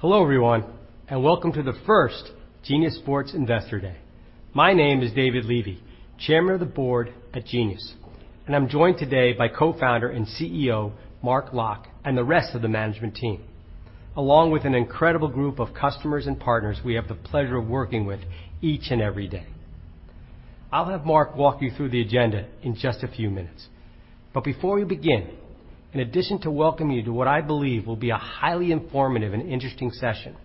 Hello everyone, and welcome to the first Genius Sports Investor Day. My name is David Levy, Chairman of the Board at Genius, and I'm joined today by Co-Founder and CEO Mark Locke and the rest of the management team, along with an incredible group of customers and partners we have the pleasure of working with each and every day. I'll have Mark walk you through the agenda in just a few minutes, but before we begin, in addition to welcoming you to what I believe will be a highly informative and interesting session,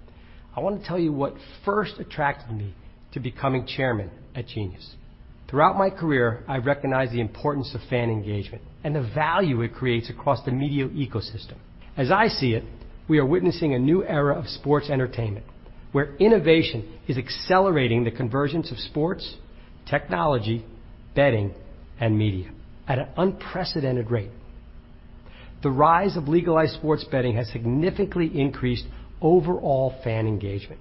I wanna tell you what first attracted me to becoming Chairman at Genius. Throughout my career, I recognized the importance of fan engagement and the value it creates across the media ecosystem. As I see it, we are witnessing a new era of sports entertainment where innovation is accelerating the convergence of sports, technology, betting, and media at an unprecedented rate. The rise of legalized sports betting has significantly increased overall fan engagement.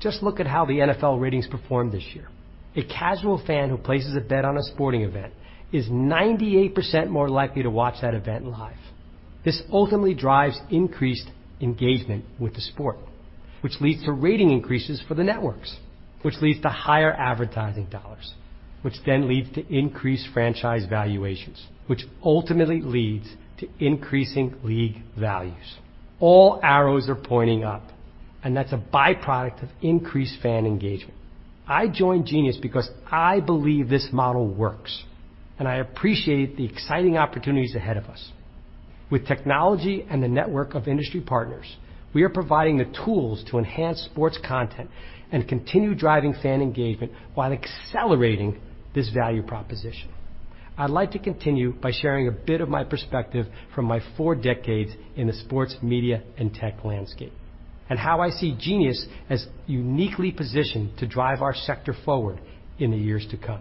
Just look at how the NFL ratings performed this year. A casual fan who places a bet on a sporting event is 98% more likely to watch that event live. This ultimately drives increased engagement with the sport, which leads to rating increases for the networks, which leads to higher advertising dollars, which then leads to increased franchise valuations, which ultimately leads to increasing league values. All arrows are pointing up, and that's a byproduct of increased fan engagement. I joined Genius because I believe this model works, and I appreciate the exciting opportunities ahead of us. With technology and the network of industry partners, we are providing the tools to enhance sports content and continue driving fan engagement while accelerating this value proposition. I'd like to continue by sharing a bit of my perspective from my four decades in the sports media and tech landscape, and how I see Genius as uniquely positioned to drive our sector forward in the years to come.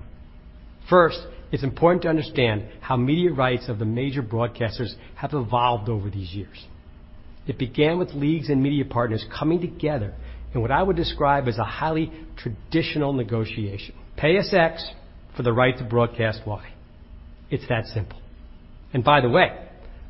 First, it's important to understand how media rights of the major broadcasters have evolved over these years. It began with leagues and media partners coming together in what I would describe as a highly traditional negotiation. Pay us X for the right to broadcast Y. It's that simple. By the way,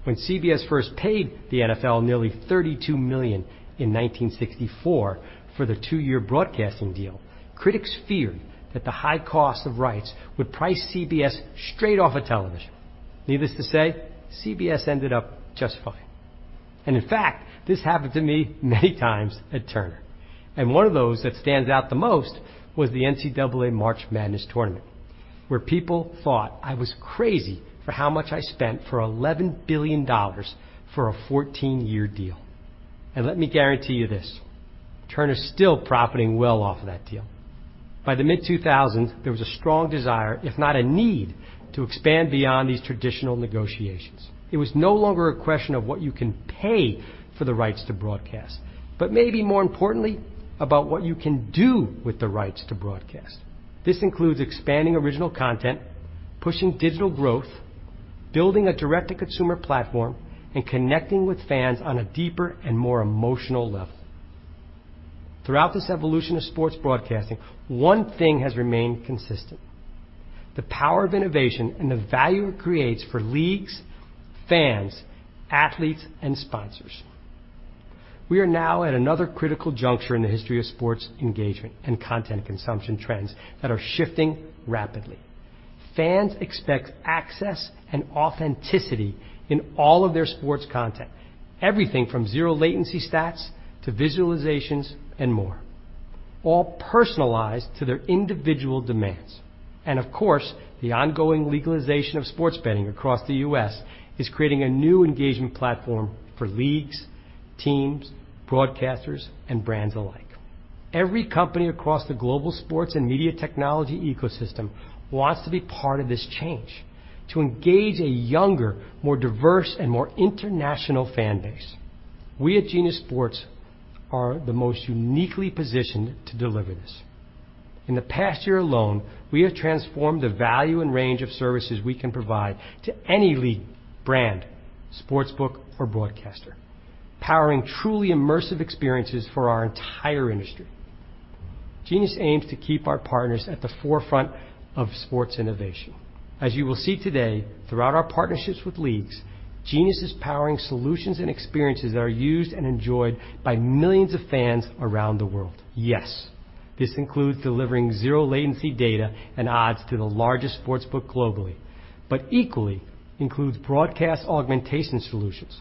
when CBS first paid the NFL nearly $32 million in 1964 for the two-year broadcasting deal, critics feared that the high cost of rights would price CBS straight off of television. Needless to say, CBS ended up just fine. In fact, this happened to me many times at Turner, and one of those that stands out the most was the NCAA March Madness Tournament, where people thought I was crazy for how much I spent for $11 billion for a fourteen-year deal. Let me guarantee you this, Turner's still profiting well off of that deal. By the mid-2000s, there was a strong desire, if not a need, to expand beyond these traditional negotiations. It was no longer a question of what you can pay for the rights to broadcast, but maybe more importantly, about what you can do with the rights to broadcast. This includes expanding original content, pushing digital growth, building a direct-to-consumer platform, and connecting with fans on a deeper and more emotional level. Throughout this evolution of sports broadcasting, one thing has remained consistent: the power of innovation and the value it creates for leagues, fans, athletes, and sponsors. We are now at another critical juncture in the history of sports engagement and content consumption trends that are shifting rapidly. Fans expect access and authenticity in all of their sports content. Everything from zero latency stats to visualizations and more, all personalized to their individual demands. Of course, the ongoing legalization of sports betting across the U.S. is creating a new engagement platform for leagues, teams, broadcasters, and brands alike. Every company across the global sports and media technology ecosystem wants to be part of this change to engage a younger, more diverse, and more international fan base. We at Genius Sports are the most uniquely positioned to deliver this. In the past year alone, we have transformed the value and range of services we can provide to any league, brand, sportsbook, or broadcaster, powering truly immersive experiences for our entire industry. Genius aims to keep our partners at the forefront of sports innovation. As you will see today, throughout our partnerships with leagues, Genius is powering solutions and experiences that are used and enjoyed by millions of fans around the world. Yes, this includes delivering zero latency data and odds to the largest sportsbook globally, but equally includes broadcast augmentation solutions,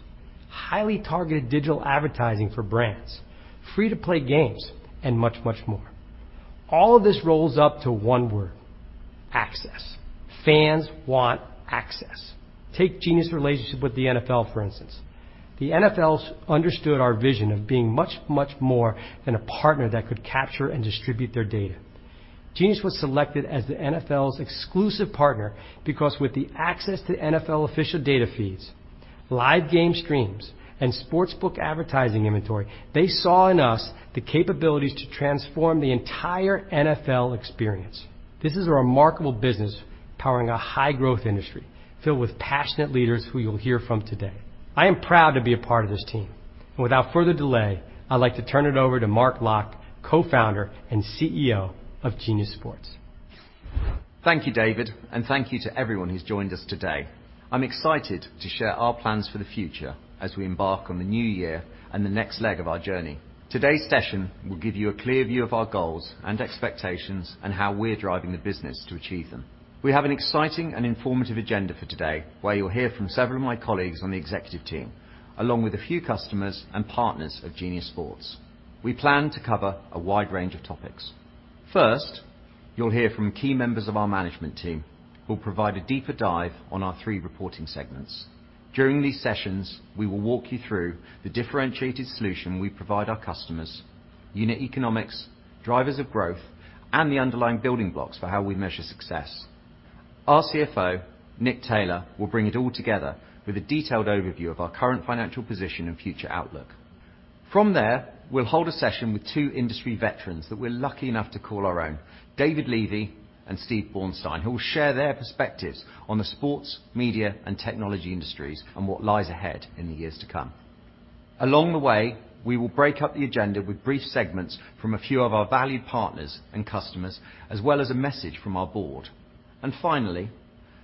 highly targeted digital advertising for brands, free-to-play games, and much, much more. All of this rolls up to one word: access. Fans want access. Take Genius' relationship with the NFL, for instance. The NFL understood our vision of being much, much more than a partner that could capture and distribute their data. Genius was selected as the NFL's exclusive partner because with the access to NFL official data feeds, live game streams, and sportsbook advertising inventory, they saw in us the capabilities to transform the entire NFL experience. This is a remarkable business powering a high-growth industry filled with passionate leaders who you'll hear from today. I am proud to be a part of this team, and without further delay, I'd like to turn it over to Mark Locke, Co-Founder and CEO of Genius Sports. Thank you, David, and thank you to everyone who's joined us today. I'm excited to share our plans for the future as we embark on the new year and the next leg of our journey. Today's session will give you a clear view of our goals and expectations, and how we're driving the business to achieve them. We have an exciting and informative agenda for today, where you'll hear from several of my colleagues on the executive team, along with a few customers and partners of Genius Sports. We plan to cover a wide range of topics. First, you'll hear from key members of our management team, who'll provide a deeper dive on our three reporting segments. During these sessions, we will walk you through the differentiated solution we provide our customers, unit economics, drivers of growth, and the underlying building blocks for how we measure success. Our CFO, Nick Taylor, will bring it all together with a detailed overview of our current financial position and future outlook. From there, we'll hold a session with two industry veterans that we're lucky enough to call our own, David Levy and Steve Bornstein, who will share their perspectives on the sports, media, and technology industries and what lies ahead in the years to come. Along the way, we will break up the agenda with brief segments from a few of our valued partners and customers, as well as a message from our board. Finally,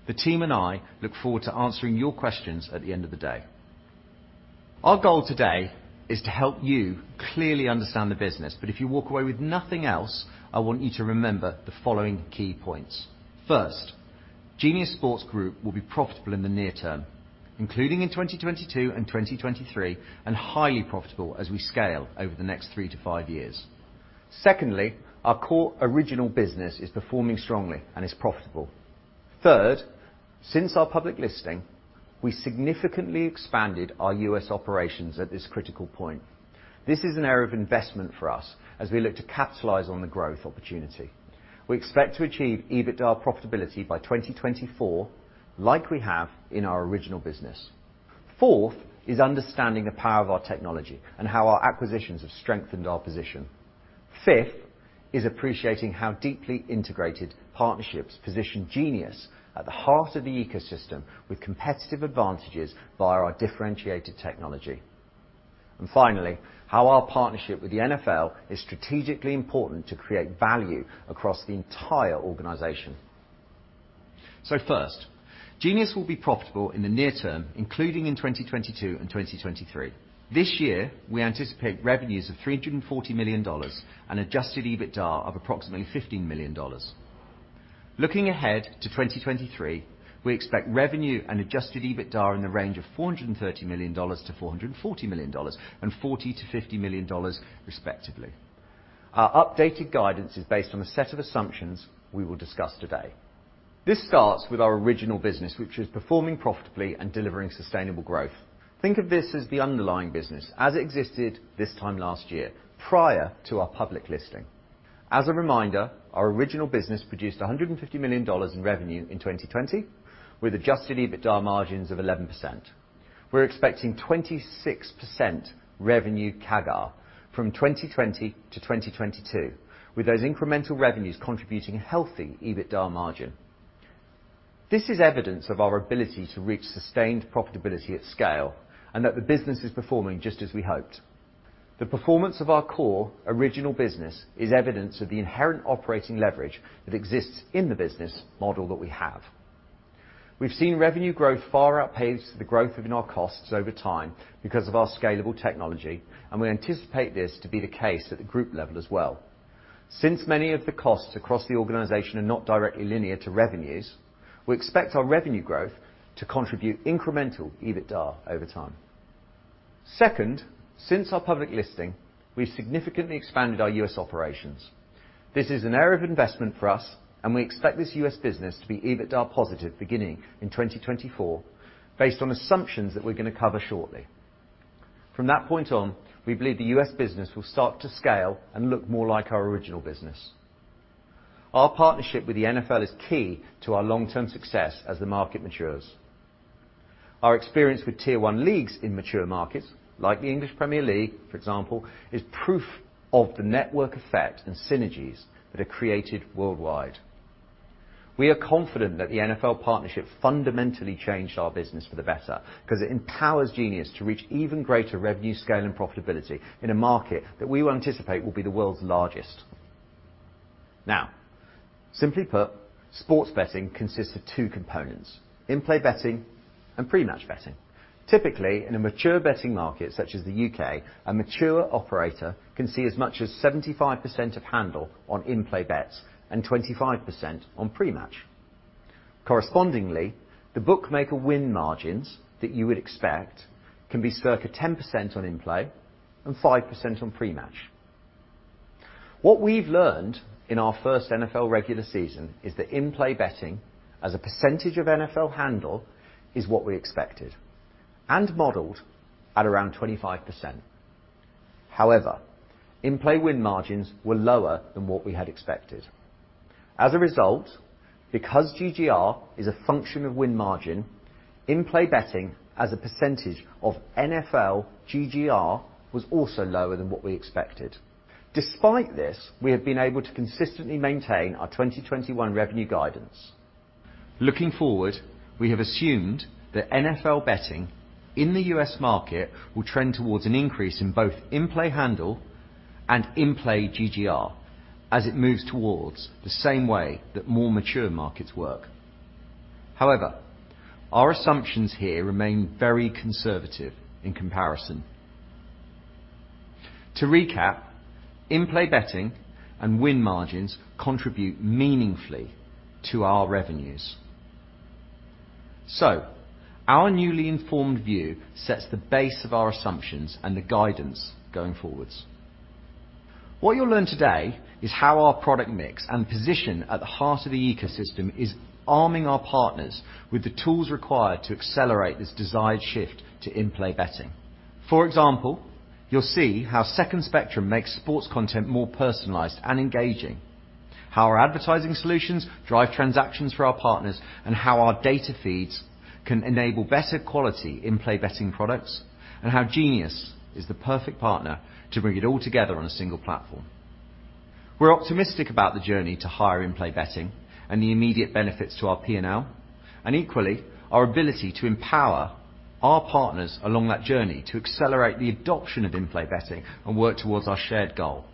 the team and I look forward to answering your questions at the end of the day. Our goal today is to help you clearly understand the business, but if you walk away with nothing else, I want you to remember the following key points. First, Genius Sports Group will be profitable in the near term, including in 2022 and 2023, and highly profitable as we scale over the next three to five years. Secondly, our core original business is performing strongly and is profitable. Third, since our public listing, we significantly expanded our U.S. operations at this critical point. This is an area of investment for us as we look to capitalize on the growth opportunity. We expect to achieve EBITDA profitability by 2024 like we have in our original business. Fourth is understanding the power of our technology and how our acquisitions have strengthened our position. Fifth is appreciating how deeply integrated partnerships position Genius at the heart of the ecosystem with competitive advantages via our differentiated technology. Finally, how our partnership with the NFL is strategically important to create value across the entire organization. First, Genius will be profitable in the near term, including in 2022 and 2023. This year, we anticipate revenues of $340 million and Adjusted EBITDA of approximately $15 million. Looking ahead to 2023, we expect revenue and Adjusted EBITDA in the range of $430 million-$440 million and $40 million-$50 million respectively. Our updated guidance is based on a set of assumptions we will discuss today. This starts with our original business, which is performing profitably and delivering sustainable growth. Think of this as the underlying business as it existed this time last year, prior to our public listing. As a reminder, our original business produced $150 million in revenue in 2020 with Adjusted EBITDA margins of 11%. We're expecting 26% revenue CAGR from 2020 to 2022, with those incremental revenues contributing a healthy EBITDA margin. This is evidence of our ability to reach sustained profitability at scale, and that the business is performing just as we hoped. The performance of our core original business is evidence of the inherent operating leverage that exists in the business model that we have. We've seen revenue growth far outpace the growth within our costs over time because of our scalable technology, and we anticipate this to be the case at the group level as well. Since many of the costs across the organization are not directly linear to revenues, we expect our revenue growth to contribute incremental EBITDA over time. Second, since our public listing, we've significantly expanded our U.S. operations. This is an area of investment for us and we expect this U.S. business to be EBITDA positive beginning in 2024 based on assumptions that we're gonna cover shortly. From that point on, we believe the U.S. business will start to scale and look more like our original business. Our partnership with the NFL is key to our long-term success as the market matures. Our experience with tier one leagues in mature markets like the English Premier League, for example, is proof of the network effect and synergies that are created worldwide. We are confident that the NFL partnership fundamentally changed our business for the better 'cause it empowers Genius to reach even greater revenue scale and profitability in a market that we will anticipate will be the world's largest. Now, simply put, sports betting consists of two components, in-play betting and pre-match betting. Typically, in a mature betting market such as the U.K., a mature operator can see as much as 75% of handle on in-play bets and 25% on pre-match. Correspondingly, the bookmaker win margins that you would expect can be circa 10% on in-play and 5% on pre-match. What we've learned in our first NFL regular season is that in-play betting as a percentage of NFL handle is what we expected and modeled at around 25%. However, in-play win margins were lower than what we had expected. As a result, because GGR is a function of win margin, in-play betting as a percentage of NFL GGR was also lower than what we expected. Despite this, we have been able to consistently maintain our 2021 revenue guidance. Looking forward, we have assumed that NFL betting in the U.S. market will trend towards an increase in both in-play handle and in-play GGR as it moves towards the same way that more mature markets work. However, our assumptions here remain very conservative in comparison. To recap, in-play betting and win margins contribute meaningfully to our revenues. Our newly informed view sets the base of our assumptions and the guidance going forward. What you'll learn today is how our product mix and position at the heart of the ecosystem is arming our partners with the tools required to accelerate this desired shift to in-play betting. For example, you'll see how Second Spectrum makes sports content more personalized and engaging, how our advertising solutions drive transactions for our partners, and how our data feeds can enable better quality in-play betting products, and how Genius is the perfect partner to bring it all together on a single platform. We're optimistic about the journey to higher in-play betting and the immediate benefits to our P&L, and equally, our ability to empower our partners along that journey to accelerate the adoption of in-play betting and work towards our shared goal.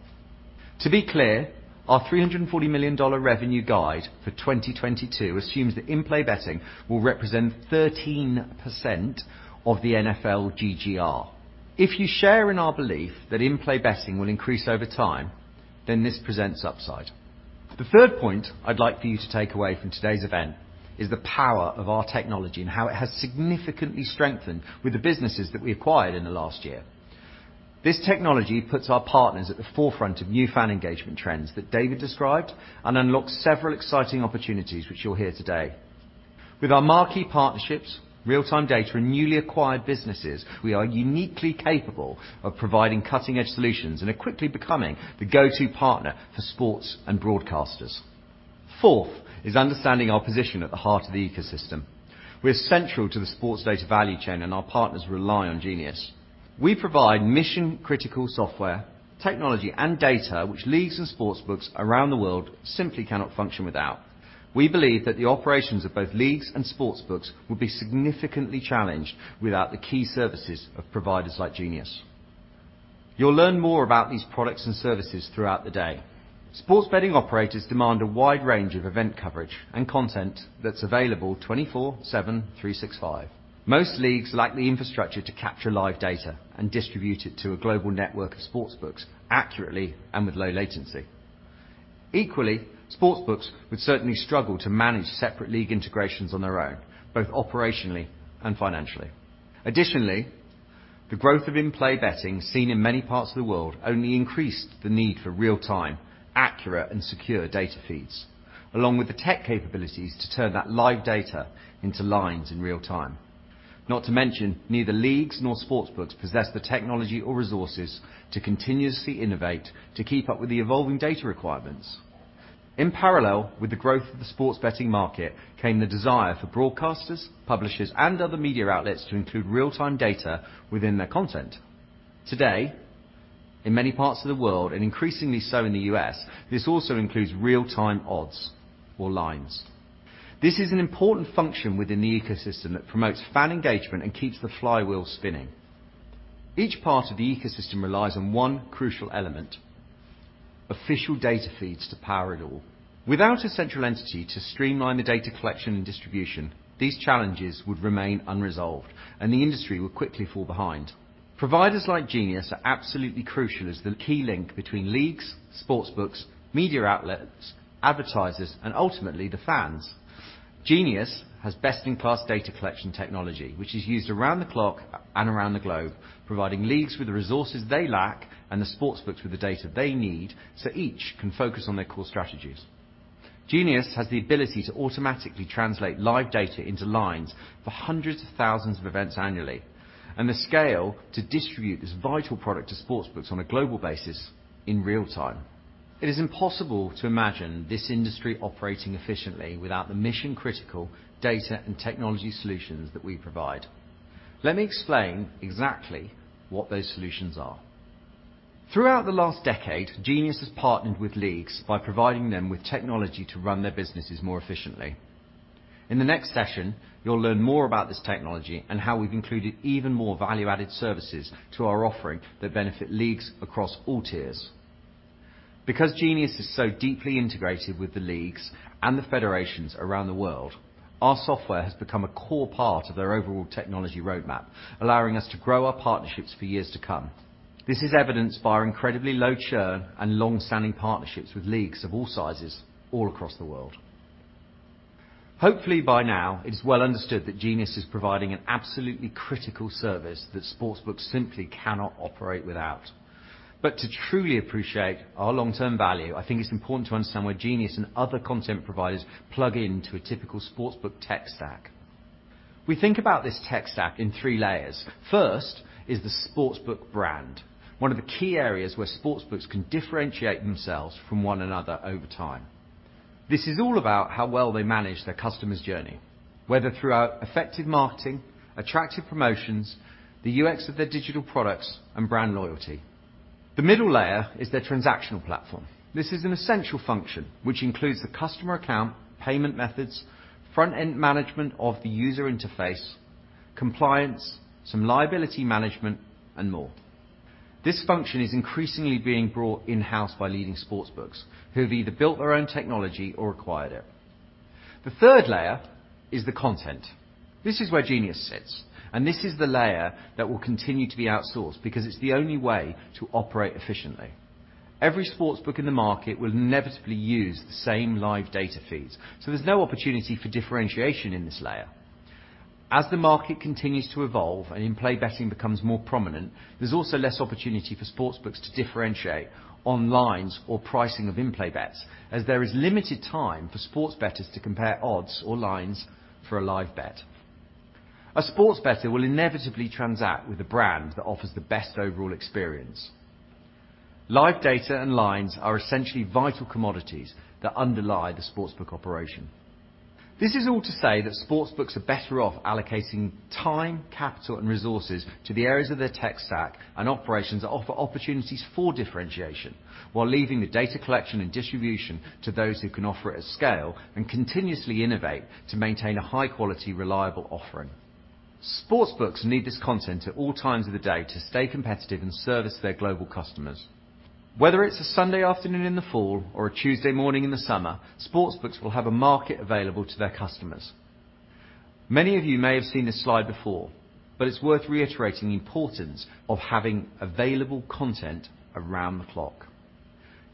To be clear, our $340 million revenue guide for 2022 assumes that in-play betting will represent 13% of the NFL GGR. If you share in our belief that in-play betting will increase over time, then this presents upside. The third point I'd like for you to take away from today's event is the power of our technology and how it has significantly strengthened with the businesses that we acquired in the last year. This technology puts our partners at the forefront of new fan engagement trends that David described and unlocks several exciting opportunities which you'll hear today. With our marquee partnerships, real-time data, and newly acquired businesses, we are uniquely capable of providing cutting-edge solutions and are quickly becoming the go-to partner for sports and broadcasters. Fourth is understanding our position at the heart of the ecosystem. We're central to the sports data value chain, and our partners rely on Genius. We provide mission-critical software, technology, and data which leagues and sports books around the world simply cannot function without. We believe that the operations of both leagues and sports books would be significantly challenged without the key services of providers like Genius. You'll learn more about these products and services throughout the day. Sports betting operators demand a wide range of event coverage and content that's available 24/7, 365. Most leagues lack the infrastructure to capture live data and distribute it to a global network of sports books accurately and with low latency. Equally, sports books would certainly struggle to manage separate league integrations on their own, both operationally and financially. Additionally, the growth of in-play betting seen in many parts of the world only increased the need for real-time, accurate, and secure data feeds, along with the tech capabilities to turn that live data into lines in real time. Not to mention, neither leagues nor sports books possess the technology or resources to continuously innovate to keep up with the evolving data requirements. In parallel with the growth of the sports betting market came the desire for broadcasters, publishers, and other media outlets to include real-time data within their content. Today, in many parts of the world, and increasingly so in the U.S., this also includes real-time odds or lines. This is an important function within the ecosystem that promotes fan engagement and keeps the flywheel spinning. Each part of the ecosystem relies on one crucial element, official data feeds to power it all. Without a central entity to streamline the data collection and distribution, these challenges would remain unresolved and the industry would quickly fall behind. Providers like Genius are absolutely crucial as the key link between leagues, sports books, media outlets, advertisers, and ultimately the fans. Genius has best-in-class data collection technology, which is used around the clock and around the globe, providing leagues with the resources they lack and the sports books with the data they need so each can focus on their core strategies. Genius has the ability to automatically translate live data into lines for hundreds of thousands of events annually, and the scale to distribute this vital product to sports books on a global basis in real time. It is impossible to imagine this industry operating efficiently without the mission-critical data and technology solutions that we provide. Let me explain exactly what those solutions are. Throughout the last decade, Genius has partnered with leagues by providing them with technology to run their businesses more efficiently. In the next session, you'll learn more about this technology and how we've included even more value added services to our offering that benefit leagues across all tiers. Because Genius is so deeply integrated with the leagues and the federations around the world, our software has become a core part of their overall technology roadmap, allowing us to grow our partnerships for years to come. This is evidenced by our incredibly low churn and long-standing partnerships with leagues of all sizes all across the world. Hopefully by now it is well understood that Genius is providing an absolutely critical service that sports books simply cannot operate without. To truly appreciate our long-term value, I think it's important to understand where Genius and other content providers plug into a typical sports book tech stack. We think about this tech stack in three layers. First is the sports book brand, one of the key areas where sports books can differentiate themselves from one another over time. This is all about how well they manage their customer's journey, whether through our effective marketing, attractive promotions, the UX of their digital products and brand loyalty. The middle layer is their transactional platform. This is an essential function, which includes the customer account, payment methods, front-end management of the user interface, compliance, some liability management, and more. This function is increasingly being brought in-house by leading sportsbooks who have either built their own technology or acquired it. The third layer is the content. This is where Genius sits, and this is the layer that will continue to be outsourced because it's the only way to operate efficiently. Every sportsbook in the market will inevitably use the same live data feeds, so there's no opportunity for differentiation in this layer. As the market continues to evolve and in-play betting becomes more prominent, there's also less opportunity for sportsbooks to differentiate on lines or pricing of in-play bets as there is limited time for sports bettors to compare odds or lines for a live bet. A sports bettor will inevitably transact with a brand that offers the best overall experience. Live data and lines are essentially vital commodities that underlie the sportsbook operation. This is all to say that sportsbooks are better off allocating time, capital, and resources to the areas of their tech stack and operations that offer opportunities for differentiation while leaving the data collection and distribution to those who can offer it at scale and continuously innovate to maintain a high-quality, reliable offering. Sportsbooks need this content at all times of the day to stay competitive and service their global customers. Whether it's a Sunday afternoon in the fall or a Tuesday morning in the summer, sportsbooks will have a market available to their customers. Many of you may have seen this slide before, but it's worth reiterating the importance of having available content around the clock.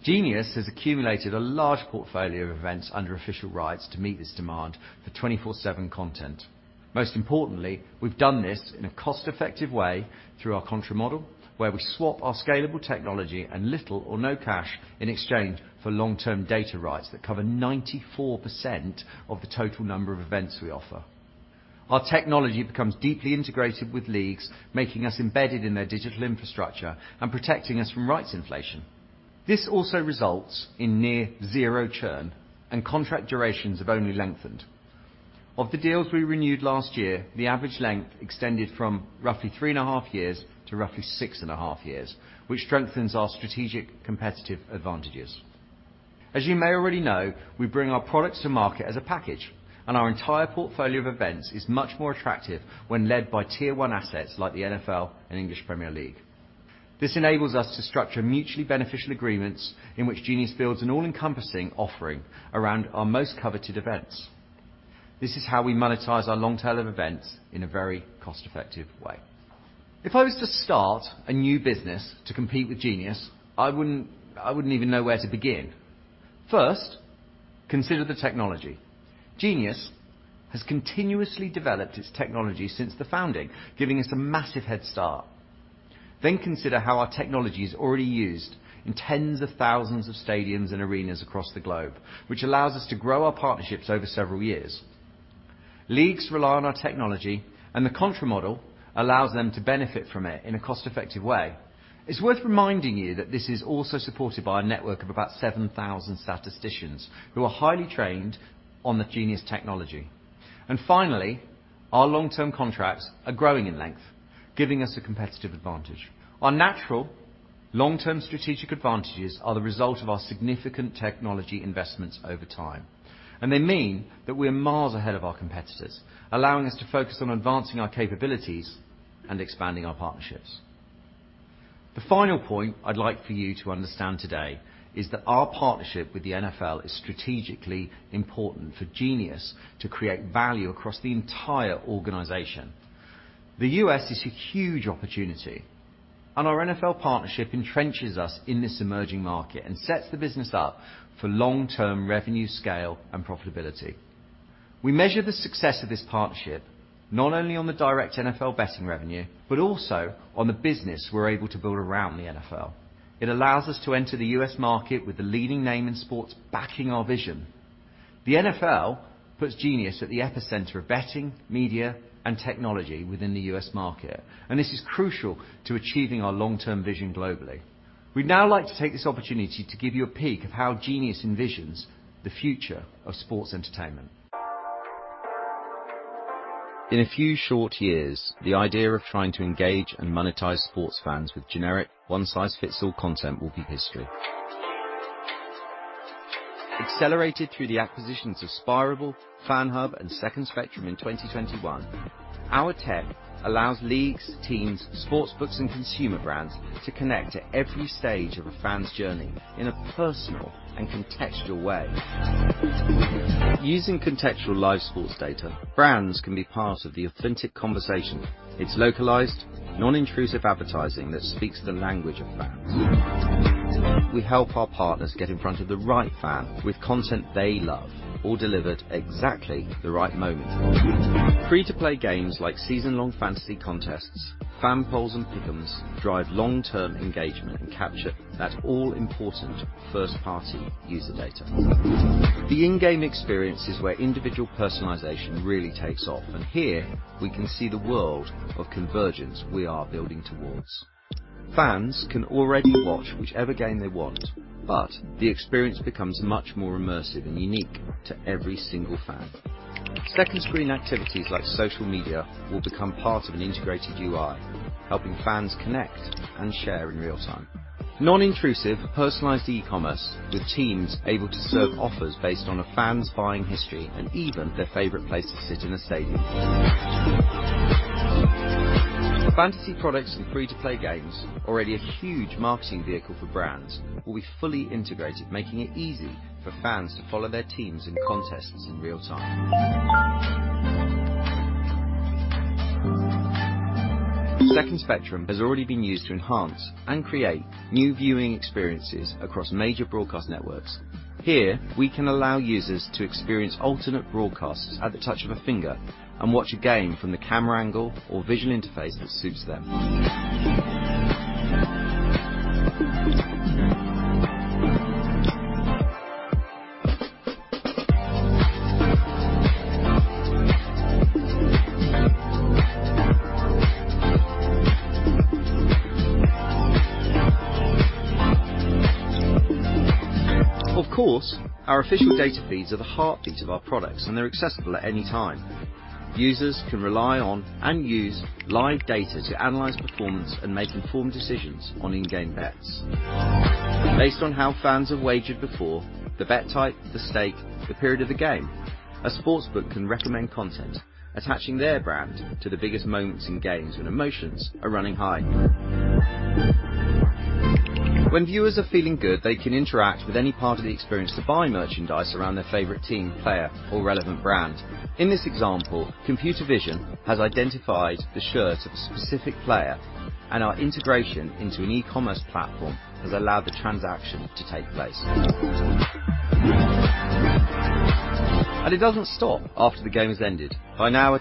Genius has accumulated a large portfolio of events under official rights to meet this demand for 24/7 content. Most importantly, we've done this in a cost-effective way through our contra model, where we swap our scalable technology and little or no cash in exchange for long-term data rights that cover 94% of the total number of events we offer. Our technology becomes deeply integrated with leagues, making us embedded in their digital infrastructure and protecting us from rights inflation. This also results in near zero churn, and contract durations have only lengthened. Of the deals we renewed last year, the average length extended from roughly 3.5 years to roughly 6.5 years, which strengthens our strategic competitive advantages. As you may already know, we bring our products to market as a package, and our entire portfolio of events is much more attractive when led by tier one assets like the NFL and English Premier League. This enables us to structure mutually beneficial agreements in which Genius builds an all-encompassing offering around our most coveted events. This is how we monetize our long tail of events in a very cost-effective way. If I was to start a new business to compete with Genius, I wouldn't even know where to begin. First, consider the technology. Genius has continuously developed its technology since the founding, giving us a massive head start. Consider how our technology is already used in tens of thousands of stadiums and arenas across the globe, which allows us to grow our partnerships over several years. Leagues rely on our technology, and the contra model allows them to benefit from it in a cost-effective way. It's worth reminding you that this is also supported by a network of about 7,000 statisticians who are highly trained on the Genius technology. Finally, our long-term contracts are growing in length, giving us a competitive advantage. Our natural long-term strategic advantages are the result of our significant technology investments over time, and they mean that we're miles ahead of our competitors, allowing us to focus on advancing our capabilities and expanding our partnerships. The final point I'd like for you to understand today is that our partnership with the NFL is strategically important for Genius to create value across the entire organization. The U.S. is a huge opportunity, and our NFL partnership entrenches us in this emerging market and sets the business up for long-term revenue scale and profitability. We measure the success of this partnership not only on the direct NFL betting revenue, but also on the business we're able to build around the NFL. It allows us to enter the U.S. market with the leading name in sports backing our vision. The NFL puts Genius at the epicenter of betting, media, and technology within the U.S. market, and this is crucial to achieving our long-term vision globally. We'd now like to take this opportunity to give you a peek of how Genius envisions the future of sports entertainment. In a few short years, the idea of trying to engage and monetize sports fans with generic one-size-fits-all content will be history. Accelerated through the acquisitions of Spirable, FanHub, and Second Spectrum in 2021, our tech allows leagues, teams, sportsbooks, and consumer brands to connect at every stage of a fan's journey in a personal and contextual way. Using contextual live sports data, brands can be part of the authentic conversation. It's localized, non-intrusive advertising that speaks the language of fans. We help our partners get in front of the right fan with content they love all delivered at exactly the right moment. Free-to-play games like season-long fantasy contests, fan polls, and pickems drive long-term engagement and capture that all-important first-party user data. The in-game experience is where individual personalization really takes off, and here we can see the world of convergence we are building towards. Fans can already watch whichever game they want, but the experience becomes much more immersive and unique to every single fan. Second screen activities like social media will become part of an integrated UI, helping fans connect and share in real time. Non-intrusive, personalized e-commerce, with teams able to serve offers based on a fan's buying history and even their favorite place to sit in a stadium. Fantasy products and free-to-play games, already a huge marketing vehicle for brands, will be fully integrated, making it easy for fans to follow their teams in contests in real time. Second Spectrum has already been used to enhance and create new viewing experiences across major broadcast networks. Here, we can allow users to experience alternate broadcasts at the touch of a finger and watch a game from the camera angle or visual interface that suits them. Of course, our official data feeds are the heartbeat of our products, and they're accessible at any time. Users can rely on and use live data to analyze performance and make informed decisions on in-game bets. Based on how fans have wagered before, the bet type, the stake, the period of the game, a sportsbook can recommend content attaching their brand to the biggest moments in games when emotions are running high. When viewers are feeling good, they can interact with any part of the experience to buy merchandise around their favorite team, player, or relevant brand. In this example, computer vision has identified the shirt of a specific player, and our integration into an e-commerce platform has allowed the transaction to take place. It doesn't stop after the game has ended. By now, a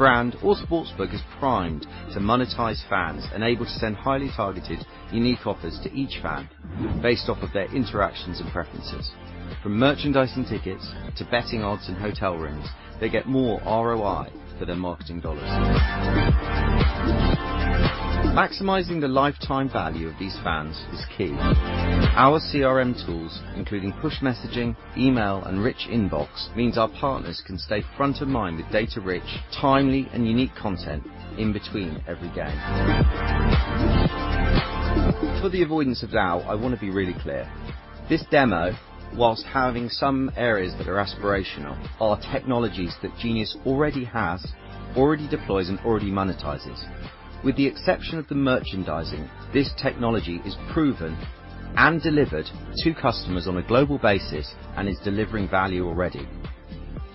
team, brand, or sportsbook is primed to monetize fans and able to send highly targeted, unique offers to each fan based off of their interactions and preferences. From merchandise and tickets to betting odds and hotel rooms, they get more ROI for their marketing dollars. Maximizing the lifetime value of these fans is key. Our CRM tools, including push messaging, email, and rich inbox, means our partners can stay front of mind with data-rich, timely, and unique content in between every game. For the avoidance of doubt, I wanna be really clear. This demo, whilst having some areas that are aspirational, are technologies that Genius already has, already deploys, and already monetizes. With the exception of the merchandising, this technology is proven and delivered to customers on a global basis and is delivering value already.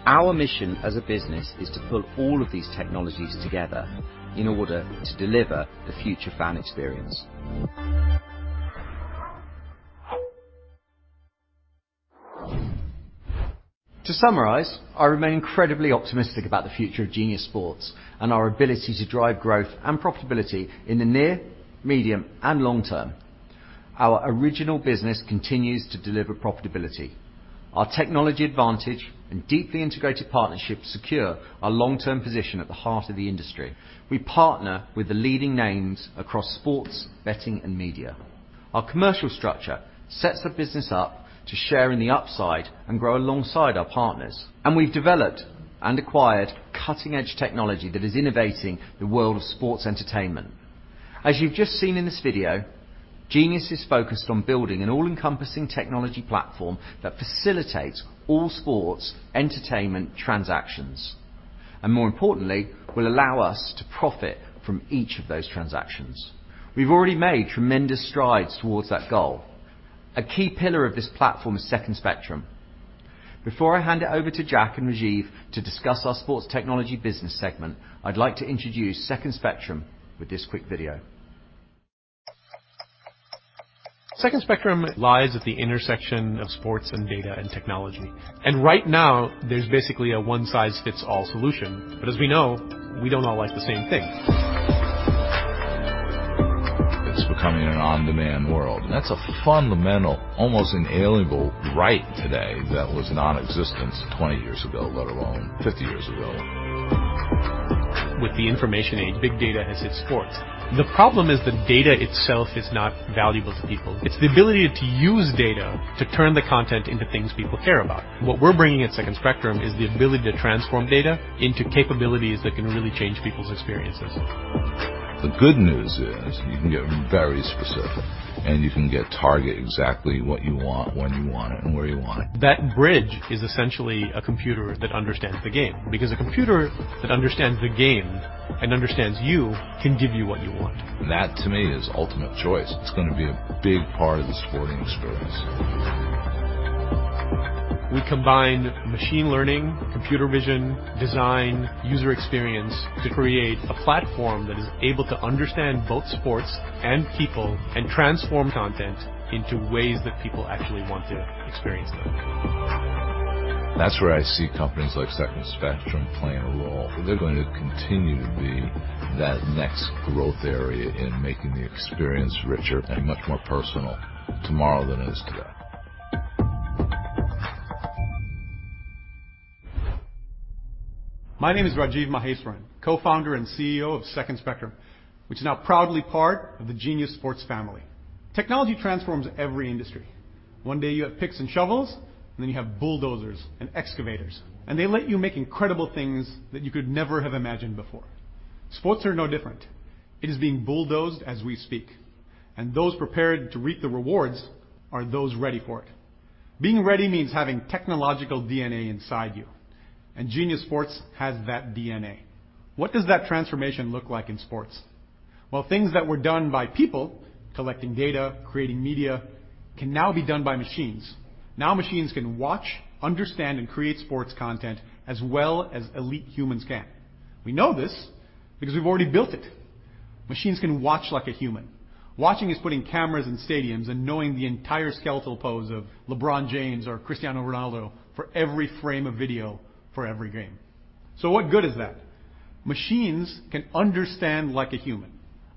Our mission as a business is to pull all of these technologies together in order to deliver the future fan experience. To summarize, I remain incredibly optimistic about the future of Genius Sports and our ability to drive growth and profitability in the near, medium, and long term. Our original business continues to deliver profitability. Our technology advantage and deeply integrated partnerships secure our long-term position at the heart of the industry. We partner with the leading names across sports, betting, and media. Our commercial structure sets the business up to share in the upside and grow alongside our partners. We've developed and acquired cutting-edge technology that is innovating the world of sports entertainment. As you've just seen in this video, Genius is focused on building an all-encompassing technology platform that facilitates all sports entertainment transactions, and more importantly, will allow us to profit from each of those transactions. We've already made tremendous strides towards that goal. A key pillar of this platform is Second Spectrum. Before I hand it over to Jack and Rajiv to discuss our sports technology business segment, I'd like to introduce Second Spectrum with this quick video. Second Spectrum lies at the intersection of sports and data and technology. Right now, there's basically a one-size-fits-all solution. As we know, we don't all like the same thing. It's becoming an on-demand world, and that's a fundamental, almost inalienable right today that was nonexistent 20 years ago, let alone 50 years ago. With the information age, big data has hit sports. The problem is the data itself is not valuable to people. It's the ability to use data to turn the content into things people care about. What we're bringing at Second Spectrum is the ability to transform data into capabilities that can really change people's experiences. The good news is you can get very specific, and you can target exactly what you want, when you want it, and where you want it. That bridge is essentially a computer that understands the game because a computer that understands the game and understands you can give you what you want. That to me is ultimate choice. It's gonna be a big part of the sporting experience. We combine machine learning, computer vision, design, user experience to create a platform that is able to understand both sports and people and transform content into ways that people actually want to experience them. That's where I see companies like Second Spectrum playing a role. They're going to continue to be that next growth area in making the experience richer and much more personal tomorrow than it is today. My name is Rajiv Maheswaran, Co-Founder and CEO of Second Spectrum, which is now proudly part of the Genius Sports family. Technology transforms every industry. One day you have picks and shovels, and then you have bulldozers and excavators, and they let you make incredible things that you could never have imagined before. Sports are no different. It is being bulldozed as we speak, and those prepared to reap the rewards are those ready for it. Being ready means having technological DNA inside you, and Genius Sports has that DNA. What does that transformation look like in sports? Well, things that were done by people, collecting data, creating media, can now be done by machines. Now machines can watch, understand, and create sports content as well as elite humans can. We know this because we've already built it. Machines can watch like a human. Watching us putting cameras in stadiums and knowing the entire skeletal pose of LeBron James or Cristiano Ronaldo for every frame of video for every game. What good is that? Machines can understand like a human.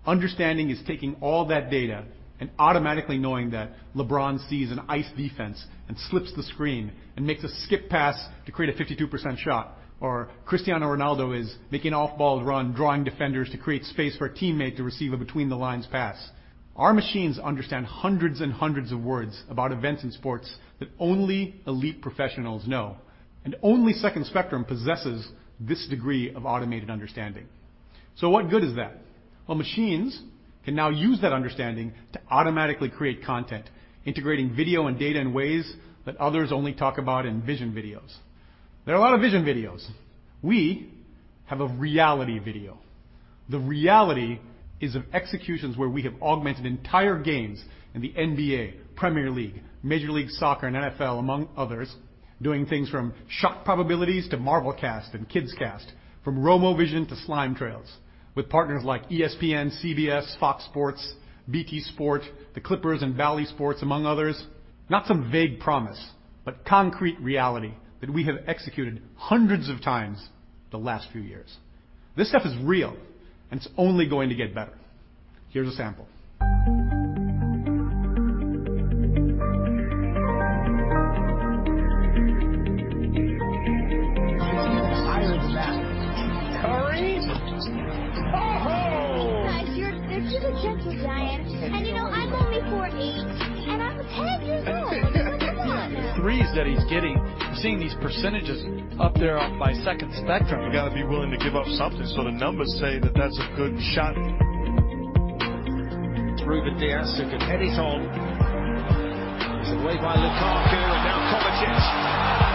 Understanding is taking all that data and automatically knowing that LeBron sees an ice defense and slips the screen and makes a skip pass to create a 52% shot. Or Cristiano Ronaldo is making an off-ball run, drawing defenders to create space for a teammate to receive a between-the-lines pass. Our machines understand hundreds and hundreds of words about events in sports that only elite professionals know, and only Second Spectrum possesses this degree of automated understanding. What good is that? Well, machines can now use that understanding to automatically create content, integrating video and data in ways that others only talk about in vision videos. There are a lot of vision videos. We have a reality video. The reality is of executions where we have augmented entire games in the NBA, Premier League, Major League Soccer, and NFL, among others, doing things from shot probabilities to MarvelCast and Kids Cast, from RomoVision to Slime Trails with partners like ESPN, CBS, Fox Sports, BT Sport, the Clippers, and Bally Sports, among others. Not some vague promise, but concrete reality that we have executed hundreds of times the last few years. This stuff is real, and it's only going to get better. Here's a sample. Higher than that. Curry. Oh. Guys, this is a gentle giant, and you know, I'm only 4 ft, and I'm 10 years old. I mean, come on. Threes that he's getting, seeing these percentages up there by Second Spectrum. You gotta be willing to give up something. The numbers say that that's a good shot. Rúben Dias who can head it on. It's away by Lukaku and now Kovacic.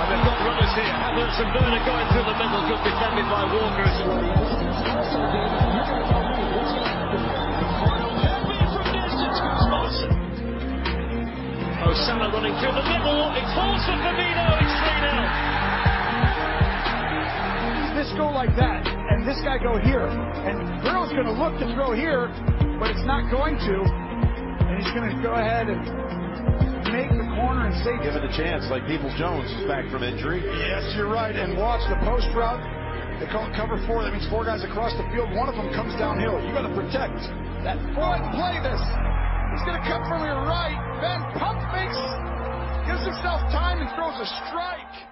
They've got runners here. Havertz and Werner going through the middle. Good defending by Walker as well. The final there being from distance. Good spot. Osuna running through the middle. It's Holst for Benito. It's 3-nil. This go like that, and this guy go here, and Burrow's gonna look to throw here, but it's not going to, and he's gonna go ahead and make the corner and save. Given a chance like Peoples-Jones who's back from injury. Yes, you're right. Watch the post route. They call it cover four. That means four guys across the field. One of them comes downhill. You gotta protect. That front play, this. He's gonna come from your right. Ben pump fakes. Gives himself time and throws a strike.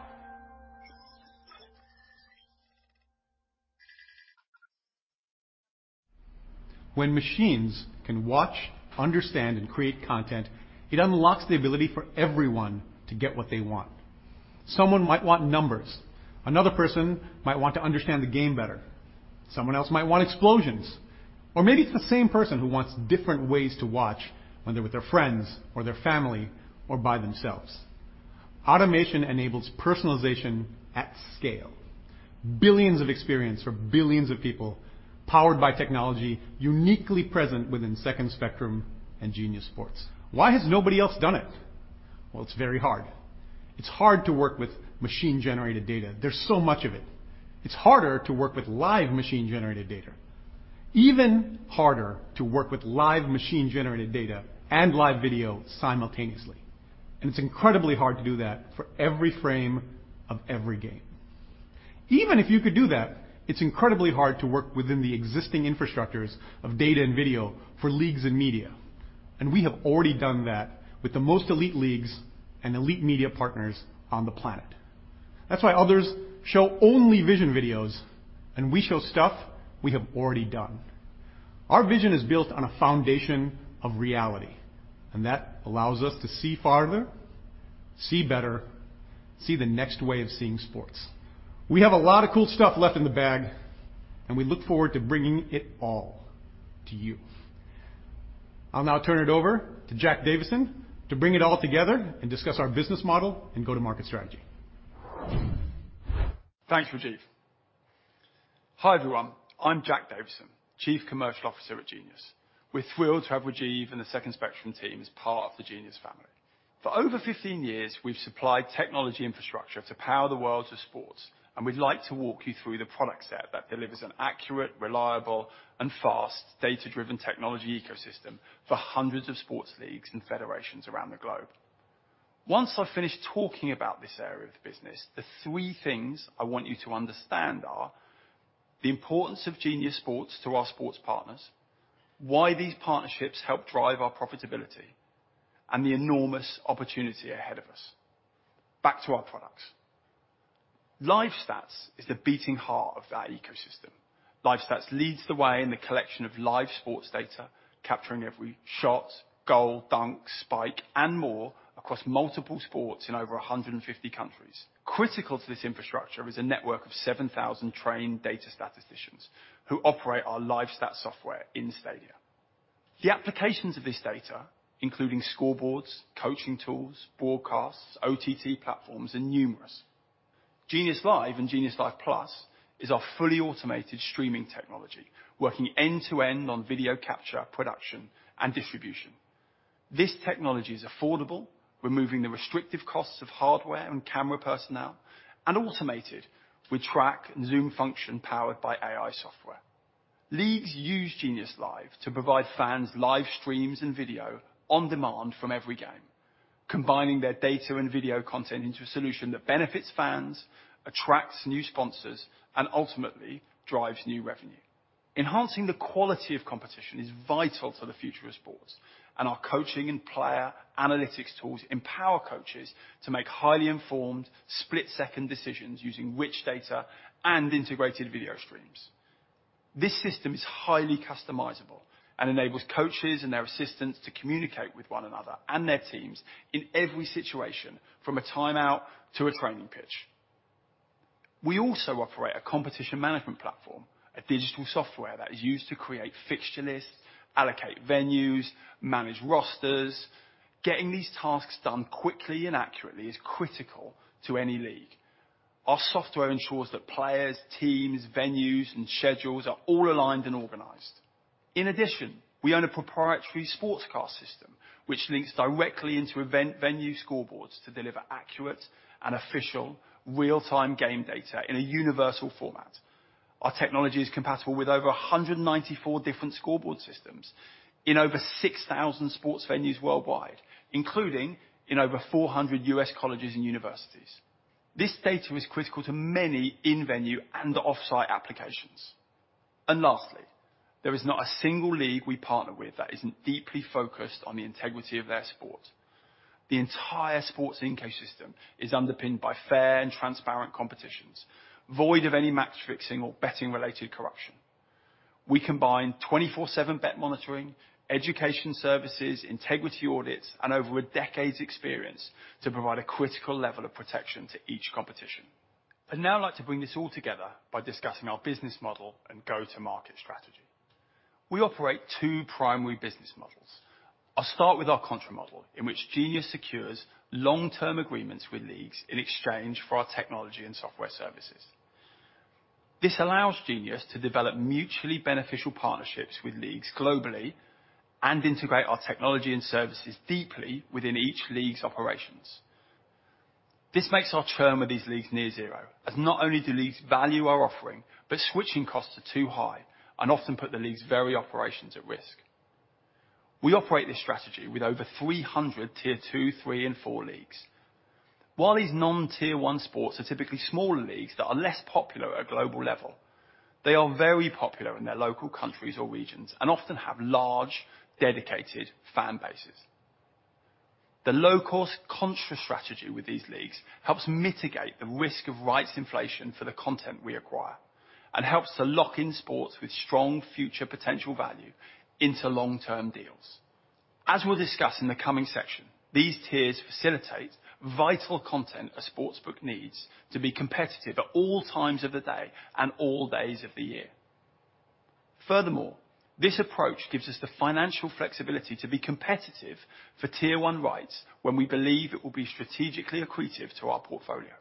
When machines can watch, understand, and create content, it unlocks the ability for everyone to get what they want. Someone might want numbers. Another person might want to understand the game better. Someone else might want explosions. Or maybe it's the same person who wants different ways to watch when they're with their friends or their family or by themselves. Automation enables personalization at scale. Billions of experience for billions of people powered by technology uniquely present within Second Spectrum and Genius Sports. Why has nobody else done it? Well, it's very hard. It's hard to work with machine-generated data. There's so much of it. It's harder to work with live machine-generated data. Even harder to work with live machine-generated data and live video simultaneously. It's incredibly hard to do that for every frame of every game. Even if you could do that, it's incredibly hard to work within the existing infrastructures of data and video for leagues and media. We have already done that with the most elite leagues and elite media partners on the planet. That's why others show only vision videos, and we show stuff we have already done. Our vision is built on a foundation of reality, and that allows us to see farther, see better, see the next way of seeing sports. We have a lot of cool stuff left in the bag, and we look forward to bringing it all to you. I'll now turn it over to Jack Davison to bring it all together and discuss our business model and go-to-market strategy. Thanks, Rajiv. Hi, everyone. I'm Jack Davison, Chief Commercial Officer at Genius. We're thrilled to have Rajiv and the Second Spectrum team as part of the Genius family. For over 15 years, we've supplied technology infrastructure to power the world of sports, and we'd like to walk you through the product set that delivers an accurate, reliable, and fast data-driven technology ecosystem for hundreds of sports leagues and federations around the globe. Once I finish talking about this area of the business, the three things I want you to understand are the importance of Genius Sports to our sports partners, why these partnerships help drive our profitability, and the enormous opportunity ahead of us. Back to our products. Live Stats is the beating heart of that ecosystem. LiveStats leads the way in the collection of live sports data, capturing every shot, goal, dunk, spike, and more across multiple sports in over 150 countries. Critical to this infrastructure is a network of 7,000 trained data statisticians who operate our LiveStats software in the stadia. The applications of this data, including scoreboards, coaching tools, broadcasts, OTT platforms, are numerous. Genius Live and Genius Live Plus is our fully automated streaming technology, working end-to-end on video capture, production, and distribution. This technology is affordable, removing the restrictive costs of hardware and camera personnel, and automated with track and zoom function powered by AI software. Leagues use Genius Live to provide fans live streams and video on demand from every game, combining their data and video content into a solution that benefits fans, attracts new sponsors, and ultimately, drives new revenue. Enhancing the quality of competition is vital to the future of sports, and our coaching and player analytics tools empower coaches to make highly informed split-second decisions using rich data and integrated video streams. This system is highly customizable and enables coaches and their assistants to communicate with one another and their teams in every situation, from a timeout to a training pitch. We also operate a competition management platform, a digital software that is used to create fixture lists, allocate venues, manage rosters. Getting these tasks done quickly and accurately is critical to any league. Our software ensures that players, teams, venues, and schedules are all aligned and organized. In addition, we own a proprietary Sportzcast system, which links directly into every venue scoreboards to deliver accurate and official real-time game data in a universal format. Our technology is compatible with over 194 different scoreboard systems in over 6,000 sports venues worldwide, including in over 400 U.S. colleges and universities. This data is critical to many in-venue and off-site applications. Lastly, there is not a single league we partner with that isn't deeply focused on the integrity of their sport. The entire sports ecosystem is underpinned by fair and transparent competitions, void of any match fixing or betting-related corruption. We combine 24/7 bet monitoring, education services, integrity audits, and over a decade's experience to provide a critical level of protection to each competition. I'd now like to bring this all together by discussing our business model and go-to-market strategy. We operate two primary business models. I'll start with our contra model, in which Genius secures long-term agreements with leagues in exchange for our technology and software services. This allows Genius to develop mutually beneficial partnerships with leagues globally and integrate our technology and services deeply within each league's operations. This makes our churn with these leagues near zero, as not only do leagues value our offering, but switching costs are too high and often put the league's very operations at risk. We operate this strategy with over 300 Tier Two, Three, and Four leagues. While these non-Tier One sports are typically smaller leagues that are less popular at a global level, they are very popular in their local countries or regions and often have large, dedicated fan bases. The low cost contra strategy with these leagues helps mitigate the risk of rights inflation for the content we acquire and helps to lock in sports with strong future potential value into long-term deals. As we'll discuss in the coming section, these tiers facilitate vital content a sportsbook needs to be competitive at all times of the day and all days of the year. Furthermore, this approach gives us the financial flexibility to be competitive for Tier One rights when we believe it will be strategically accretive to our portfolio.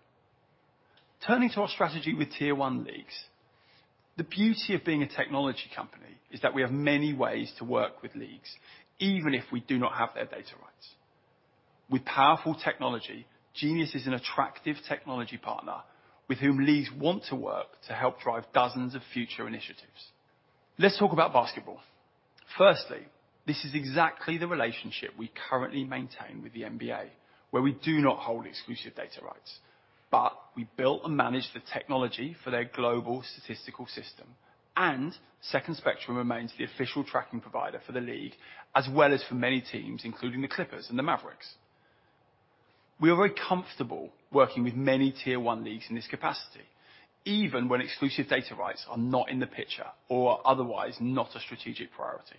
Turning to our strategy with Tier One leagues, the beauty of being a technology company is that we have many ways to work with leagues, even if we do not have their data rights. With powerful technology, Genius is an attractive technology partner with whom leagues want to work to help drive dozens of future initiatives. Let's talk about basketball. Firstly, this is exactly the relationship we currently maintain with the NBA, where we do not hold exclusive data rights, but we built and manage the technology for their global statistical system. Second Spectrum remains the official tracking provider for the league, as well as for many teams, including the Clippers and the Mavericks. We are very comfortable working with many Tier One leagues in this capacity, even when exclusive data rights are not in the picture or are otherwise not a strategic priority.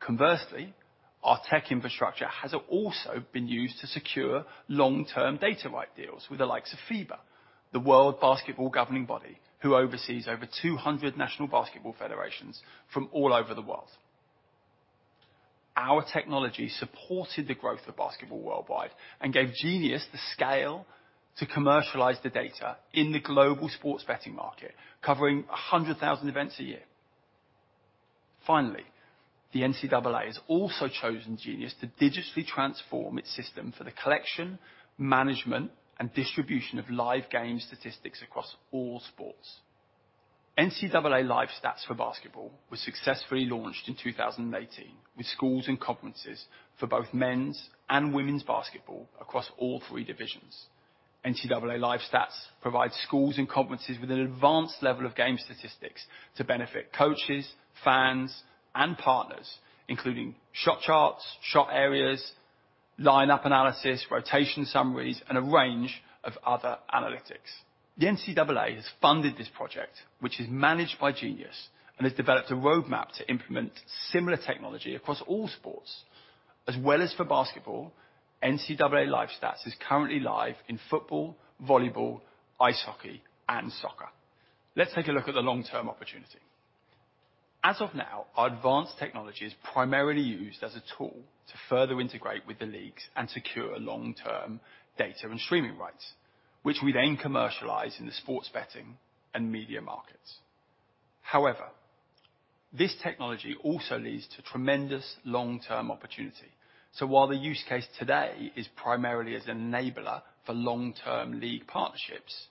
Conversely, our tech infrastructure has also been used to secure long-term data right deals with the likes of FIBA, the world basketball governing body, who oversees over 200 national basketball federations from all over the world. Our technology supported the growth of basketball worldwide and gave Genius the scale to commercialize the data in the global sports betting market, covering 100,000 events a year. Finally, the NCAA has also chosen Genius to digitally transform its system for the collection, management, and distribution of live game statistics across all sports. NCAA LiveStats for basketball was successfully launched in 2018 with schools and conferences for both men's and women's basketball across all three divisions. NCAA LiveStats provides schools and conferences with an advanced level of game statistics to benefit coaches, fans, and partners, including shot charts, shot areas, lineup analysis, rotation summaries, and a range of other analytics. The NCAA has funded this project, which is managed by Genius and has developed a roadmap to implement similar technology across all sports. As well as for basketball, NCAA LiveStats is currently live in football, volleyball, ice hockey and soccer. Let's take a look at the long-term opportunity. As of now, our advanced technology is primarily used as a tool to further integrate with the leagues and secure long-term data and streaming rights, which we then commercialize in the sports betting and media markets. However, this technology also leads to tremendous long-term opportunity. While the use case today is primarily as an enabler for long-term league partnerships,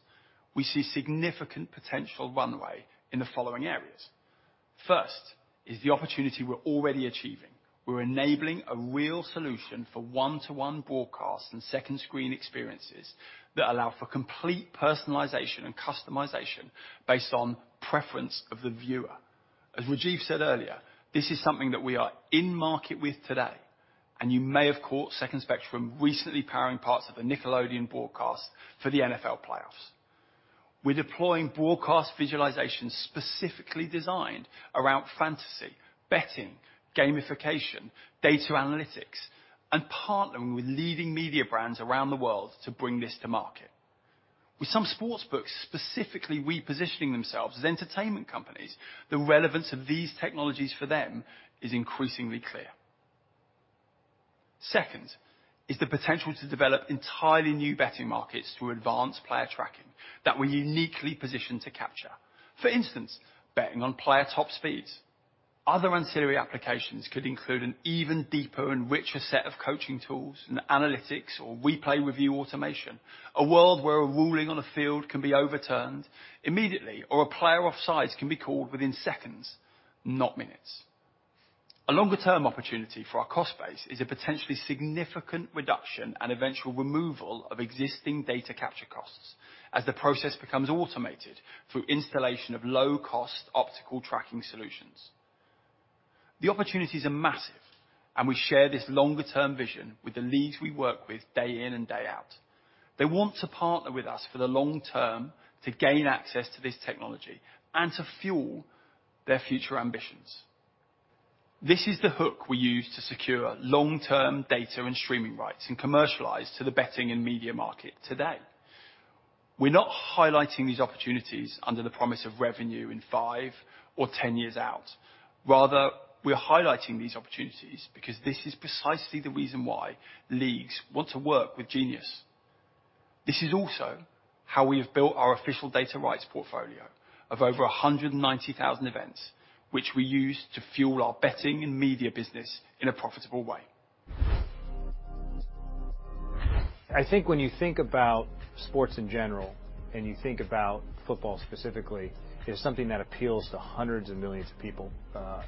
we see significant potential runway in the following areas. First is the opportunity we're already achieving. We're enabling a real solution for one-to-one broadcasts and second screen experiences that allow for complete personalization and customization based on preference of the viewer. As Rajiv said earlier, this is something that we are in market with today, and you may have caught Second Spectrum recently powering parts of a Nickelodeon broadcast for the NFL playoffs. We're deploying broadcast visualizations specifically designed around fantasy, betting, gamification, data analytics, and partnering with leading media brands around the world to bring this to market. With some sportsbooks specifically repositioning themselves as entertainment companies, the relevance of these technologies for them is increasingly clear. Second is the potential to develop entirely new betting markets through advanced player tracking that we're uniquely positioned to capture. For instance, betting on player top speeds. Other ancillary applications could include an even deeper and richer set of coaching tools and analytics or replay review automation, a world where a ruling on a field can be overturned immediately or a player offsides can be called within seconds, not minutes. A longer term opportunity for our cost base is a potentially significant reduction and eventual removal of existing data capture costs as the process becomes automated through installation of low-cost optical tracking solutions. The opportunities are massive, and we share this longer term vision with the leagues we work with day in and day out. They want to partner with us for the long term to gain access to this technology and to fuel their future ambitions. This is the hook we use to secure long-term data and streaming rights and commercialize to the betting and media market today. We're not highlighting these opportunities under the promise of revenue in five or 10 years out. Rather, we are highlighting these opportunities because this is precisely the reason why leagues want to work with Genius. This is also how we have built our official data rights portfolio of over 190,000 events, which we use to fuel our betting and media business in a profitable way. I think when you think about sports in general, and you think about football specifically, it is something that appeals to hundreds of millions of people,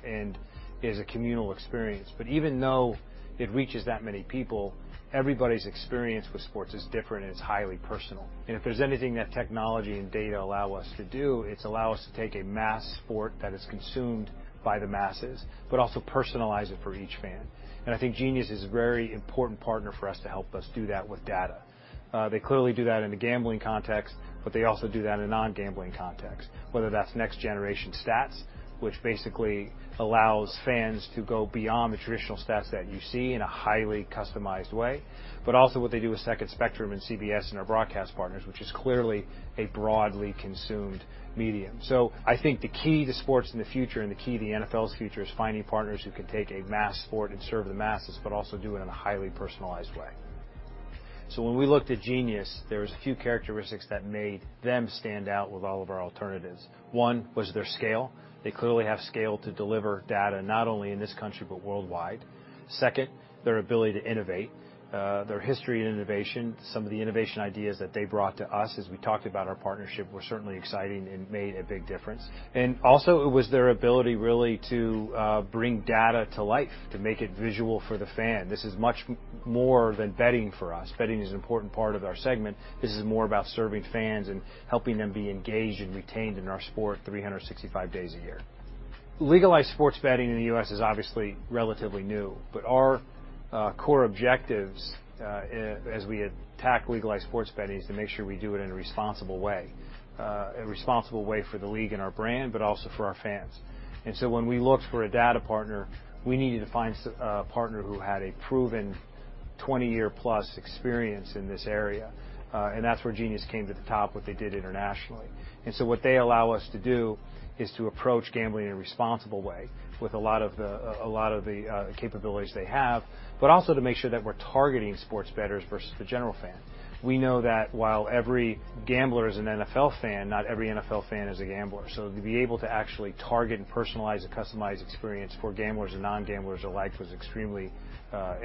and is a communal experience. Even though it reaches that many people, everybody's experience with sports is different, and it's highly personal. If there's anything that technology and data allow us to do, it's allow us to take a mass sport that is consumed by the masses, but also personalize it for each fan. I think Genius is a very important partner for us to help us do that with data. They clearly do that in the gambling context, but they also do that in a non-gambling context, whether that's Next Gen Stats, which basically allows fans to go beyond the traditional stats that you see in a highly customized way, but also what they do with Second Spectrum and CBS and our broadcast partners, which is clearly a broadly consumed medium. I think the key to sports in the future and the key to the NFL's future is finding partners who can take a mass sport and serve the masses, but also do it in a highly personalized way. When we looked at Genius, there was a few characteristics that made them stand out with all of our alternatives. One was their scale. They clearly have scale to deliver data, not only in this country, but worldwide. Second, their ability to innovate, their history in innovation. Some of the innovation ideas that they brought to us as we talked about our partnership were certainly exciting and made a big difference. Also it was their ability really to bring data to life, to make it visual for the fan. This is much more than betting for us. Betting is an important part of our segment. This is more about serving fans and helping them be engaged and retained in our sport 365 days a year. Legalized sports betting in the U.S. is obviously relatively new, but our core objectives as we attack legalized sports betting is to make sure we do it in a responsible way, a responsible way for the league and our brand, but also for our fans. When we looked for a data partner, we needed to find a partner who had a proven 20-year plus experience in this area, and that's where Genius came to the top, what they did internationally. What they allow us to do is to approach gambling in a responsible way with a lot of the capabilities they have, but also to make sure that we're targeting sports bettors versus the general fan. We know that while every gambler is an NFL fan, not every NFL fan is a gambler. To be able to actually target and personalize a customized experience for gamblers and non-gamblers alike was extremely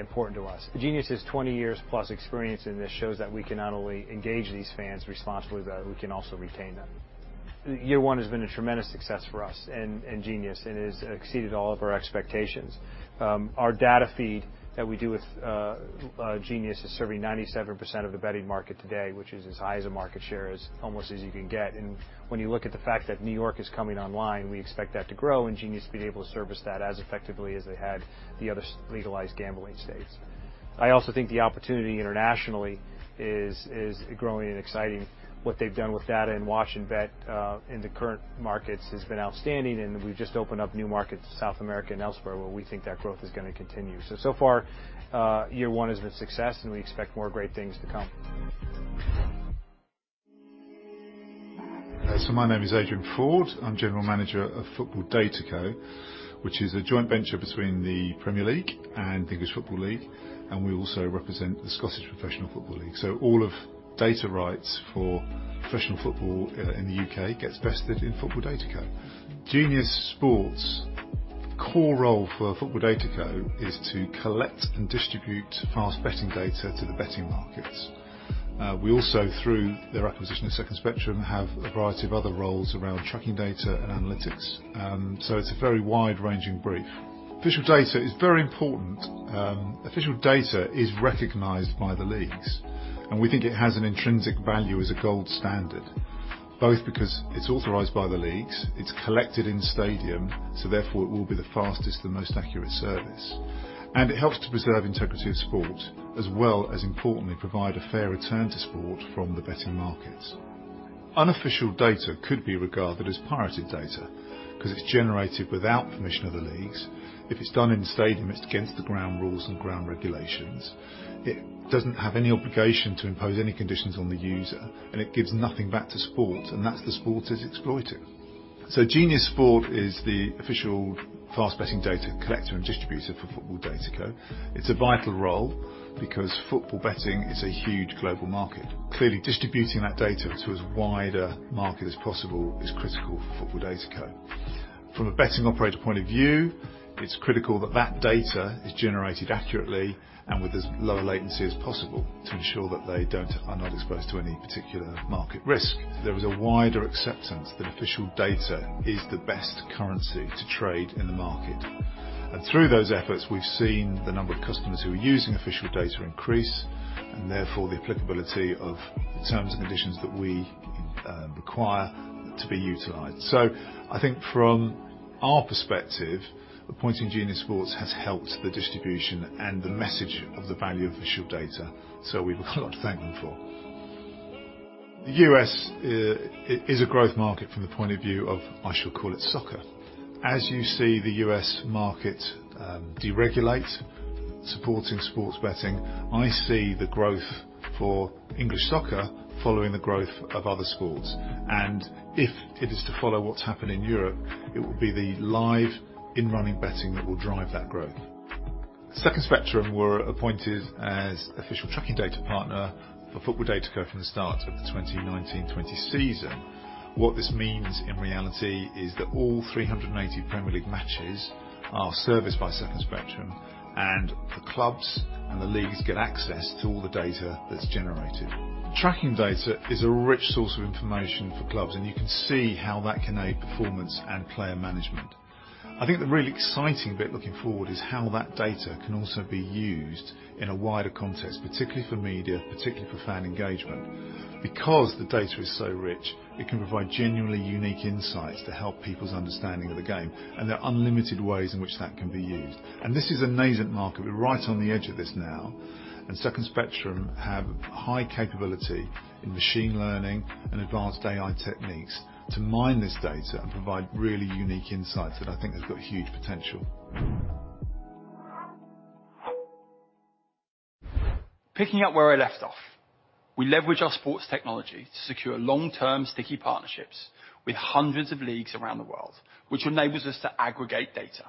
important to us. Genius's 20 years plus experience in this shows that we can not only engage these fans responsibly, but we can also retain them. Year one has been a tremendous success for us and Genius, and has exceeded all of our expectations. Our data feed that we do with Genius is serving 97% of the betting market today, which is as high a market share as you can get, almost. When you look at the fact that New York is coming online, we expect that to grow, and Genius to be able to service that as effectively as they had the other legalized gambling states. I also think the opportunity internationally is growing and exciting. What they've done with data in Watch and Bet in the current markets has been outstanding, and we've just opened up new markets, South America and elsewhere, where we think that growth is gonna continue. So far, year one has been a success, and we expect more great things to come. My name is Adrian Ford. I'm General Manager of Football DataCo, which is a joint venture between the Premier League and the English Football League, and we also represent the Scottish Professional Football League. All of data rights for professional football in the UK gets vested in Football DataCo. Genius Sports' core role for Football DataCo is to collect and distribute fast betting data to the betting markets. We also, through their acquisition of Second Spectrum, have a variety of other roles around tracking data and analytics. It's a very wide-ranging brief. Official data is very important. Official data is recognized by the leagues, and we think it has an intrinsic value as a gold standard, both because it's authorized by the leagues, it's collected in stadium, so therefore it will be the fastest and most accurate service, and it helps to preserve integrity of sport, as well as importantly provide a fair return to sport from the betting markets. Unofficial data could be regarded as pirated data, 'cause it's generated without permission of the leagues. If it's done in stadium, it's against the ground rules and ground regulations. It doesn't have any obligation to impose any conditions on the user, and it gives nothing back to sport, and that's the sport it's exploiting. Genius Sports is the official fast betting data collector and distributor for Football DataCo. It's a vital role because football betting is a huge global market. Clearly distributing that data to as wide a market as possible is critical for Football DataCo. From a betting operator point of view, it's critical that that data is generated accurately and with as low latency as possible to ensure that they are not exposed to any particular market risk. There is a wider acceptance that official data is the best currency to trade in the market. Through those efforts we've seen the number of customers who are using official data increase, and therefore the applicability of the terms and conditions that we require to be utilized. I think from our perspective, appointing Genius Sports has helped the distribution and the message of the value of official data, so we've got a lot to thank them for. The U.S. is a growth market from the point of view of, I shall call it soccer. As you see the U.S. market deregulate supporting sports betting, I see the growth for English soccer following the growth of other sports. If it is to follow what's happened in Europe, it will be the live in-running betting that will drive that growth. Second Spectrum were appointed as official tracking data partner for Football DataCo from the start of the 2019/20 season. What this means in reality is that all 380 Premier League matches are serviced by Second Spectrum, and the clubs and the leagues get access to all the data that's generated. Tracking data is a rich source of information for clubs, and you can see how that can aid performance and player management. I think the really exciting bit looking forward is how that data can also be used in a wider context, particularly for media, particularly for fan engagement. Because the data is so rich, it can provide genuinely unique insights to help people's understanding of the game, and there are unlimited ways in which that can be used. This is a nascent market. We're right on the edge of this now. Second Spectrum have high capability in machine learning and advanced AI techniques to mine this data and provide really unique insights that I think have got huge potential. Picking up where I left off, we leverage our sports technology to secure long-term sticky partnerships with hundreds of leagues around the world, which enables us to aggregate data.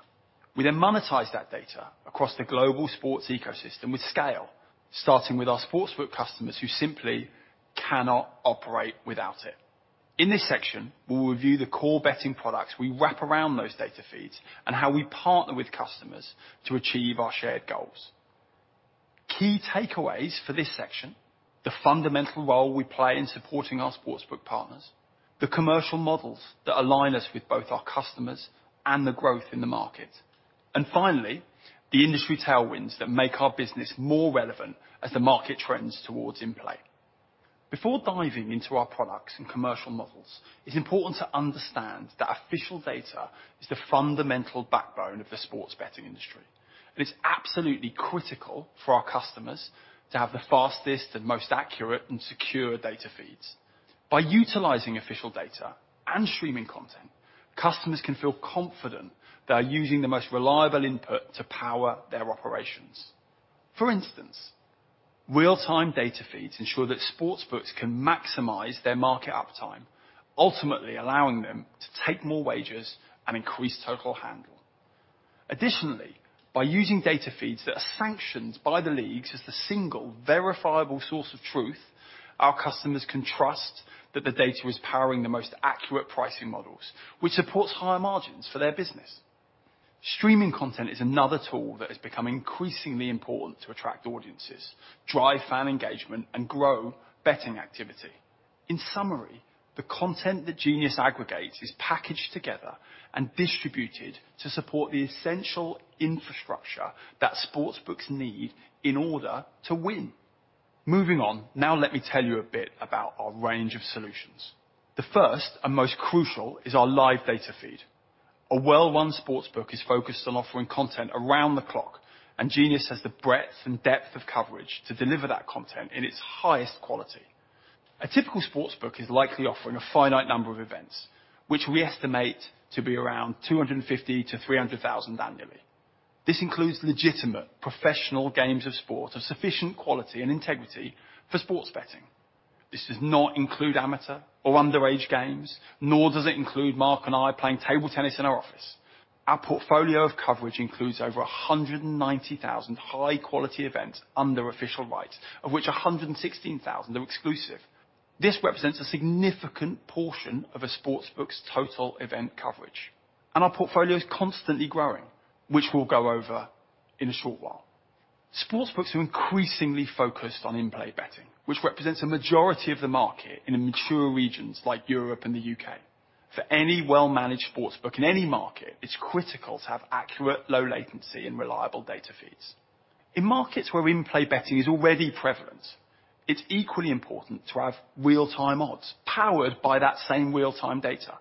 We then monetize that data across the global sports ecosystem with scale, starting with our sportsbook customers who simply cannot operate without it. In this section, we will review the core betting products we wrap around those data feeds and how we partner with customers to achieve our shared goals. Key takeaways for this section, the fundamental role we play in supporting our sportsbook partners, the commercial models that align us with both our customers and the growth in the market, and finally, the industry tailwinds that make our business more relevant as the market trends towards in-play. Before diving into our products and commercial models, it's important to understand that official data is the fundamental backbone of the sports betting industry. It is absolutely critical for our customers to have the fastest and most accurate and secure data feeds. By utilizing official data and streaming content, customers can feel confident they are using the most reliable input to power their operations. For instance, real-time data feeds ensure that sportsbooks can maximize their market uptime, ultimately allowing them to take more wagers and increase total handle. Additionally, by using data feeds that are sanctioned by the leagues as the single verifiable source of truth, our customers can trust that the data is powering the most accurate pricing models, which supports higher margins for their business. Streaming content is another tool that has become increasingly important to attract audiences, drive fan engagement, and grow betting activity. In summary, the content that Genius aggregates is packaged together and distributed to support the essential infrastructure that sports books need in order to win. Moving on, now let me tell you a bit about our range of solutions. The first and most crucial is our live data feed. A well-run sportsbook is focused on offering content around the clock, and Genius has the breadth and depth of coverage to deliver that content in its highest quality. A typical sportsbook is likely offering a finite number of events, which we estimate to be around 250-300,000 annually. This includes legitimate professional games of sport of sufficient quality and integrity for sports betting. This does not include amateur or underage games, nor does it include Mark and I playing table tennis in our office. Our portfolio of coverage includes over 190,000 high-quality events under official rights, of which 116,000 are exclusive. This represents a significant portion of a sportsbook's total event coverage, and our portfolio is constantly growing, which we'll go over in a short while. Sportsbooks are increasingly focused on in-play betting, which represents a majority of the market in mature regions like Europe and the U.K. For any well-managed sportsbook in any market, it's critical to have accurate, low latency and reliable data feeds. In markets where in-play betting is already prevalent, it's equally important to have real-time odds powered by that same real-time data.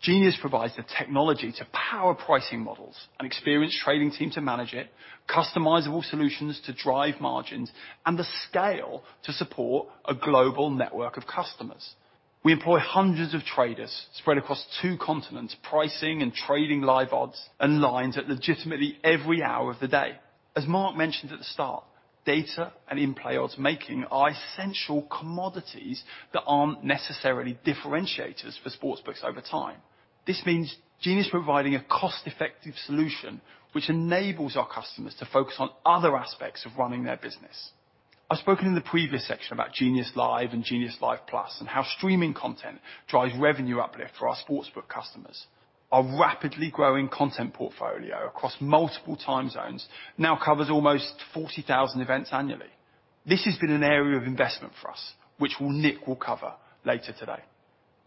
Genius provides the technology to power pricing models, an experienced trading team to manage it, customizable solutions to drive margins, and the scale to support a global network of customers. We employ hundreds of traders spread across two continents, pricing and trading live odds and lines at literally every hour of the day. As Mark mentioned at the start, data and in-play odds making are essential commodities that aren't necessarily differentiators for sportsbooks over time. This means Genius providing a cost-effective solution, which enables our customers to focus on other aspects of running their business. I've spoken in the previous section about Genius Live and Genius Live Plus and how streaming content drives revenue uplift for our sportsbook customers. Our rapidly growing content portfolio across multiple time zones now covers almost 40,000 events annually. This has been an area of investment for us, which, well, Nick will cover later today.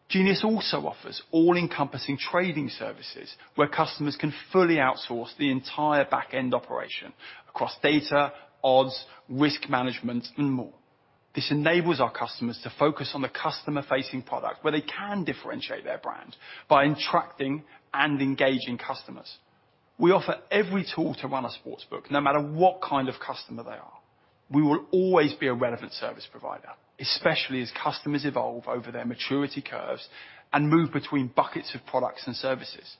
Genius also offers all-encompassing trading services where customers can fully outsource the entire back-end operation across data, odds, risk management, and more. This enables our customers to focus on the customer-facing product where they can differentiate their brand by attracting and engaging customers. We offer every tool to run a sportsbook, no matter what kind of customer they are. We will always be a relevant service provider, especially as customers evolve over their maturity curves and move between buckets of products and services.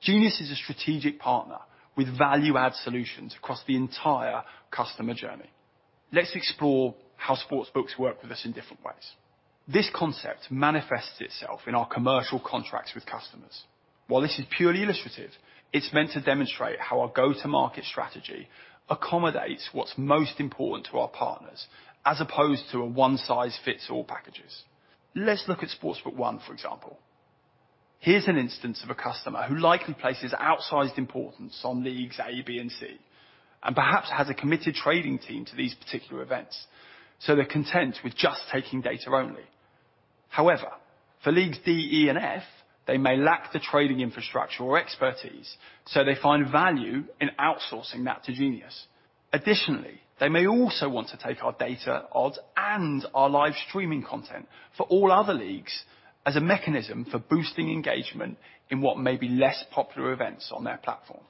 Genius is a strategic partner with value-add solutions across the entire customer journey. Let's explore how sportsbooks work with us in different ways. This concept manifests itself in our commercial contracts with customers. While this is purely illustrative, it's meant to demonstrate how our go-to market strategy accommodates what's most important to our partners as opposed to a one-size-fits-all packages. Let's look at Sportsbook One, for example. Here's an instance of a customer who likely places outsized importance on leagues A, B, and C, and perhaps has a committed trading team to these particular events, so they're content with just taking data only. However, for leagues D, E, and F, they may lack the trading infrastructure or expertise, so they find value in outsourcing that to Genius. Additionally, they may also want to take our data, odds, and our live streaming content for all other leagues as a mechanism for boosting engagement in what may be less popular events on their platform.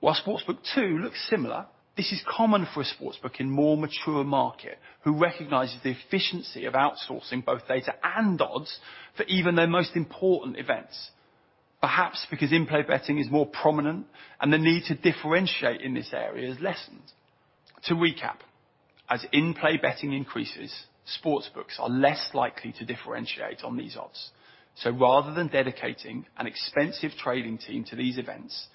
While Sportsbook Two looks similar, this is common for a sportsbook in more mature market who recognizes the efficiency of outsourcing both data and odds for even their most important events. Perhaps because in-play betting is more prominent and the need to differentiate in this area is lessened. To recap, as in-play betting increases, sportsbooks are less likely to differentiate on these odds. Rather than dedicating an expensive trading team to these events,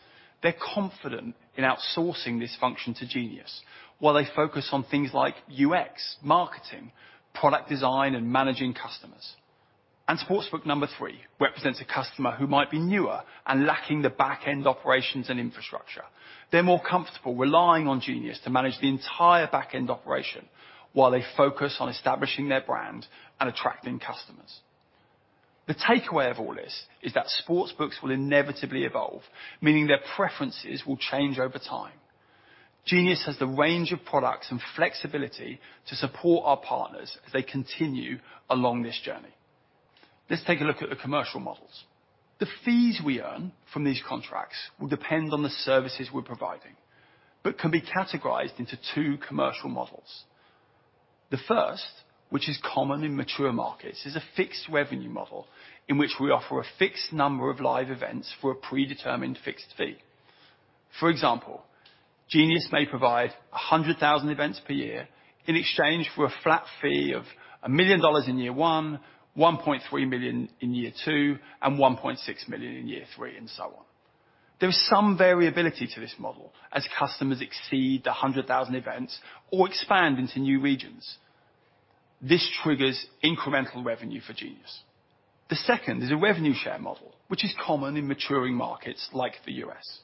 they're confident in outsourcing this function to Genius while they focus on things like UX, marketing, product design, and managing customers. Sportsbook number three represents a customer who might be newer and lacking the back-end operations and infrastructure. They're more comfortable relying on Genius to manage the entire back-end operation while they focus on establishing their brand and attracting customers. The takeaway of all this is that sportsbooks will inevitably evolve, meaning their preferences will change over time. Genius has the range of products and flexibility to support our partners as they continue along this journey. Let's take a look at the commercial models. The fees we earn from these contracts will depend on the services we're providing, but can be categorized into two commercial models. The first, which is common in mature markets, is a fixed revenue model in which we offer a fixed number of live events for a predetermined fixed fee. For example, Genius may provide 100,000 events per year in exchange for a flat fee of $1 million in year one, $1.3 million in year two, and $1.6 million in year three, and so on. There is some variability to this model as customers exceed the 100,000 events or expand into new regions. This triggers incremental revenue for Genius. The second is a revenue share model, which is common in maturing markets like the U.S.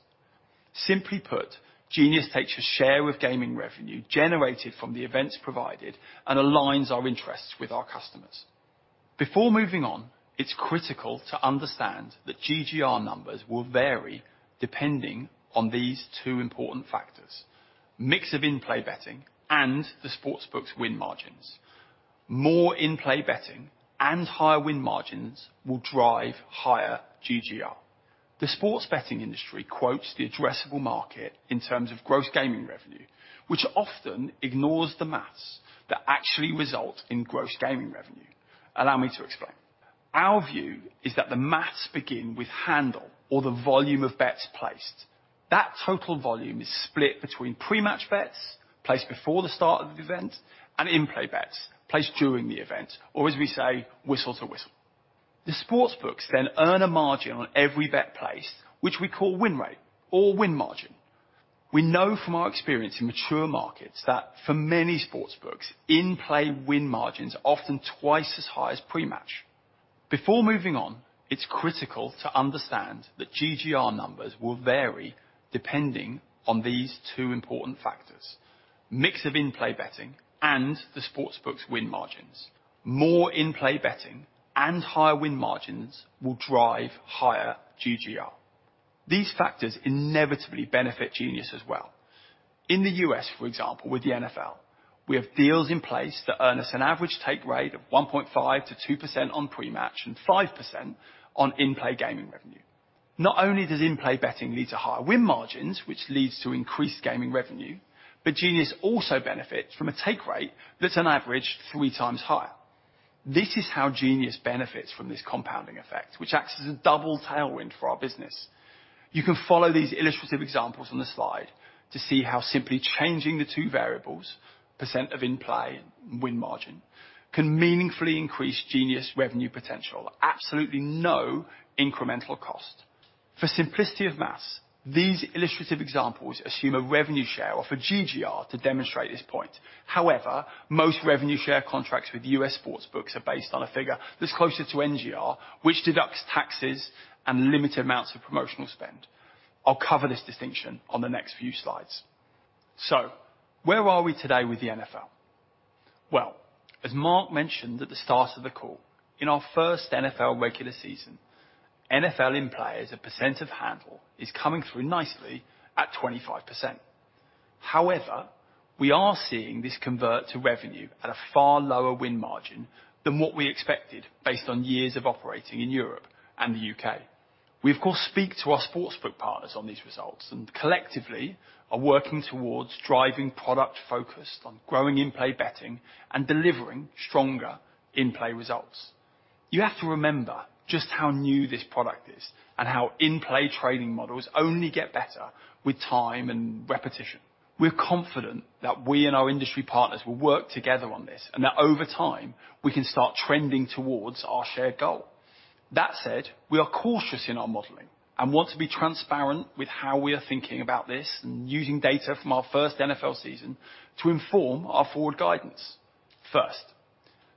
Simply put, Genius takes a share of gaming revenue generated from the events provided and aligns our interests with our customers. Before moving on, it's critical to understand that GGR numbers will vary depending on these two important factors, mix of in-play betting and the sports book's win margins. More in-play betting and higher win margins will drive higher GGR. The sports betting industry quotes the addressable market in terms of gross gaming revenue, which often ignores the math that actually result in gross gaming revenue. Allow me to explain. Our view is that the math begin with handle or the volume of bets placed. That total volume is split between pre-match bets placed before the start of the event and in-play bets placed during the event, or as we say, whistle to whistle. The sports books then earn a margin on every bet placed, which we call win rate or win margin. We know from our experience in mature markets that for many sports books, in-play win margins are often twice as high as pre-match. Before moving on, it's critical to understand that GGR numbers will vary depending on these two important factors, mix of in-play betting and the sports book's win margins. More in-play betting and higher win margins will drive higher GGR. These factors inevitably benefit Genius as well. In the U.S., for example, with the NFL, we have deals in place that earn us an average take rate of 1.5%-2% on pre-match and 5% on in-play gaming revenue. Not only does in-play betting lead to higher win margins, which leads to increased gaming revenue, but Genius also benefits from a take rate that's on average three times higher. This is how Genius benefits from this compounding effect, which acts as a double tailwind for our business. You can follow these illustrative examples on the slide to see how simply changing the two variables, percent of in-play win margin, can meaningfully increase Genius revenue potential. Absolutely no incremental cost. For simplicity of math, these illustrative examples assume a revenue share off of GGR to demonstrate this point. However, most revenue share contracts with US sports books are based on a figure that's closer to NGR, which deducts taxes and limited amounts of promotional spend. I'll cover this distinction on the next few slides. Where are we today with the NFL? Well, as Mark mentioned at the start of the call, in our first NFL regular season, NFL in-play as a percent of handle is coming through nicely at 25%. However, we are seeing this convert to revenue at a far lower win margin than what we expected based on years of operating in Europe and the U.K. We, of course, speak to our sportsbook partners on these results and collectively are working towards driving product focused on growing in-play betting and delivering stronger in-play results. You have to remember just how new this product is and how in-play trading models only get better with time and repetition. We're confident that we and our industry partners will work together on this and that over time we can start trending towards our shared goal. That said, we are cautious in our modeling and want to be transparent with how we are thinking about this and using data from our first NFL season to inform our forward guidance. First,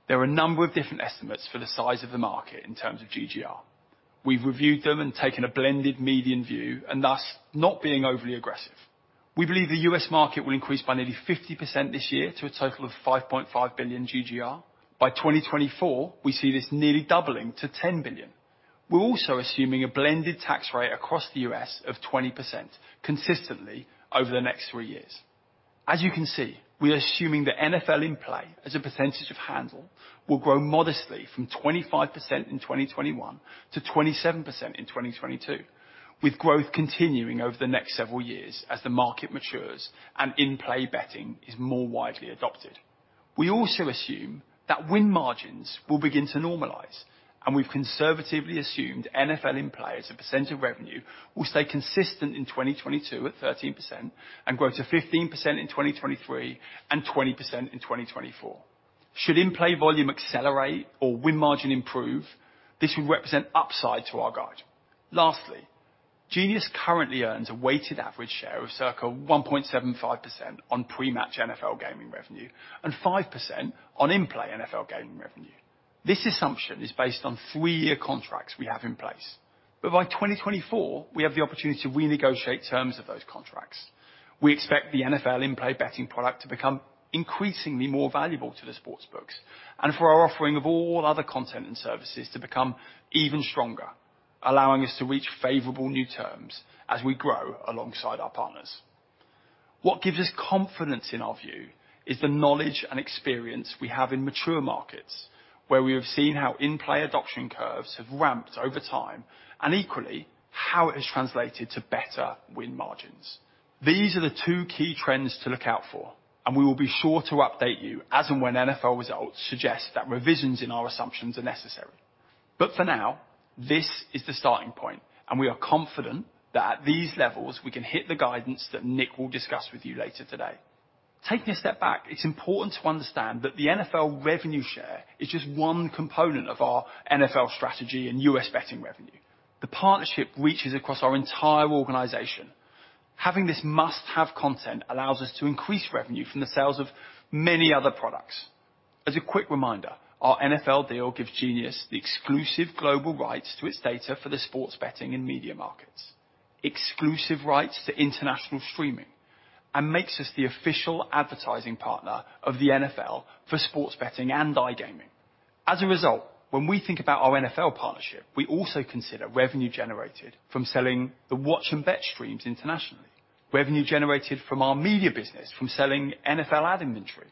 there are a number of different estimates for the size of the market in terms of GGR. We've reviewed them and taken a blended median view and thus not being overly aggressive. We believe the U.S. market will increase by nearly 50% this year to a total of $5.5 billion GGR. By 2024, we see this nearly doubling to $10 billion. We're also assuming a blended tax rate across the U.S. of 20% consistently over the next three years. As you can see, we are assuming that NFL in-play as a percentage of handle will grow modestly from 25% in 2021 to 27% in 2022, with growth continuing over the next several years as the market matures and in-play betting is more widely adopted. We also assume that win margins will begin to normalize, and we've conservatively assumed NFL in-play as a percent of revenue will stay consistent in 2022 at 13% and grow to 15% in 2023 and 20% in 2024. Should in-play volume accelerate or win margin improve, this would represent upside to our guide. Lastly, Genius currently earns a weighted average share of circa 1.75% on pre-match NFL gaming revenue and 5% on in-play NFL gaming revenue. This assumption is based on three-year contracts we have in place. By 2024, we have the opportunity to renegotiate terms of those contracts. We expect the NFL in-play betting product to become increasingly more valuable to the sports books and for our offering of all other content and services to become even stronger, allowing us to reach favorable new terms as we grow alongside our partners. What gives us confidence in our view is the knowledge and experience we have in mature markets, where we have seen how in-play adoption curves have ramped over time and equally, how it has translated to better win margins. These are the two key trends to look out for, and we will be sure to update you as and when NFL results suggest that revisions in our assumptions are necessary. For now, this is the starting point, and we are confident that at these levels we can hit the guidance that Nick will discuss with you later today. Taking a step back, it's important to understand that the NFL revenue share is just one component of our NFL strategy and US betting revenue. The partnership reaches across our entire organization. Having this must-have content allows us to increase revenue from the sales of many other products. As a quick reminder, our NFL deal gives Genius the exclusive global rights to its data for the sports betting and media markets, exclusive rights to international streaming, and makes us the official advertising partner of the NFL for sports betting and iGaming. As a result, when we think about our NFL partnership, we also consider revenue generated from selling the Watch and Bet streams internationally. Revenue generated from our media business from selling NFL ad inventory,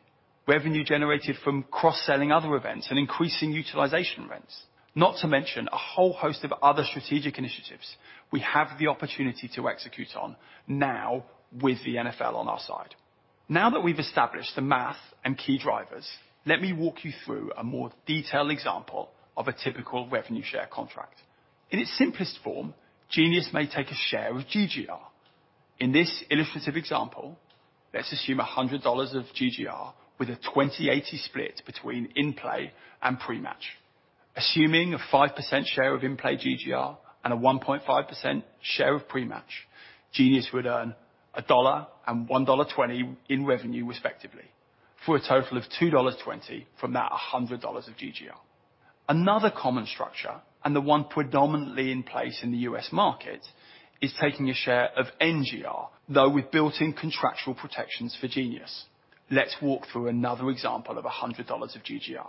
revenue generated from cross-selling other events and increasing utilization rents, not to mention a whole host of other strategic initiatives we have the opportunity to execute on now with the NFL on our side. Now that we've established the math and key drivers, let me walk you through a more detailed example of a typical revenue share contract. In its simplest form, Genius may take a share of GGR. In this illustrative example, let's assume $100 of GGR with a 20/80 split between in-play and pre-match. Assuming a 5% share of in-play GGR and a 1.5% share of pre-match, Genius would earn $1 and $1.20 in revenue respectively, for a total of $2.20 from that $100 of GGR. Another common structure, and the one predominantly in place in the U.S. market, is taking a share of NGR, though with built-in contractual protections for Genius. Let's walk through another example of $100 of GGR.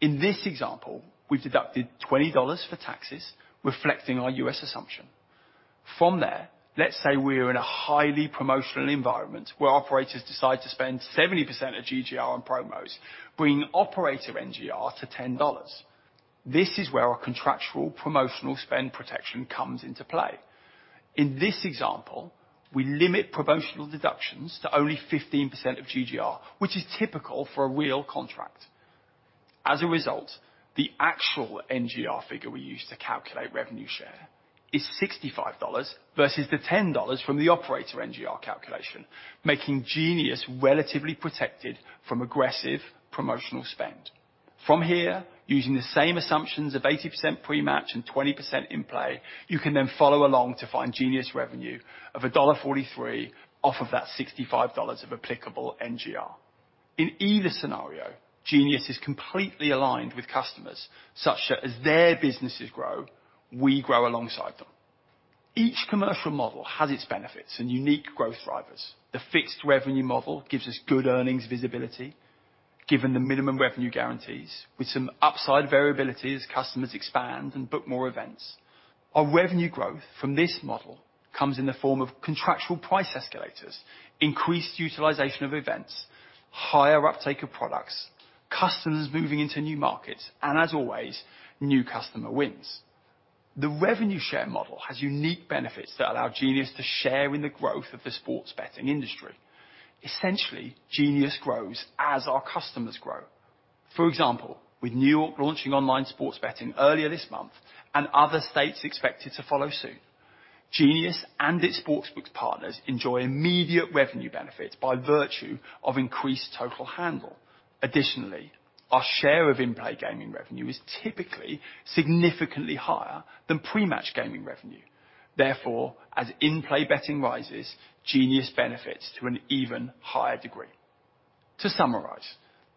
In this example, we've deducted $20 for taxes reflecting our U.S. assumption. From there, let's say we are in a highly promotional environment where operators decide to spend 70% of GGR on promos, bringing operator NGR to $10. This is where our contractual promotional spend protection comes into play. In this example, we limit promotional deductions to only 15% of GGR, which is typical for a real contract. As a result, the actual NGR figure we use to calculate revenue share is $65 versus the $10 from the operator NGR calculation, making Genius relatively protected from aggressive promotional spend. From here, using the same assumptions of 80% pre-match and 20% in-play, you can then follow along to find Genius revenue of $1.43 off of that $65 of applicable NGR. In either scenario, Genius is completely aligned with customers such that as their businesses grow, we grow alongside them. Each commercial model has its benefits and unique growth drivers. The fixed revenue model gives us good earnings visibility given the minimum revenue guarantees with some upside variability as customers expand and book more events. Our revenue growth from this model comes in the form of contractual price escalators, increased utilization of events, higher uptake of products, customers moving into new markets, and as always, new customer wins. The revenue share model has unique benefits that allow Genius to share in the growth of the sports betting industry. Essentially, Genius grows as our customers grow. For example, with New York launching online sports betting earlier this month and other states expected to follow suit, Genius and its sportsbook partners enjoy immediate revenue benefits by virtue of increased total handle. Additionally, our share of in-play gaming revenue is typically significantly higher than pre-match gaming revenue. Therefore, as in-play betting rises, Genius benefits to an even higher degree. To summarize,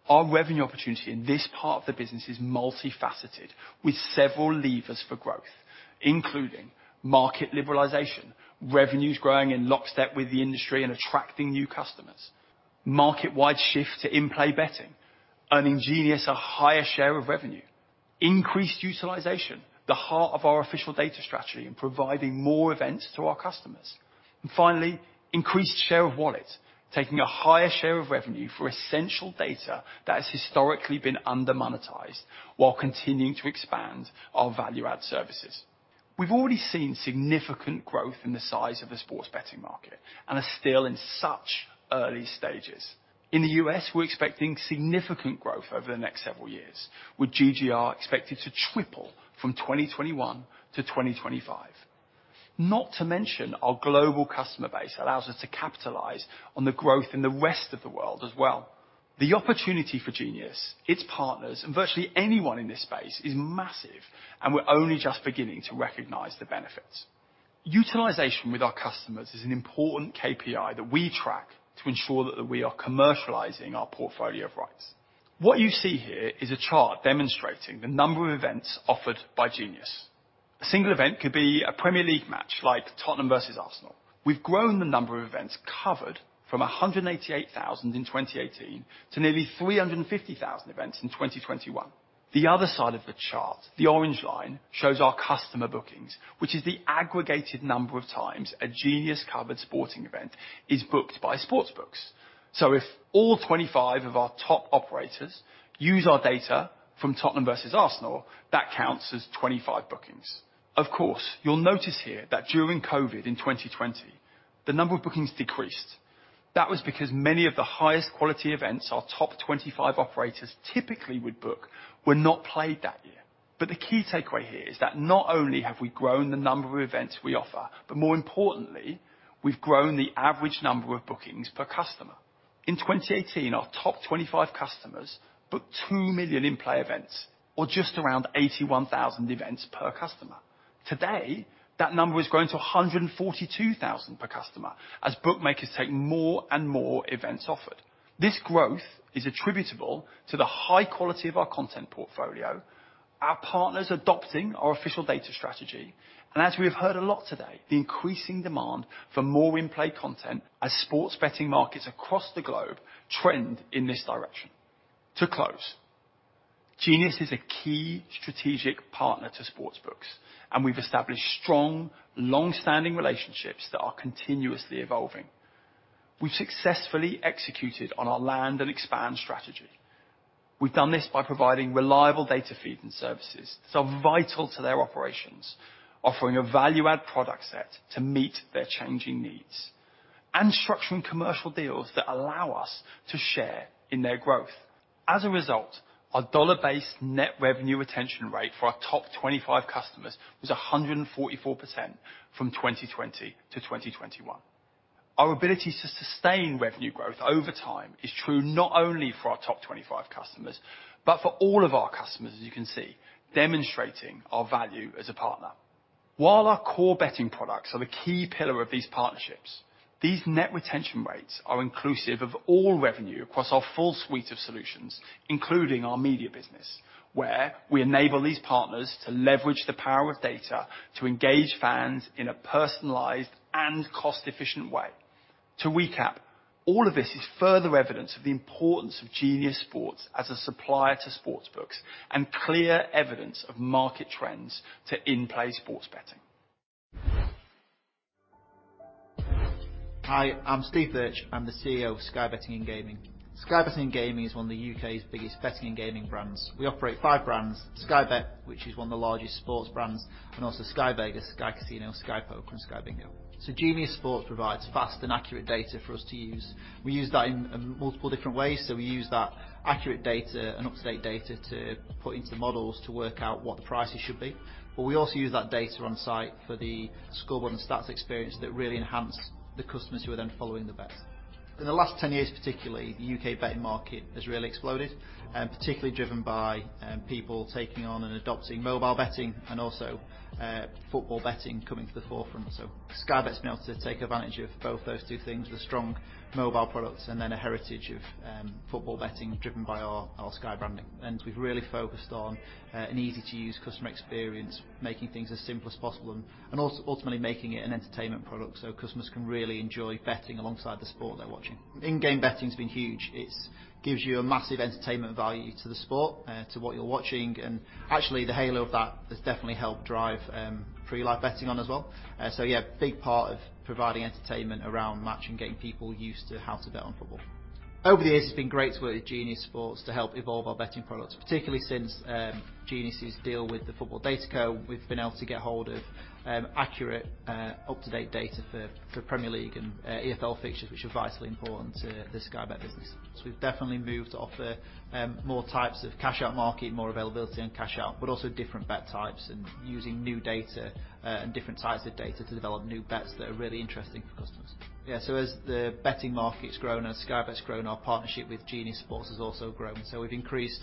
our revenue opportunity in this part of the business is multifaceted with several levers for growth, including market liberalization, revenues growing in lockstep with the industry and attracting new customers. Market-wide shift to in-play betting, earning Genius a higher share of revenue. Increased utilization, the heart of our official data strategy in providing more events to our customers. Finally, increased share of wallet, taking a higher share of revenue for essential data that has historically been under-monetized while continuing to expand our value-add services. We've already seen significant growth in the size of the sports betting market and are still in such early stages. In the U.S., we're expecting significant growth over the next several years, with GGR expected to triple from 2021-2025. Not to mention, our global customer base allows us to capitalize on the growth in the rest of the world as well. The opportunity for Genius, its partners, and virtually anyone in this space is massive, and we're only just beginning to recognize the benefits. Utilization with our customers is an important KPI that we track to ensure that we are commercializing our portfolio of rights. What you see here is a chart demonstrating the number of events offered by Genius. A single event could be a Premier League match like Tottenham versus Arsenal. We've grown the number of events covered from 188,000 in 2018 to nearly 350,000 events in 2021. The other side of the chart, the orange line, shows our customer bookings which is the aggregated number of times a Genius-covered sporting event is booked by sports books. So if all 25 of our top operators use our data from Tottenham versus Arsenal, that counts as 25 bookings. Of course, you'll notice here that during COVID in 2020, the number of bookings decreased. That was because many of the highest quality events our top 25 operators typically would book were not played that year. The key takeaway here is that not only have we grown the number of events we offer, but more importantly, we've grown the average number of bookings per customer. In 2018, our top 25 customers booked 2 million in-play events, or just around 81,000 events per customer. Today, that number has grown to 142,000 per customer as bookmakers take more and more events offered. This growth is attributable to the high quality of our content portfolio, our partners adopting our official data strategy, and as we have heard a lot today, the increasing demand for more in-play content as sports betting markets across the globe trend in this direction. To close, Genius is a key strategic partner to sports books, and we've established strong, long-standing relationships that are continuously evolving. We've successfully executed on our land and expand strategy. We've done this by providing reliable data feed and services that are vital to their operations, offering a value-add product set to meet their changing needs, and structuring commercial deals that allow us to share in their growth. As a result, our dollar-based net revenue retention rate for our top 25 customers was 144% from 2020 to 2021. Our ability to sustain revenue growth over time is true not only for our top 25 customers, but for all of our customers, as you can see, demonstrating our value as a partner. While our core betting products are the key pillar of these partnerships, these net retention rates are inclusive of all revenue across our full suite of solutions, including our media business, where we enable these partners to leverage the power of data to engage fans in a personalized and cost-efficient way. To recap, all of this is further evidence of the importance of Genius Sports as a supplier to sports books and clear evidence of market trends to in-play sports betting. Hi, I'm Steve Birch. I'm the CEO of Sky Betting & Gaming. Sky Betting & Gaming is one of the U.K.'s biggest betting and gaming brands. We operate five brands, Sky Bet, which is one of the largest sports brands, and also Sky Vegas, Sky Casino, Sky Poker, and Sky Bingo. Genius Sports provides fast and accurate data for us to use. We use that in multiple different ways, so we use that accurate data and up-to-date data to put into models to work out what the prices should be. We also use that data on site for the scoreboard and stats experience that really enhance the customers who are then following the bets. In the last 10 years, particularly, the U.K. betting market has really exploded, particularly driven by people taking on and adopting mobile betting and also football betting coming to the forefront. Sky Bet's been able to take advantage of both those two things with strong mobile products and then a heritage of football betting driven by our Sky branding. We've really focused on an easy-to-use customer experience, making things as simple as possible and also ultimately making it an entertainment product, so customers can really enjoy betting alongside the sport they're watching. In-game betting's been huge. It gives you a massive entertainment value to the sport to what you're watching, and actually the halo of that has definitely helped drive pre-live betting on as well. Yeah, a big part of providing entertainment around match and getting people used to how to bet on football. Over the years, it's been great to work with Genius Sports to help evolve our betting products, particularly since Genius' deal with the Football DataCo, we've been able to get hold of accurate, up-to-date data for Premier League and EFL fixtures, which are vitally important to the Sky Bet business. We've definitely moved to offer more types of cash out market, more availability on cash out, but also different bet types and using new data and different sizes of data to develop new bets that are really interesting for customers. Yeah, as the betting market's grown and Sky Bet's grown, our partnership with Genius Sports has also grown. We've increased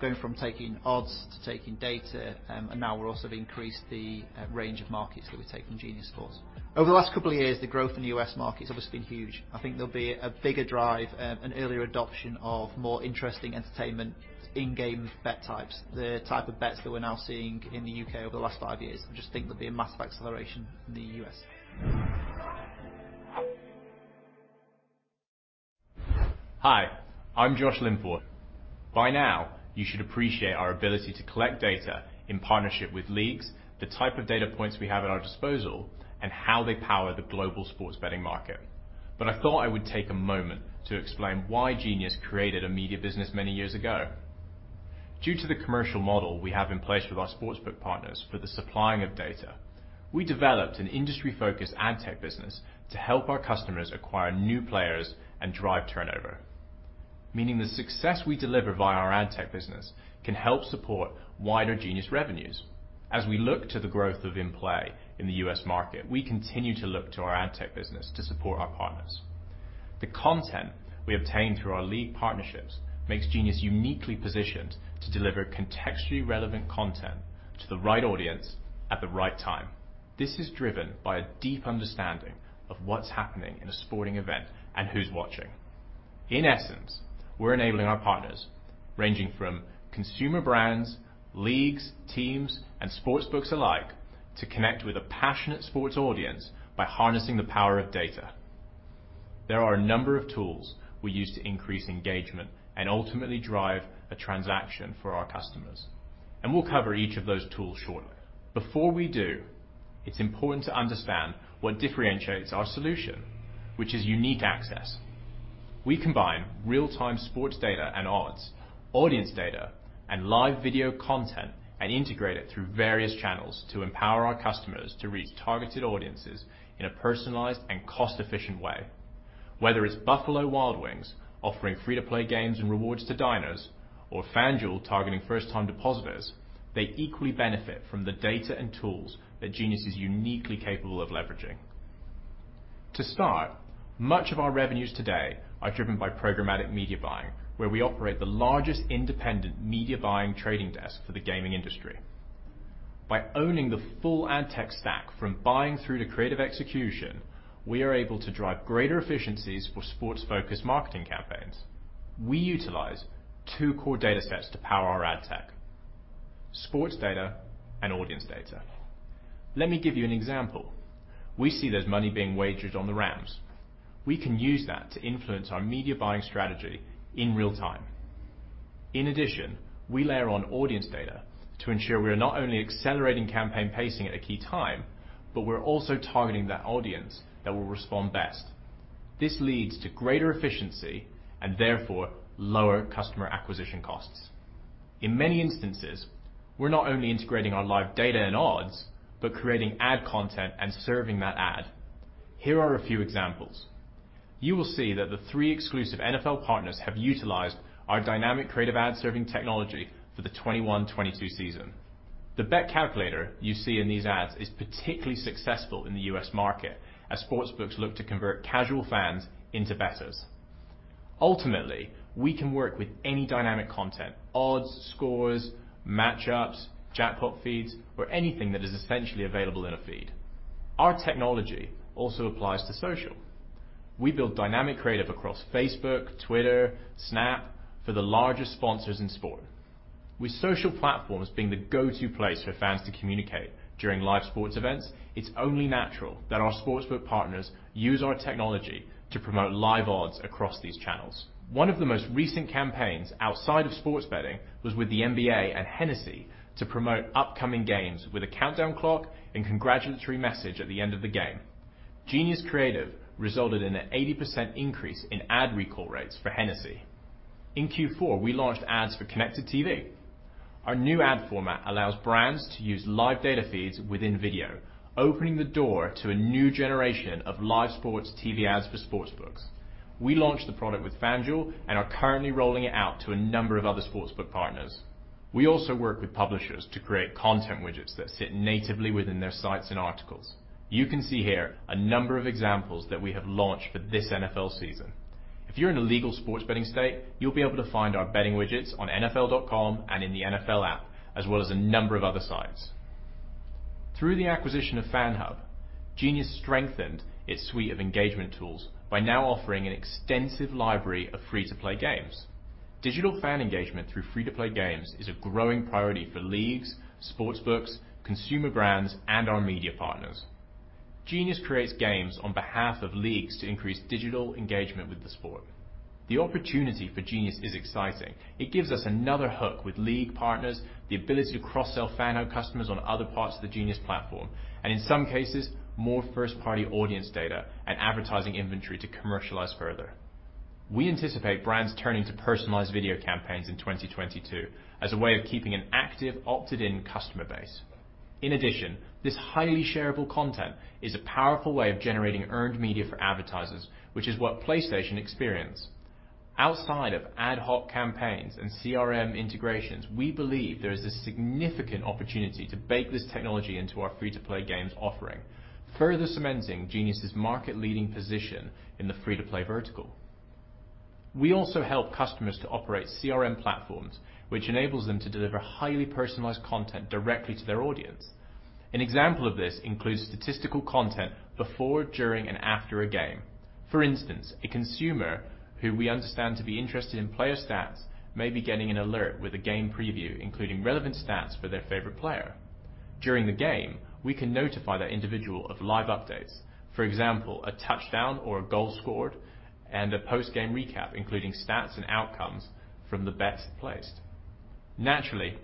going from taking odds to taking data, and now we've also increased the range of markets that we take from Genius Sports. Over the last couple of years, the growth in the U.S. market has obviously been huge. I think there'll be a bigger drive, an earlier adoption of more interesting entertainment in-game bet types, the type of bets that we're now seeing in the U.K. over the last five years. I just think there'll be a massive acceleration in the U.S. Hi, I'm Josh Linforth. By now, you should appreciate our ability to collect data in partnership with leagues, the type of data points we have at our disposal, and how they power the global sports betting market. I thought I would take a moment to explain why Genius created a media business many years ago. Due to the commercial model we have in place with our sportsbook partners for the supplying of data, we developed an industry-focused ad tech business to help our customers acquire new players and drive turnover. Meaning the success we deliver via our ad tech business can help support wider Genius revenues. As we look to the growth of in-play in the U.S. market, we continue to look to our ad tech business to support our partners. The content we obtain through our league partnerships makes Genius uniquely positioned to deliver contextually relevant content to the right audience at the right time. This is driven by a deep understanding of what's happening in a sporting event and who's watching. In essence, we're enabling our partners, ranging from consumer brands, leagues, teams, and sports books alike, to connect with a passionate sports audience by harnessing the power of data. There are a number of tools we use to increase engagement and ultimately drive a transaction for our customers, and we'll cover each of those tools shortly. Before we do, it's important to understand what differentiates our solution, which is unique access. We combine real-time sports data and odds, audience data, and live video content, and integrate it through various channels to empower our customers to reach targeted audiences in a personalized and cost-efficient way. Whether it's Buffalo Wild Wings offering free-to-play games and rewards to diners. FanDuel targeting first-time depositors, they equally benefit from the data and tools that Genius is uniquely capable of leveraging. To start, much of our revenues today are driven by programmatic media buying, where we operate the largest independent media buying trading desk for the gaming industry. By owning the full ad tech stack from buying through to creative execution, we are able to drive greater efficiencies for sports-focused marketing campaigns. We utilize two core data sets to power our ad tech: sports data and audience data. Let me give you an example. We see there's money being wagered on the Rams. We can use that to influence our media buying strategy in real time. In addition, we layer on audience data to ensure we are not only accelerating campaign pacing at a key time, but we're also targeting the audience that will respond best. This leads to greater efficiency and therefore lower customer acquisition costs. In many instances, we're not only integrating our live data and odds, but creating ad content and serving that ad. Here are a few examples. You will see that the three exclusive NFL partners have utilized our dynamic creative ad serving technology for the 2021-22 season. The bet calculator you see in these ads is particularly successful in the U.S. market as sportsbooks look to convert casual fans into bettors. Ultimately, we can work with any dynamic content, odds, scores, matchups, jackpot feeds, or anything that is essentially available in a feed. Our technology also applies to social. We build dynamic creative across Facebook, Twitter, Snap for the largest sponsors in sport. With social platforms being the go-to place for fans to communicate during live sports events, it's only natural that our sportsbook partners use our technology to promote live odds across these channels. One of the most recent campaigns outside of sports betting was with the NBA and Hennessy to promote upcoming games with a countdown clock and congratulatory message at the end of the game. Genius creative resulted in an 80% increase in ad recall rates for Hennessy. In Q4, we launched ads for connected TV. Our new ad format allows brands to use live data feeds within video, opening the door to a new generation of live sports TV ads for sports books. We launched the product with FanDuel and are currently rolling it out to a number of other sportsbook partners. We also work with publishers to create content widgets that sit natively within their sites and articles. You can see here a number of examples that we have launched for this NFL season. If you're in a legal sports betting state, you'll be able to find our betting widgets on nfl.com and in the NFL app, as well as a number of other sites. Through the acquisition of FanHub, Genius strengthened its suite of engagement tools by now offering an extensive library of free-to-play games. Digital fan engagement through free-to-play games is a growing priority for leagues, sportsbooks, consumer brands, and our media partners. Genius creates games on behalf of leagues to increase digital engagement with the sport. The opportunity for Genius is exciting. It gives us another hook with league partners, the ability to cross-sell FanHub customers on other parts of the Genius platform, and in some cases, more first-party audience data and advertising inventory to commercialize further. We anticipate brands turning to personalized video campaigns in 2022 as a way of keeping an active, opted-in customer base. In addition, this highly shareable content is a powerful way of generating earned media for advertisers, which is what PlayStation experienced. Outside of ad hoc campaigns and CRM integrations, we believe there is a significant opportunity to bake this technology into our free-to-play games offering, further cementing Genius's market-leading position in the free-to-play vertical. We also help customers to operate CRM platforms, which enables them to deliver highly personalized content directly to their audience. An example of this includes statistical content before, during, and after a game. For instance, a consumer who we understand to be interested in player stats may be getting an alert with a game preview, including relevant stats for their favorite player. During the game, we can notify that individual of live updates. For example, a touchdown or a goal scored and a post-game recap, including stats and outcomes from the bets placed. Naturally,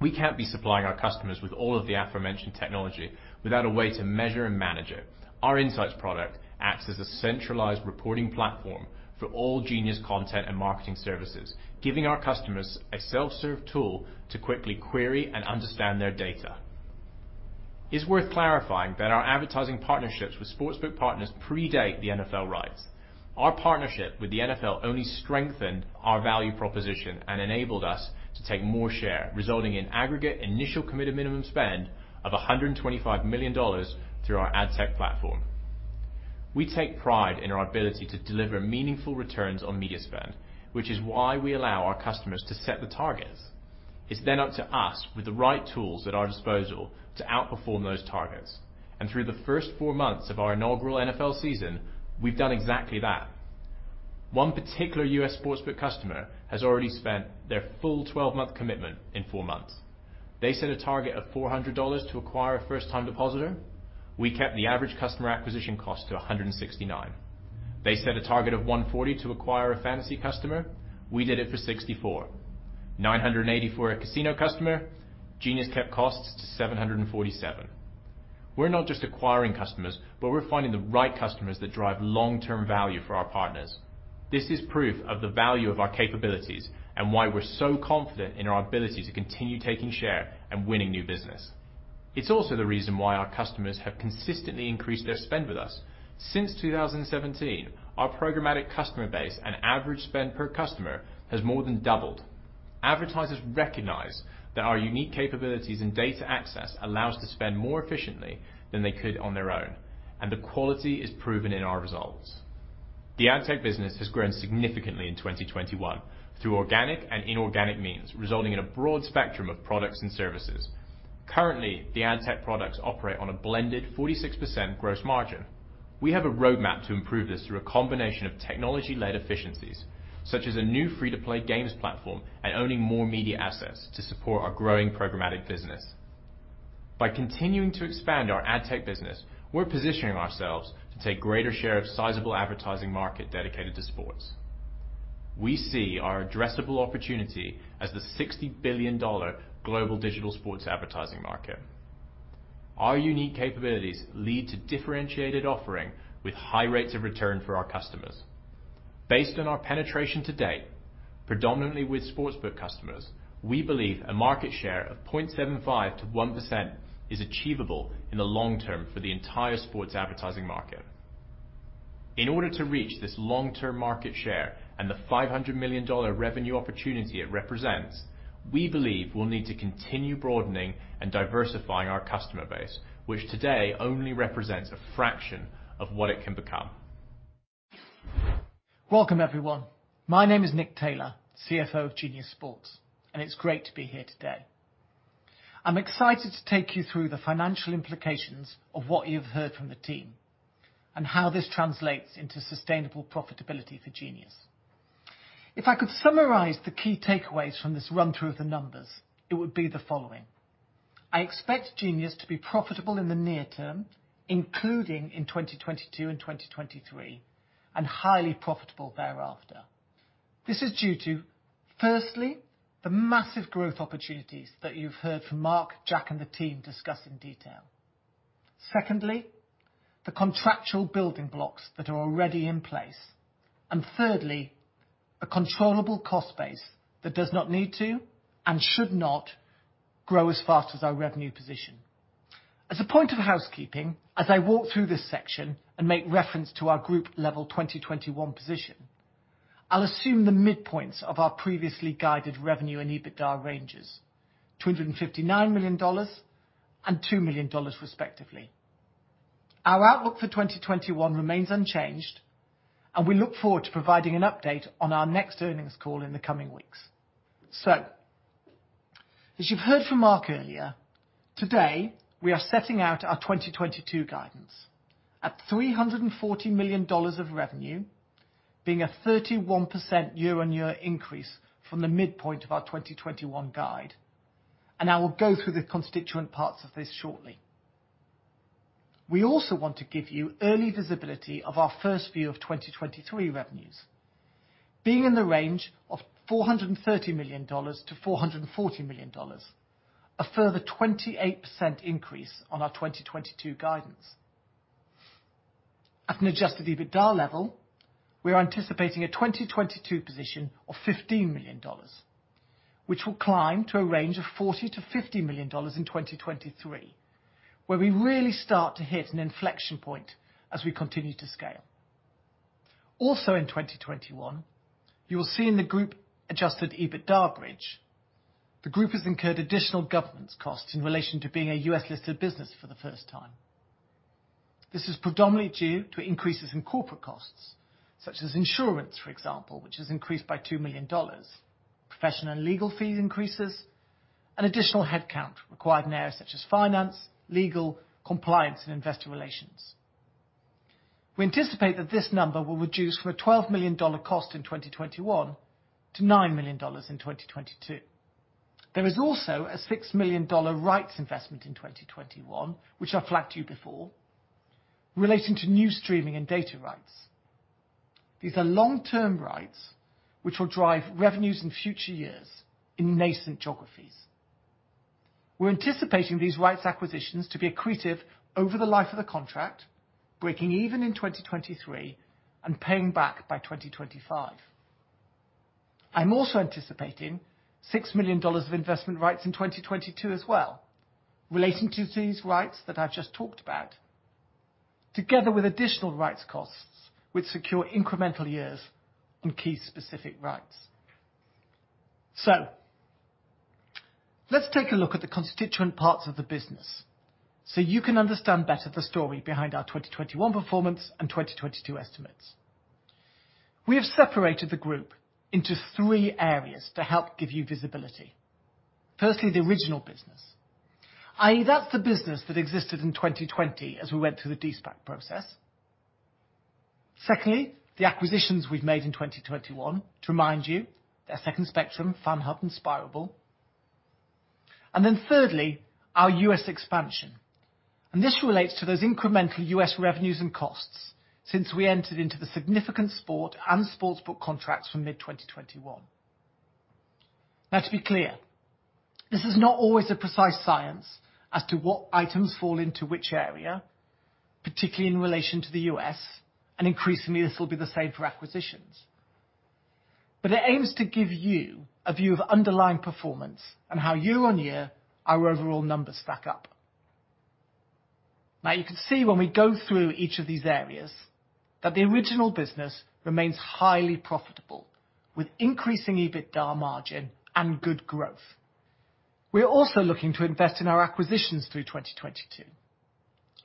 we can't be supplying our customers with all of the aforementioned technology without a way to measure and manage it. Our insights product acts as a centralized reporting platform for all Genius content and marketing services, giving our customers a self-serve tool to quickly query and understand their data. It's worth clarifying that our advertising partnerships with sportsbook partners predate the NFL rights. Our partnership with the NFL only strengthened our value proposition and enabled us to take more share, resulting in aggregate initial committed minimum spend of $125 million through our ad tech platform. We take pride in our ability to deliver meaningful returns on media spend, which is why we allow our customers to set the targets. It's then up to us with the right tools at our disposal to outperform those targets. Through the first four months of our inaugural NFL season, we've done exactly that. One particular U.S. sportsbook customer has already spent their full 12-month commitment in four months. They set a target of $400 to acquire a first-time depositor. We kept the average customer acquisition cost to $169. They set a target of $140 to acquire a fantasy customer. We did it for $64. $980 for a casino customer. Genius kept costs to $747. We're not just acquiring customers, but we're finding the right customers that drive long-term value for our partners. This is proof of the value of our capabilities and why we're so confident in our ability to continue taking share and winning new business. It's also the reason why our customers have consistently increased their spend with us. Since 2017, our programmatic customer base and average spend per customer has more than doubled. Advertisers recognize that our unique capabilities and data access allow us to spend more efficiently than they could on their own, and the quality is proven in our results. The AdTech business has grown significantly in 2021 through organic and inorganic means, resulting in a broad spectrum of products and services. Currently, the AdTech products operate on a blended 46% gross margin. We have a roadmap to improve this through a combination of technology-led efficiencies, such as a new free-to-play games platform and owning more media assets to support our growing programmatic business. By continuing to expand our AdTech business, we're positioning ourselves to take greater share of sizable advertising market dedicated to sports. We see our addressable opportunity as the $60 billion global digital sports advertising market. Our unique capabilities lead to differentiated offering with high rates of return for our customers. Based on our penetration to date, predominantly with sportsbook customers, we believe a market share of 0.75%-1% is achievable in the long term for the entire sports advertising market. In order to reach this long-term market share and the $500 million revenue opportunity it represents, we believe we'll need to continue broadening and diversifying our customer base, which today only represents a fraction of what it can become. Welcome, everyone. My name is Nick Taylor, CFO of Genius Sports, and it's great to be here today. I'm excited to take you through the financial implications of what you've heard from the team and how this translates into sustainable profitability for Genius. If I could summarize the key takeaways from this run-through of the numbers, it would be the following. I expect Genius to be profitable in the near term, including in 2022 and 2023, and highly profitable thereafter. This is due to, firstly, the massive growth opportunities that you've heard from Mark, Jack, and the team discuss in detail. Secondly, the contractual building blocks that are already in place. Thirdly, a controllable cost base that does not need to and should not grow as fast as our revenue position. As a point of housekeeping, as I walk through this section and make reference to our group level 2021 position, I'll assume the midpoints of our previously guided revenue and EBITDA ranges, $259 million and $2 million respectively. Our outlook for 2021 remains unchanged, and we look forward to providing an update on our next earnings call in the coming weeks. As you've heard from Mark earlier, today we are setting out our 2022 guidance at $340 million of revenue, being a 31% year-over-year increase from the midpoint of our 2021 guide, and I will go through the constituent parts of this shortly. We also want to give you early visibility of our first view of 2023 revenues, being in the range of $430 million-$440 million, a further 28% increase on our 2022 guidance. At an adjusted EBITDA level, we're anticipating a 2022 position of $15 million, which will climb to a range of $40 million-$50 million in 2023, where we really start to hit an inflection point as we continue to scale. Also in 2021, you will see in the group Adjusted EBITDA bridge, the group has incurred additional governance costs in relation to being a U.S.-listed business for the first time. This is predominantly due to increases in corporate costs, such as insurance, for example, which has increased by $2 million, professional and legal fees increases, and additional headcount required in areas such as finance, legal, compliance, and investor relations. We anticipate that this number will reduce from a $12 million cost in 2021 to $9 million in 2022. There is also a $6 million rights investment in 2021, which I flagged to you before, relating to new streaming and data rights. These are long-term rights which will drive revenues in future years in nascent geographies. We're anticipating these rights acquisitions to be accretive over the life of the contract, breaking even in 2023 and paying back by 2025. I'm also anticipating $6 million of investment rights in 2022 as well, relating to these rights that I've just talked about, together with additional rights costs which secure incremental years on key specific rights. Let's take a look at the constituent parts of the business so you can understand better the story behind our 2021 performance and 2022 estimates. We have separated the group into three areas to help give you visibility. Firstly, the original business, i.e., that's the business that existed in 2020 as we went through the de-SPAC process. Secondly, the acquisitions we've made in 2021. To remind you, they're Second Spectrum, FanHub, and Spirable. Then thirdly, our U.S. expansion, and this relates to those incremental U.S. revenues and costs since we entered into the significant sports and sportsbook contracts from mid-2021. Now to be clear, this is not always a precise science as to what items fall into which area, particularly in relation to the U.S., and increasingly this will be the same for acquisitions. It aims to give you a view of underlying performance and how year-on-year our overall numbers stack up. Now you can see when we go through each of these areas, that the original business remains highly profitable, with increasing EBITDA margin and good growth. We are also looking to invest in our acquisitions through 2022,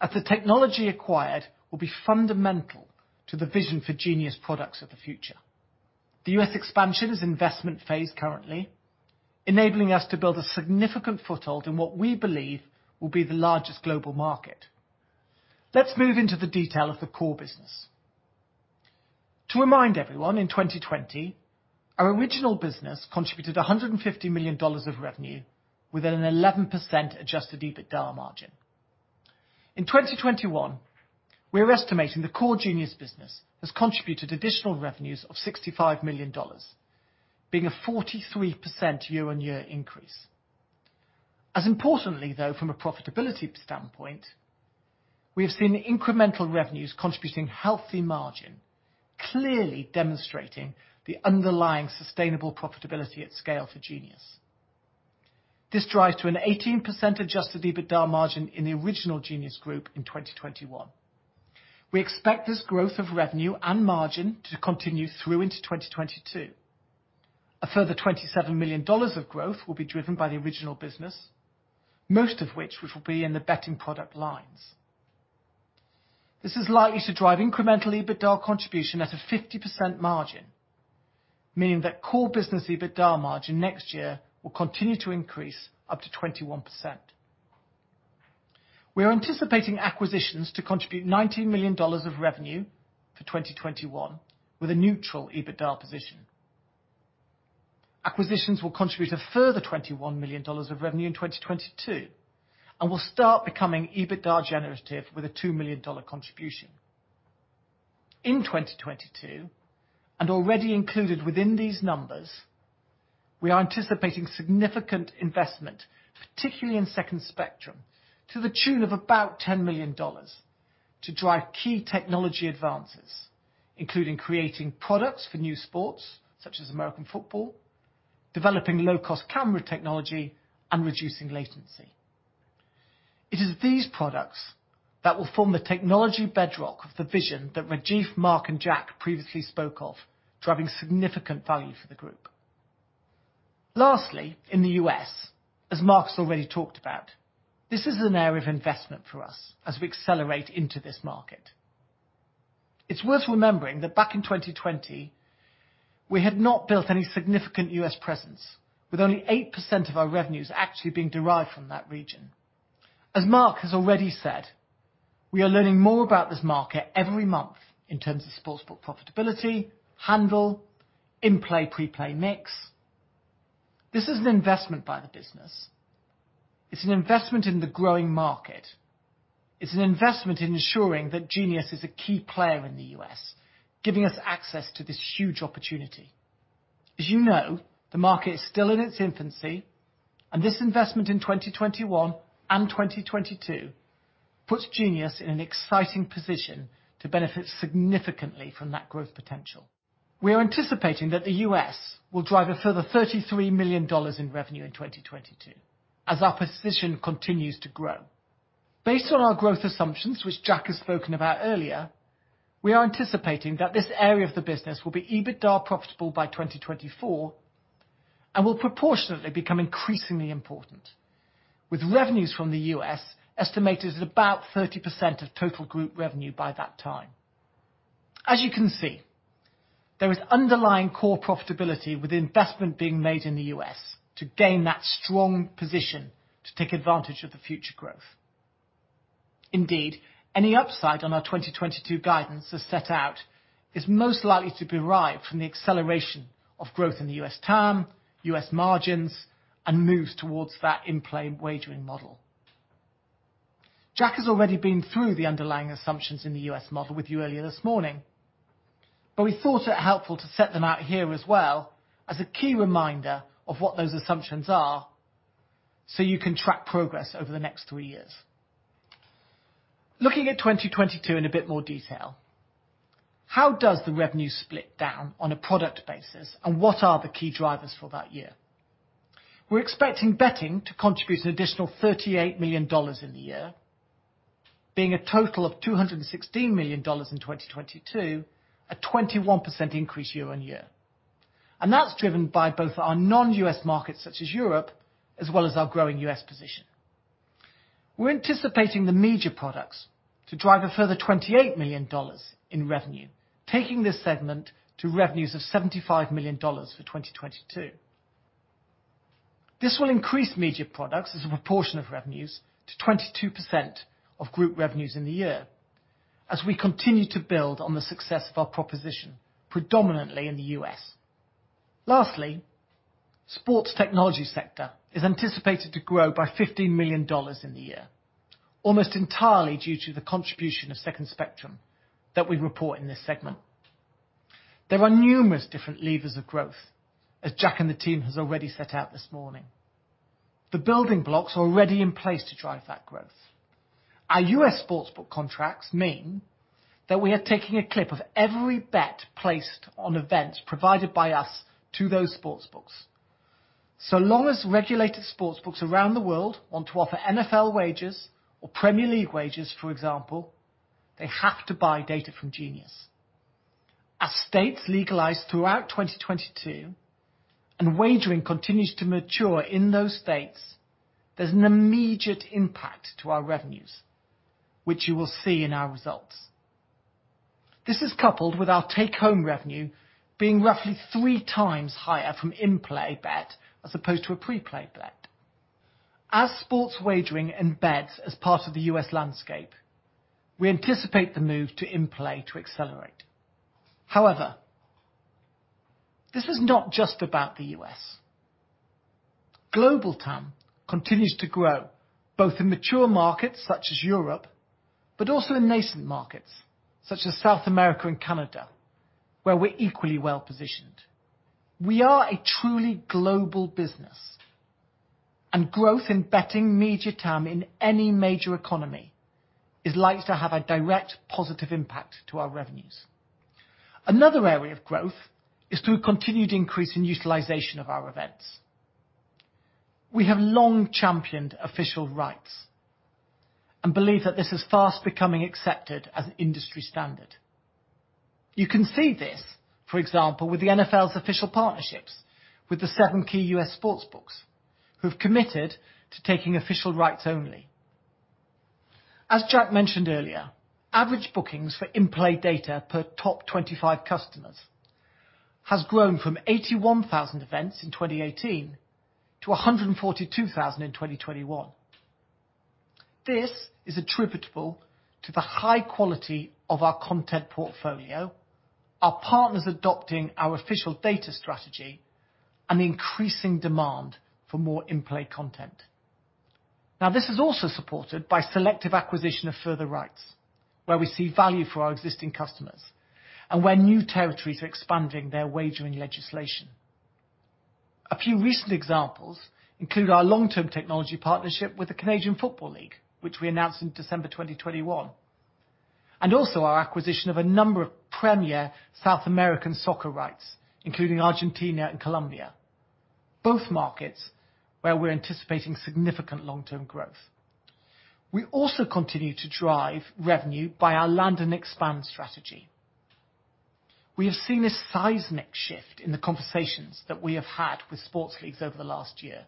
as the technology acquired will be fundamental to the vision for Genius products of the future. The U.S. expansion is investment phase currently, enabling us to build a significant foothold in what we believe will be the largest global market. Let's move into the detail of the core business. To remind everyone, in 2020, our original business contributed $150 million of revenue with an 11% Adjusted EBITDA margin. In 2021, we're estimating the core Genius business has contributed additional revenues of $65 million, being a 43% year-on-year increase. As importantly, though, from a profitability standpoint, we have seen incremental revenues contributing healthy margin, clearly demonstrating the underlying sustainable profitability at scale for Genius. This drives to an 18% Adjusted EBITDA margin in the original Genius group in 2021. We expect this growth of revenue and margin to continue through into 2022. A further $27 million of growth will be driven by the original business, most of which will be in the betting product lines. This is likely to drive incremental EBITDA contribution at a 50% margin, meaning that core business EBITDA margin next year will continue to increase up to 21%. We are anticipating acquisitions to contribute $90 million of revenue for 2021, with a neutral EBITDA position. Acquisitions will contribute a further $21 million of revenue in 2022 and will start becoming EBITDA generative with a $2 million contribution. In 2022, and already included within these numbers, we are anticipating significant investment, particularly in Second Spectrum, to the tune of about $10 million to drive key technology advances, including creating products for new sports, such as American football, developing low-cost camera technology, and reducing latency. It is these products that will form the technology bedrock of the vision that Rajiv, Mark, and Jack previously spoke of, driving significant value for the group. Lastly, in the U.S., as Mark's already talked about, this is an area of investment for us as we accelerate into this market. It's worth remembering that back in 2020, we had not built any significant U.S. presence, with only 8% of our revenues actually being derived from that region. As Mark has already said, we are learning more about this market every month in terms of sports book profitability, handle, in-play, preplay mix. This is an investment by the business. It's an investment in the growing market. It's an investment in ensuring that Genius is a key player in the U.S., giving us access to this huge opportunity. As you know, the market is still in its infancy, and this investment in 2021 and 2022 puts Genius in an exciting position to benefit significantly from that growth potential. We are anticipating that the U.S. will drive a further $33 million in revenue in 2022 as our position continues to grow. Based on our growth assumptions, which Jack has spoken about earlier, we are anticipating that this area of the business will be EBITDA profitable by 2024 and will proportionately become increasingly important, with revenues from the U.S. estimated at about 30% of total group revenue by that time. As you can see, there is underlying core profitability with investment being made in the U.S. to gain that strong position to take advantage of the future growth. Indeed, any upside on our 2022 guidance as set out is most likely to be derived from the acceleration of growth in the U.S. TAM, U.S. margins, and moves towards that in-play wagering model. Jack has already been through the underlying assumptions in the US model with you earlier this morning, but we thought it helpful to set them out here as well as a key reminder of what those assumptions are so you can track progress over the next three years. Looking at 2022 in a bit more detail, how does the revenue split down on a product basis, and what are the key drivers for that year? We're expecting betting to contribute an additional $38 million in the year, being a total of $216 million in 2022, a 21% increase year-over-year. That's driven by both our non-US markets such as Europe, as well as our growing US position. We're anticipating the media products to drive a further $28 million in revenue, taking this segment to revenues of $75 million for 2022. This will increase media products as a proportion of revenues to 22% of group revenues in the year as we continue to build on the success of our proposition, predominantly in the U.S. Lastly, sports technology sector is anticipated to grow by $15 million in the year, almost entirely due to the contribution of Second Spectrum that we report in this segment. There are numerous different levers of growth, as Jack and the team has already set out this morning. The building blocks are already in place to drive that growth. Our U.S. sportsbook contracts mean that we are taking a clip of every bet placed on events provided by us to those sportsbooks. So long as regulated sportsbooks around the world want to offer NFL wagers or Premier League wagers, for example, they have to buy data from Genius. As states legalize throughout 2022 and wagering continues to mature in those states, there's an immediate impact to our revenues, which you will see in our results. This is coupled with our take-home revenue being roughly three times higher from in-play bet as opposed to a pre-play bet. As sports wagering embeds as part of the U.S. landscape, we anticipate the move to in-play to accelerate. However, this is not just about the U.S. Global TAM continues to grow, both in mature markets such as Europe, but also in nascent markets such as South America and Canada, where we're equally well-positioned. We are a truly global business, and growth in betting media TAM in any major economy is likely to have a direct positive impact to our revenues. Another area of growth is through a continued increase in utilization of our events. We have long championed official rights and believe that this is fast becoming accepted as an industry standard. You can see this, for example, with the NFL's official partnerships with the seven key U.S. sportsbooks who have committed to taking official rights only. As Jack mentioned earlier, average bookings for in-play data per top 25 customers has grown from 81,000 events in 2018 to 142,000 in 2021. This is attributable to the high quality of our content portfolio, our partners adopting our official data strategy, and the increasing demand for more in-play content. Now, this is also supported by selective acquisition of further rights where we see value for our existing customers and where new territories are expanding their wagering legislation. A few recent examples include our long-term technology partnership with the Canadian Football League, which we announced in December 2021, and also our acquisition of a number of premier South American soccer rights, including Argentina and Colombia, both markets where we're anticipating significant long-term growth. We also continue to drive revenue by our land and expand strategy. We have seen a seismic shift in the conversations that we have had with sports leagues over the last year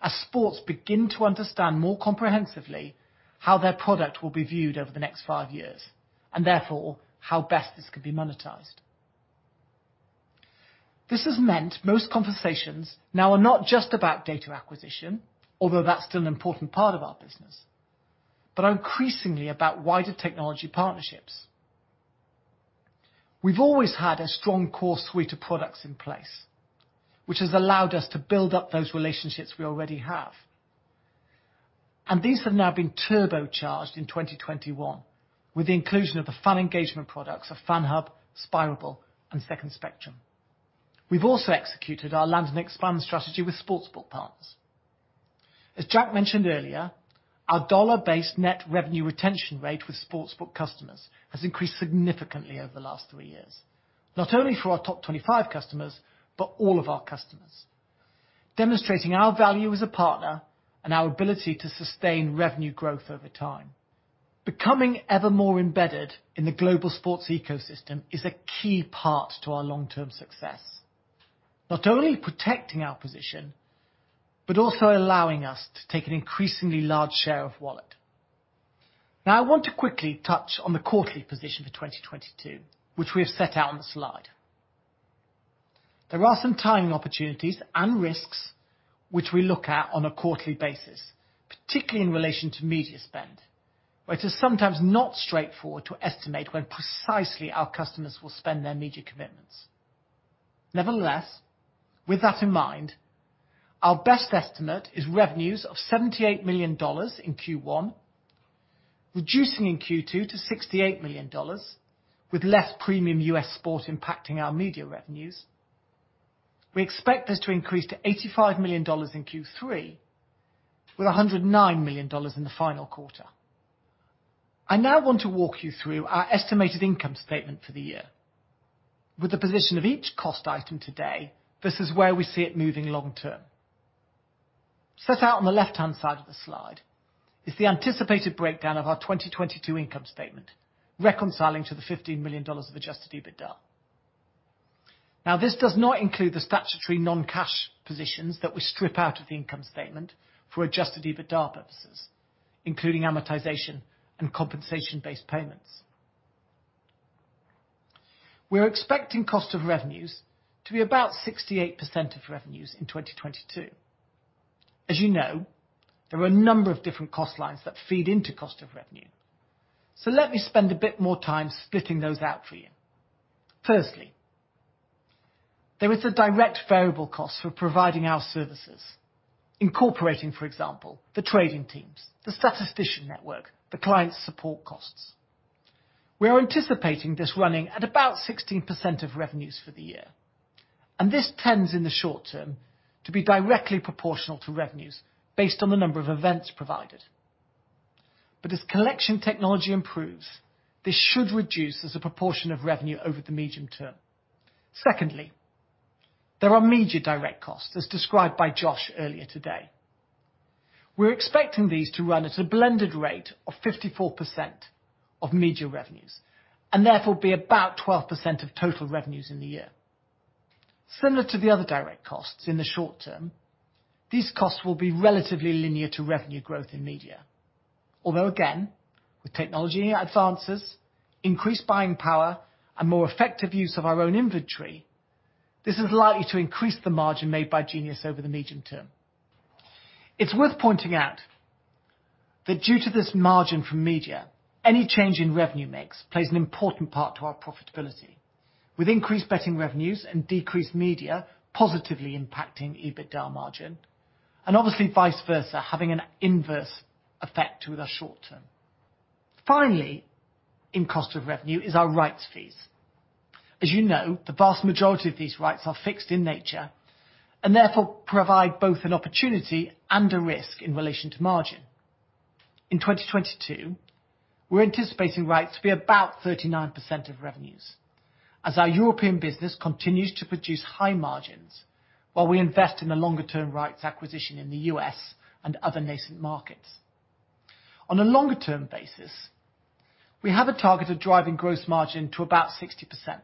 as sports begin to understand more comprehensively how their product will be viewed over the next five years, and therefore how best this could be monetized. This has meant most conversations now are not just about data acquisition, although that's still an important part of our business, but are increasingly about wider technology partnerships. We've always had a strong core suite of products in place, which has allowed us to build up those relationships we already have, and these have now been turbocharged in 2021 with the inclusion of the fan engagement products of FanHub, Spirable, and Second Spectrum. We've also executed our land and expand strategy with sportsbook partners. As Jack mentioned earlier, our dollar-based net revenue retention rate with sportsbook customers has increased significantly over the last three years, not only for our top 25 customers, but all of our customers, demonstrating our value as a partner and our ability to sustain revenue growth over time. Becoming ever more embedded in the global sports ecosystem is a key part to our long-term success, not only protecting our position, but also allowing us to take an increasingly large share of wallet. Now, I want to quickly touch on the quarterly position for 2022, which we have set out on the slide. There are some timing opportunities and risks which we look at on a quarterly basis, particularly in relation to media spend, where it is sometimes not straightforward to estimate when precisely our customers will spend their media commitments. Nevertheless, with that in mind, our best estimate is revenues of $78 million in Q1, reducing in Q2 to $68 million with less premium U.S. sport impacting our media revenues. We expect this to increase to $85 million in Q3, with $109 million in the final quarter. I now want to walk you through our estimated income statement for the year. With the position of each cost item today, this is where we see it moving long term. Set out on the left-hand side of the slide is the anticipated breakdown of our 2022 income statement, reconciling to the $15 million of Adjusted EBITDA. Now, this does not include the statutory non-cash positions that we strip out of the income statement for Adjusted EBITDA purposes, including amortization and compensation-based payments. We're expecting cost of revenues to be about 68% of revenues in 2022. As you know, there are a number of different cost lines that feed into cost of revenue, so let me spend a bit more time splitting those out for you. Firstly, there is the direct variable cost for providing our services, incorporating, for example, the trading teams, the statistician network, the client support costs. We are anticipating this running at about 16% of revenues for the year, and this tends in the short term to be directly proportional to revenues based on the number of events provided. As collection technology improves, this should reduce as a proportion of revenue over the medium term. Secondly, there are media direct costs, as described by Josh earlier today. We're expecting these to run at a blended rate of 54% of media revenues, and therefore be about 12% of total revenues in the year. Similar to the other direct costs in the short term, these costs will be relatively linear to revenue growth in media. Although again, with technology advances, increased buying power, and more effective use of our own inventory, this is likely to increase the margin made by Genius over the medium term. It's worth pointing out that due to this margin from media, any change in revenue mix plays an important part to our profitability. With increased betting revenues and decreased media positively impacting EBITDA margin, and obviously vice versa, having an inverse effect in our short term. Finally, in cost of revenue is our rights fees. As you know, the vast majority of these rights are fixed in nature and therefore provide both an opportunity and a risk in relation to margin. In 2022, we're anticipating rights to be about 39% of revenues as our European business continues to produce high margins while we invest in the longer-term rights acquisition in the U.S. and other nascent markets. On a longer-term basis, we have a target of driving gross margin to about 60%.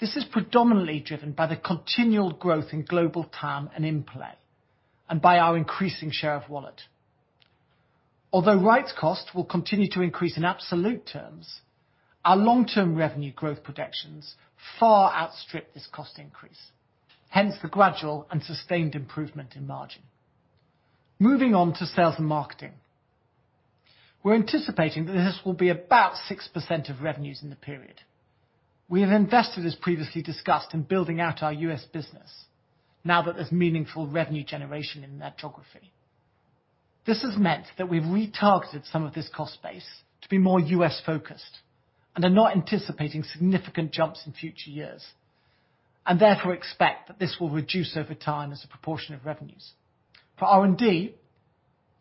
This is predominantly driven by the continual growth in global TAM and in-play, and by our increasing share of wallet. Although rights cost will continue to increase in absolute terms, our long-term revenue growth projections far outstrip this cost increase, hence the gradual and sustained improvement in margin. Moving on to sales and marketing. We're anticipating that this will be about 6% of revenues in the period. We have invested, as previously discussed, in building out our U.S. business now that there's meaningful revenue generation in that geography. This has meant that we've retargeted some of this cost base to be more U.S.-focused and are not anticipating significant jumps in future years, and therefore expect that this will reduce over time as a proportion of revenues. For R&D,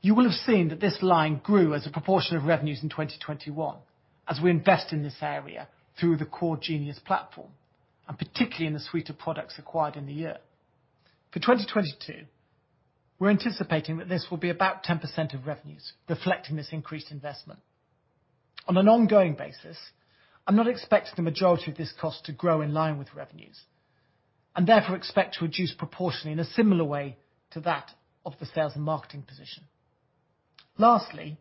you will have seen that this line grew as a proportion of revenues in 2021 as we invest in this area through the core Genius platform, and particularly in the suite of products acquired in the year. For 2022, we're anticipating that this will be about 10% of revenues, reflecting this increased investment. On an ongoing basis, I'm not expecting the majority of this cost to grow in line with revenues, and therefore expect to reduce proportionally in a similar way to that of the sales and marketing position. Lastly,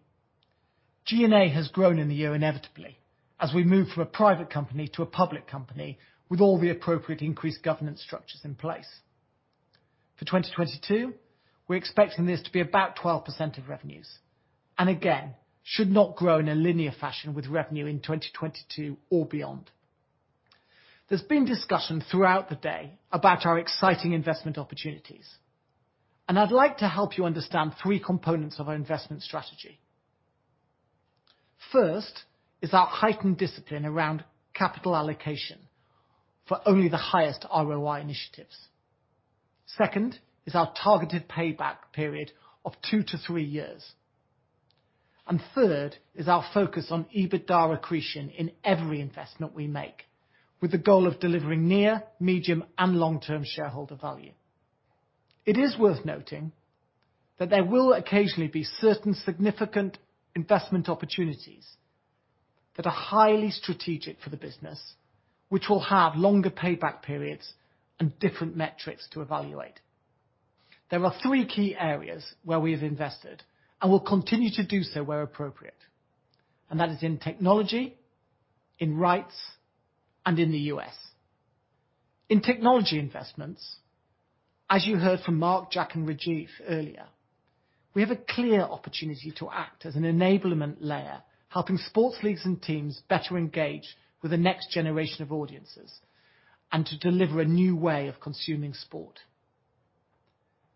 G&A has grown in the year inevitably as we move from a private company to a public company with all the appropriate increased governance structures in place. For 2022, we're expecting this to be about 12% of revenues, and again, should not grow in a linear fashion with revenue in 2022 or beyond. There's been discussion throughout the day about our exciting investment opportunities, and I'd like to help you understand three components of our investment strategy. First is our heightened discipline around capital allocation for only the highest ROI initiatives. Second is our targeted payback period of two to three years. Third is our focus on EBITDA accretion in every investment we make with the goal of delivering near, medium, and long-term shareholder value. It is worth noting that there will occasionally be certain significant investment opportunities that are highly strategic for the business, which will have longer payback periods and different metrics to evaluate. There are three key areas where we have invested and will continue to do so where appropriate, and that is in technology, in rights, and in the U.S. In technology investments, as you heard from Mark, Jack, and Rajiv earlier, we have a clear opportunity to act as an enablement layer, helping sports leagues and teams better engage with the next generation of audiences and to deliver a new way of consuming sport.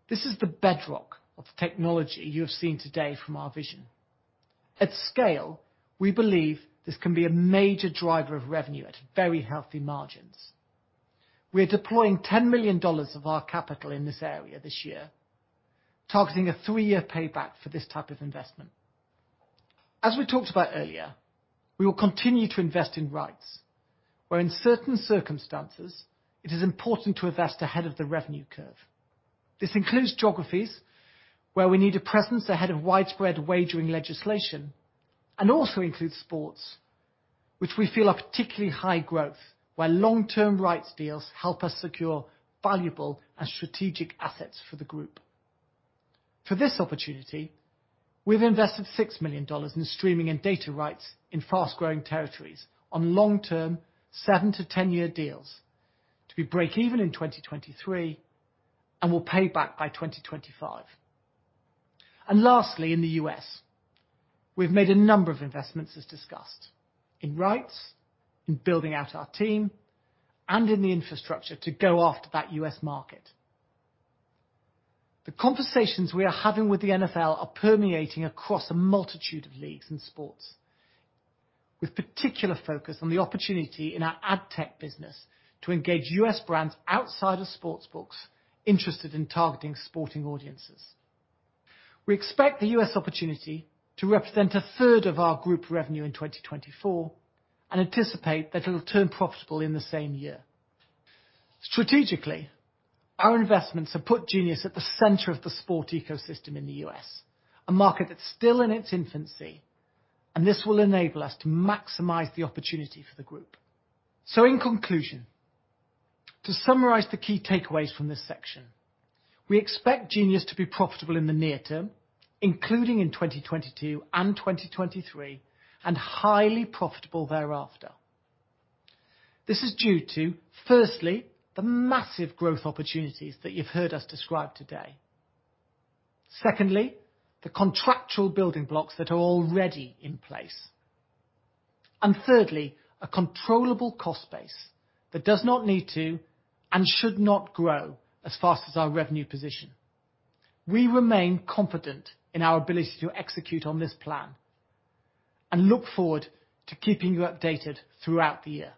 This is the bedrock of the technology you have seen today from our vision. At scale, we believe this can be a major driver of revenue at very healthy margins. We are deploying $10 million of our capital in this area this year, targeting a three-year payback for this type of investment. As we talked about earlier, we will continue to invest in rights, where in certain circumstances it is important to invest ahead of the revenue curve. This includes geographies where we need a presence ahead of widespread wagering legislation and also includes sports which we feel are particularly high growth, where long-term rights deals help us secure valuable and strategic assets for the group. For this opportunity, we've invested $6 million in streaming and data rights in fast-growing territories on long-term seven to 10-year deals to be breakeven in 2023 and will pay back by 2025. Lastly, in the U.S., we've made a number of investments, as discussed, in rights, in building out our team, and in the infrastructure to go after that U.S. market. The conversations we are having with the NFL are permeating across a multitude of leagues in sports, with particular focus on the opportunity in our ad tech business to engage U.S. brands outside of sports books interested in targeting sporting audiences. We expect the U.S. opportunity to represent a third of our group revenue in 2024, and anticipate that it'll turn profitable in the same year. Strategically, our investments have put Genius at the center of the sport ecosystem in the U.S., a market that's still in its infancy, and this will enable us to maximize the opportunity for the group. In conclusion, to summarize the key takeaways from this section, we expect Genius to be profitable in the near term, including in 2022 and 2023, and highly profitable thereafter. This is due to, firstly, the massive growth opportunities that you've heard us describe today. Secondly, the contractual building blocks that are already in place. And thirdly, a controllable cost base that does not need to and should not grow as fast as our revenue position. We remain confident in our ability to execute on this plan, and look forward to keeping you updated throughout the year.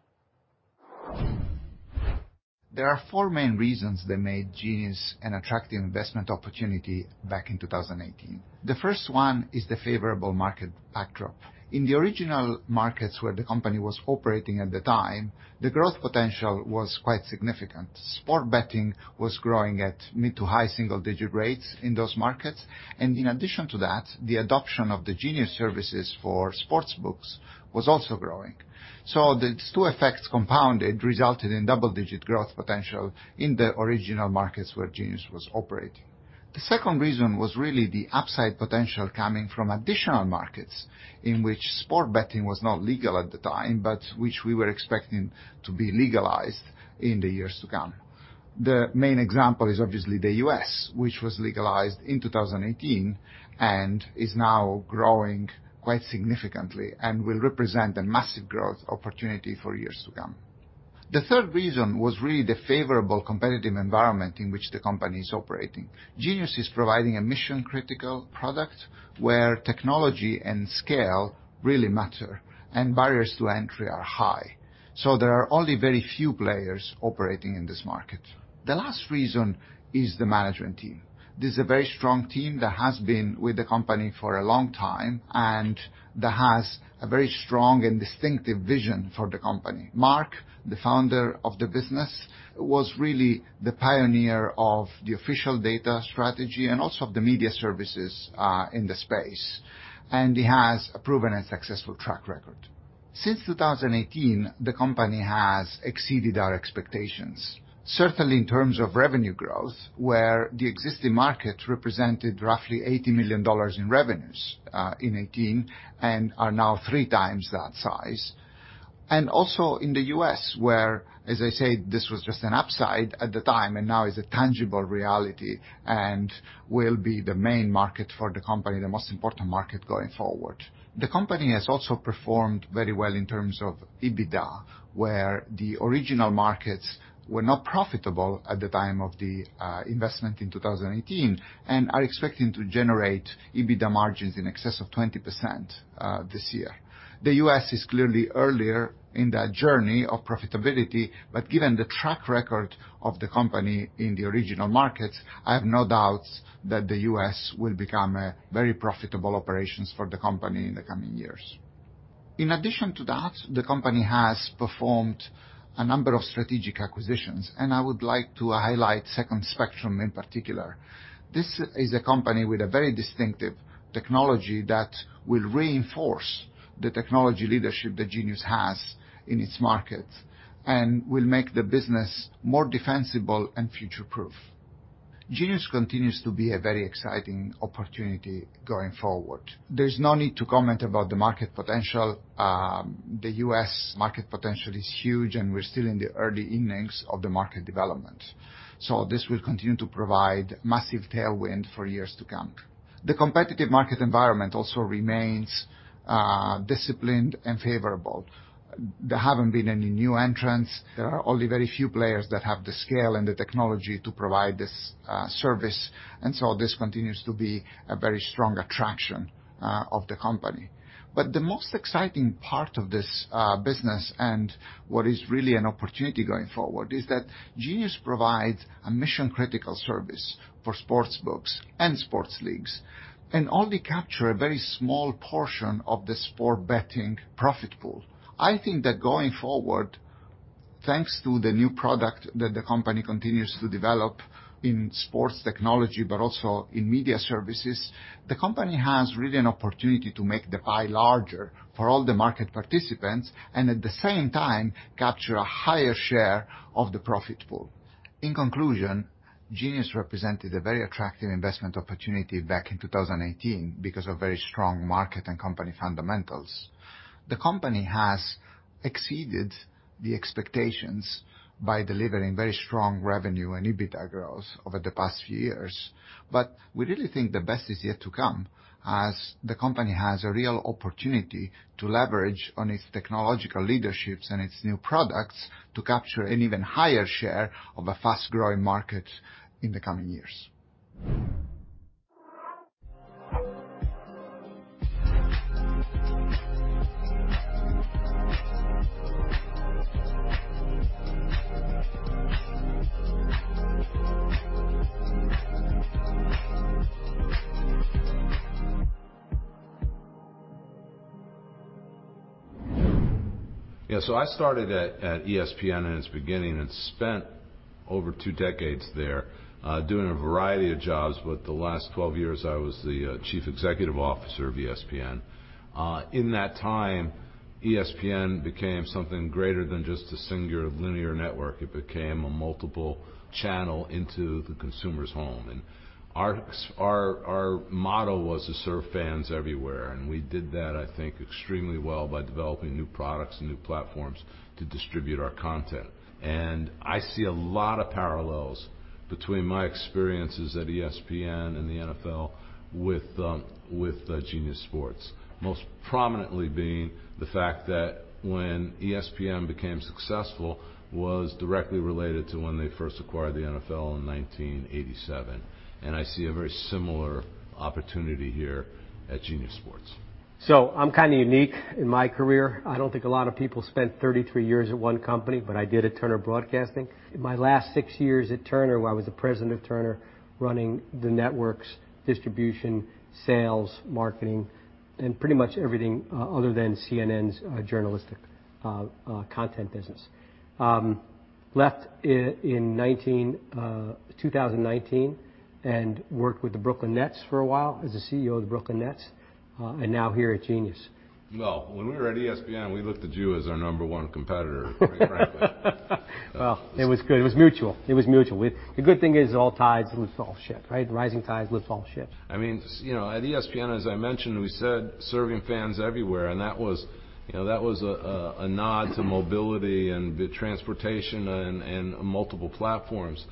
There are four main reasons that made Genius an attractive investment opportunity back in 2018. The first one is the favorable market backdrop. In the original markets where the company was operating at the time, the growth potential was quite significant. Sports betting was growing at mid- to high single-digit rates in those markets. In addition to that, the adoption of the Genius services for sportsbooks was also growing. The two effects compounded resulted in double-digit growth potential in the original markets where Genius was operating. The second reason was really the upside potential coming from additional markets in which sports betting was not legal at the time, but which we were expecting to be legalized in the years to come. The main example is obviously the U.S., which was legalized in 2018 and is now growing quite significantly and will represent a massive growth opportunity for years to come. The third reason was really the favorable competitive environment in which the company's operating. Genius is providing a mission-critical product where technology and scale really matter, and barriers to entry are high. There are only very few players operating in this market. The last reason is the management team. This is a very strong team that has been with the company for a long time, and that has a very strong and distinctive vision for the company. Mark, the founder of the business, was really the pioneer of the official data strategy and also of the media services, in the space, and he has a proven and successful track record. Since 2018, the company has exceeded our expectations, certainly in terms of revenue growth, where the existing market represented roughly $80 million in revenues in 2018, and are now three times that size. Also in the U.S. where, as I say, this was just an upside at the time, and now is a tangible reality and will be the main market for the company, the most important market going forward. The company has also performed very well in terms of EBITDA, where the original markets were not profitable at the time of the investment in 2018, and are expecting to generate EBITDA margins in excess of 20% this year. The U.S. is clearly earlier in that journey of profitability, but given the track record of the company in the original markets, I have no doubts that the U.S. will become a very profitable operations for the company in the coming years. In addition to that, the company has performed a number of strategic acquisitions, and I would like to highlight Second Spectrum in particular. This is a company with a very distinctive technology that will reinforce the technology leadership that Genius has in its markets and will make the business more defensible and future-proof. Genius continues to be a very exciting opportunity going forward. There's no need to comment about the market potential. The U.S. market potential is huge, and we're still in the early innings of the market development. This will continue to provide massive tailwind for years to come. The competitive market environment also remains disciplined and favorable. There haven't been any new entrants. There are only very few players that have the scale and the technology to provide this service. This continues to be a very strong attraction of the company. The most exciting part of this business and what is really an opportunity going forward is that Genius provides a mission-critical service for sports books and sports leagues, and only capture a very small portion of the sports betting profit pool. I think that going forward, thanks to the new product that the company continues to develop in sports technology, but also in media services, the company has really an opportunity to make the pie larger for all the market participants and at the same time, capture a higher share of the profit pool. In conclusion, Genius represented a very attractive investment opportunity back in 2018 because of very strong market and company fundamentals. The company has exceeded the expectations by delivering very strong revenue and EBITDA growth over the past few years. We really think the best is yet to come, as the company has a real opportunity to leverage on its technological leaderships and its new products to capture an even higher share of a fast-growing market in the coming years. I started at ESPN in its beginning and spent over two decades there, doing a variety of jobs, but the last 12 years I was the Chief Executive Officer of ESPN. In that time, ESPN became something greater than just a singular linear network. It became a multiple channel into the consumer's home. Our motto was to serve fans everywhere, and we did that, I think, extremely well by developing new products and new platforms to distribute our content. I see a lot of parallels between my experiences at ESPN and the NFL with Genius Sports. Most prominently being the fact that when ESPN became successful was directly related to when they first acquired the NFL in 1987. I see a very similar opportunity here at Genius Sports. I'm kinda unique in my career. I don't think a lot of people spent 33 years at one company, but I did at Turner Broadcasting System. My last six years at Turner, where I was the President of Turner, running the network's distribution, sales, marketing, and pretty much everything other than CNN's journalistic content business. Left in 2019 and worked with the Brooklyn Nets for a while as the CEO of the Brooklyn Nets, and now here at Genius. Well, when we were at ESPN, we looked at you as our number one competitor, quite frankly. Well, it was good. It was mutual. The good thing is all tides lifts all ships, right? Rising tides lifts all ships. I mean, you know, at ESPN, as I mentioned, we said, serving fans everywhere, and that was, you know, that was a nod to mobility and the transformation and multiple platforms.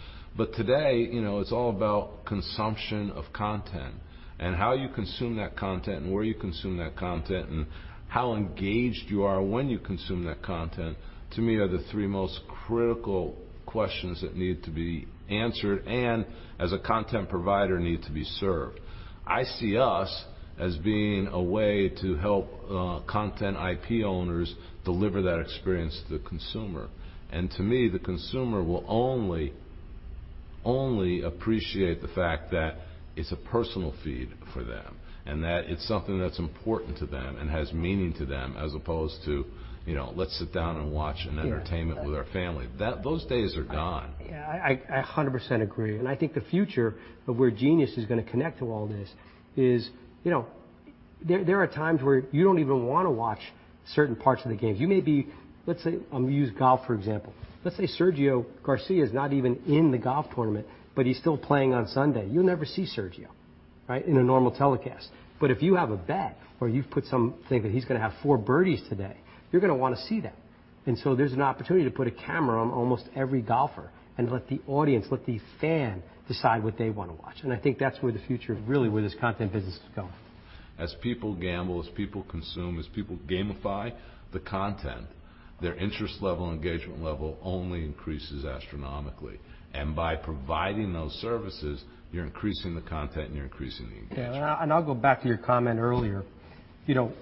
Today, you know, it's all about consumption of content and how you consume that content and where you consume that content and how engaged you are when you consume that content, to me, are the three most critical questions that need to be answered and as a content provider need to be served. I see us as being a way to help content IP owners deliver that experience to the consumer. To me, the consumer will only appreciate the fact that it's a personal feed for them and that it's something that's important to them and has meaning to them as opposed to, you know, let's sit down and watch an entertainment with our family. That those days are gone. Yeah, I 100% agree. I think the future of where Genius is gonna connect to all this is, you know, there are times where you don't even wanna watch certain parts of the game. You may be, let's say, I'm gonna use golf, for example. Let's say Sergio Garcia is not even in the golf tournament, but he's still playing on Sunday. You'll never see Sergio, right, in a normal telecast. But if you have a bet or you've put something that he's gonna have 4 birdies today, you're gonna wanna see that. There's an opportunity to put a camera on almost every golfer and let the audience, let the fan decide what they wanna watch. I think that's where the future, really where this content business is going. As people gamble, as people consume, as people gamify the content, their interest level, engagement level only increases astronomically. By providing those services, you're increasing the content and you're increasing the engagement. Yeah. I'll go back to your comment earlier, you know,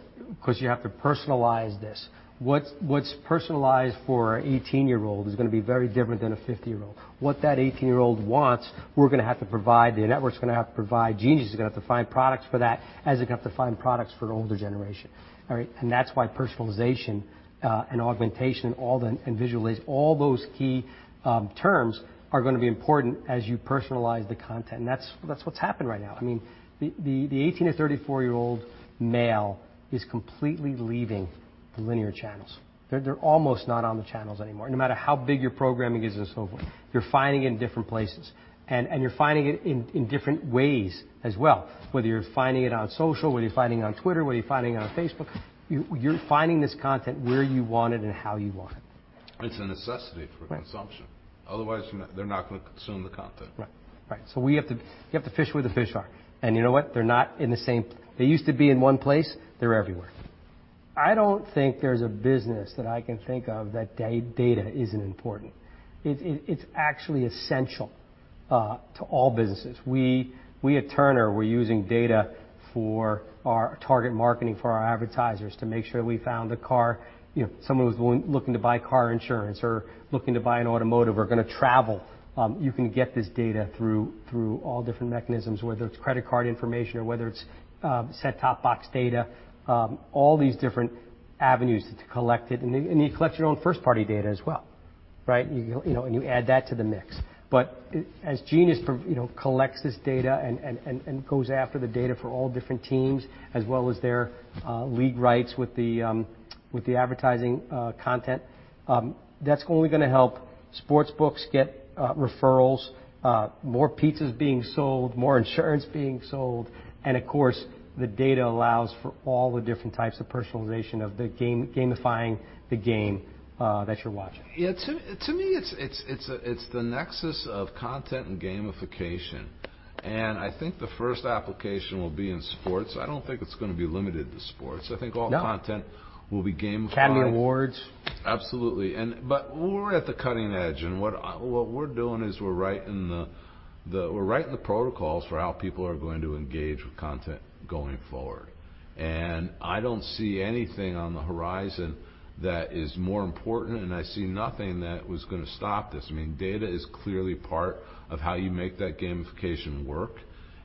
'cause you have to personalize this. What's personalized for an 18-year-old is gonna be very different than a 50-year-old. What that 18-year-old wants, we're gonna have to provide, the network's gonna have to provide, Genius is gonna have to find products for that, as they have to find products for an older generation. All right? That's why personalization, and augmentation and visualization, all those key terms are gonna be important as you personalize the content. That's what's happening right now. I mean, the 18- to 34-year-old male is completely leaving the linear channels. They're almost not on the channels anymore. No matter how big your programming is and so forth, you're finding it in different places. You're finding it in different ways as well, whether you're finding it on social, whether you're finding it on Twitter, whether you're finding it on Facebook, you're finding this content where you want it and how you want it. It's a necessity for consumption. Right. Otherwise, they're not gonna consume the content. Right. You have to fish where the fish are. You know what? They're not in the same place. They used to be in one place, they're everywhere. I don't think there's a business that I can think of that data isn't important. It's actually essential to all businesses. We at Turner were using data for our target marketing for our advertisers to make sure we found someone who's looking to buy car insurance or looking to buy an automotive or gonna travel. You can get this data through all different mechanisms, whether it's credit card information or whether it's set-top box data, all these different avenues to collect it. You collect your own first-party data as well. Right? You know, you add that to the mix. As Genius you know, collects this data and goes after the data for all different teams, as well as their league rights with the advertising content, that's only gonna help sports books get referrals, more pizzas being sold, more insurance being sold, and of course, the data allows for all the different types of personalization of the gamifying the game that you're watching. Yeah. To me it's the nexus of content and gamification. I think the first application will be in sports. I don't think it's gonna be limited to sports. No. I think all content will be gamified. Academy Awards. Absolutely. We're at the cutting edge, and what we're doing is we're writing the protocols for how people are going to engage with content going forward. I don't see anything on the horizon that is more important, and I see nothing that was gonna stop this. I mean, data is clearly part of how you make that gamification work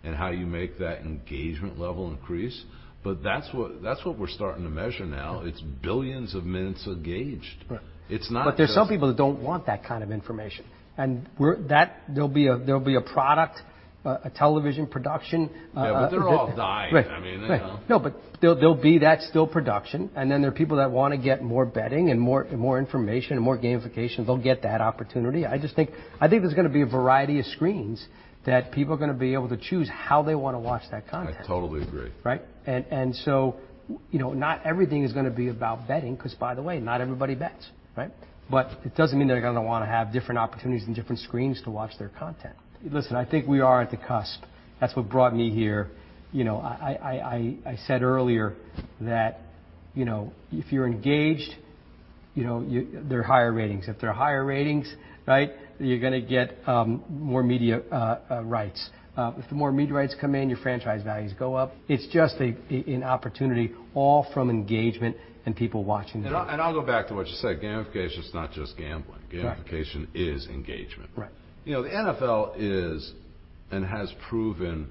and how you make that engagement level increase. That's what we're starting to measure now. It's billions of minutes engaged. Right. It's not just. There's some people that don't want that kind of information, and there'll be a product, a television production. Yeah, they're all dying. I mean, you know. Right. No, but there'll be that still production, and then there are people that wanna get more betting and more information and more gamification. They'll get that opportunity. I just think there's gonna be a variety of screens that people are gonna be able to choose how they wanna watch that content. I totally agree. Right? You know, not everything is gonna be about betting, 'cause by the way, not everybody bets, right? It doesn't mean they're gonna wanna have different opportunities and different screens to watch their content. Listen, I think we are at the cusp. That's what brought me here. You know, I said earlier that, you know, if you're engaged, there are higher ratings. If there are higher ratings, right? You're gonna get more media rights. If more media rights come in, your franchise values go up. It's just an opportunity all from engagement and people watching the game. I'll go back to what you said, gamification is not just gambling. Right. Gamification is engagement. Right. You know, the NFL is and has proven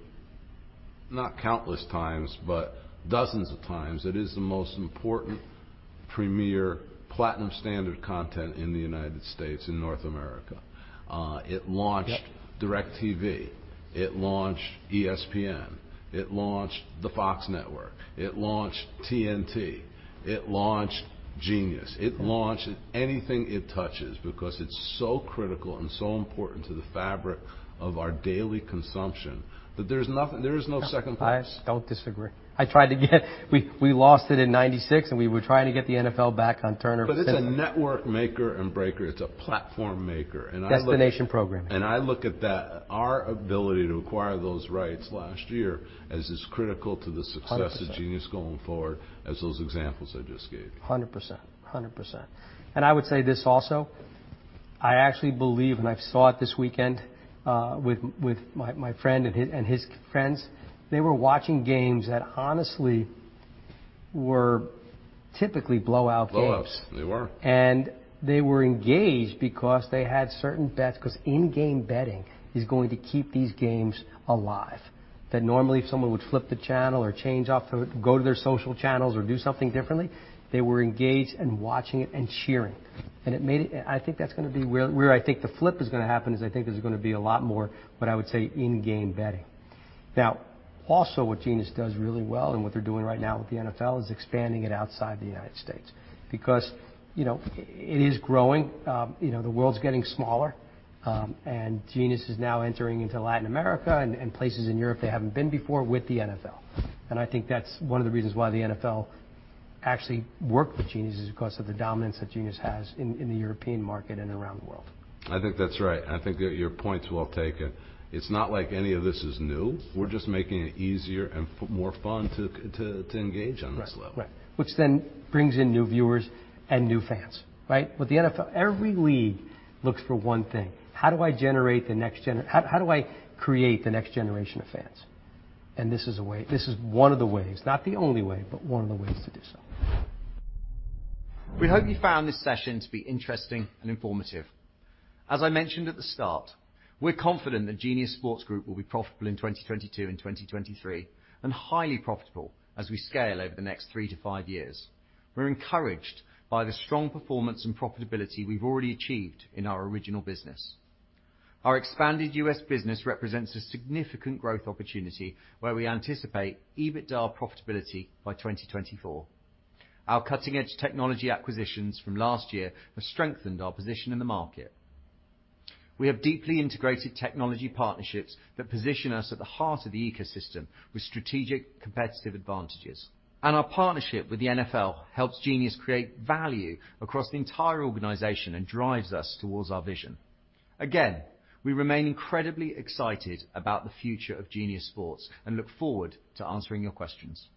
not countless times, but dozens of times, it is the most important premier platinum standard content in the United States, in North America. It launched- Yep. DirecTV. It launched ESPN. It launched the Fox Network. It launched TNT. It launched Genius. Yeah. It launched anything it touches because it's so critical and so important to the fabric of our daily consumption that there is no second place. I don't disagree. We lost it in 1996, and we were trying to get the NFL back on Turner since then. It's a network maker and breaker. It's a platform maker. Destination programming. I look at that, our ability to acquire those rights last year, as it is critical to the success. 100%. of Genius going forward as those examples I just gave you. 100%. I would say this also, I actually believe, and I saw it this weekend, with my friend and his friends, they were watching games that honestly were typically blowout games. Blowouts. They were. They were engaged because they had certain bets, 'cause in-game betting is going to keep these games alive. That normally if someone would flip the channel or change off to go to their social channels or do something differently, they were engaged and watching it and cheering. I think that's gonna be where I think the flip is gonna happen, is I think there's gonna be a lot more what I would say in-game betting. Now, also what Genius does really well, and what they're doing right now with the NFL, is expanding it outside the United States. Because, you know, it is growing. You know, the world's getting smaller. And Genius is now entering into Latin America and places in Europe they haven't been before with the NFL. I think that's one of the reasons why the NFL actually worked with Genius is because of the dominance that Genius has in the European market and around the world. I think that's right. I think that your point's well taken. It's not like any of this is new. Right. We're just making it easier and more fun to engage on this level. Right. Which then brings in new viewers and new fans, right? With the NFL, every league looks for one thing. How do I create the next generation of fans? This is a way, this is one of the ways, not the only way, but one of the ways to do so. We hope you found this session to be interesting and informative. As I mentioned at the start, we're confident that Genius Sports Group will be profitable in 2022 and 2023, and highly profitable as we scale over the next three to three years. We're encouraged by the strong performance and profitability we've already achieved in our original business. Our expanded U.S. business represents a significant growth opportunity where we anticipate EBITDA profitability by 2024. Our cutting-edge technology acquisitions from last year have strengthened our position in the market. We have deeply integrated technology partnerships that position us at the heart of the ecosystem with strategic competitive advantages. Our partnership with the NFL helps Genius create value across the entire organization and drives us towards our vision. Again, we remain incredibly excited about the future of Genius Sports, and look forward to answering your questions.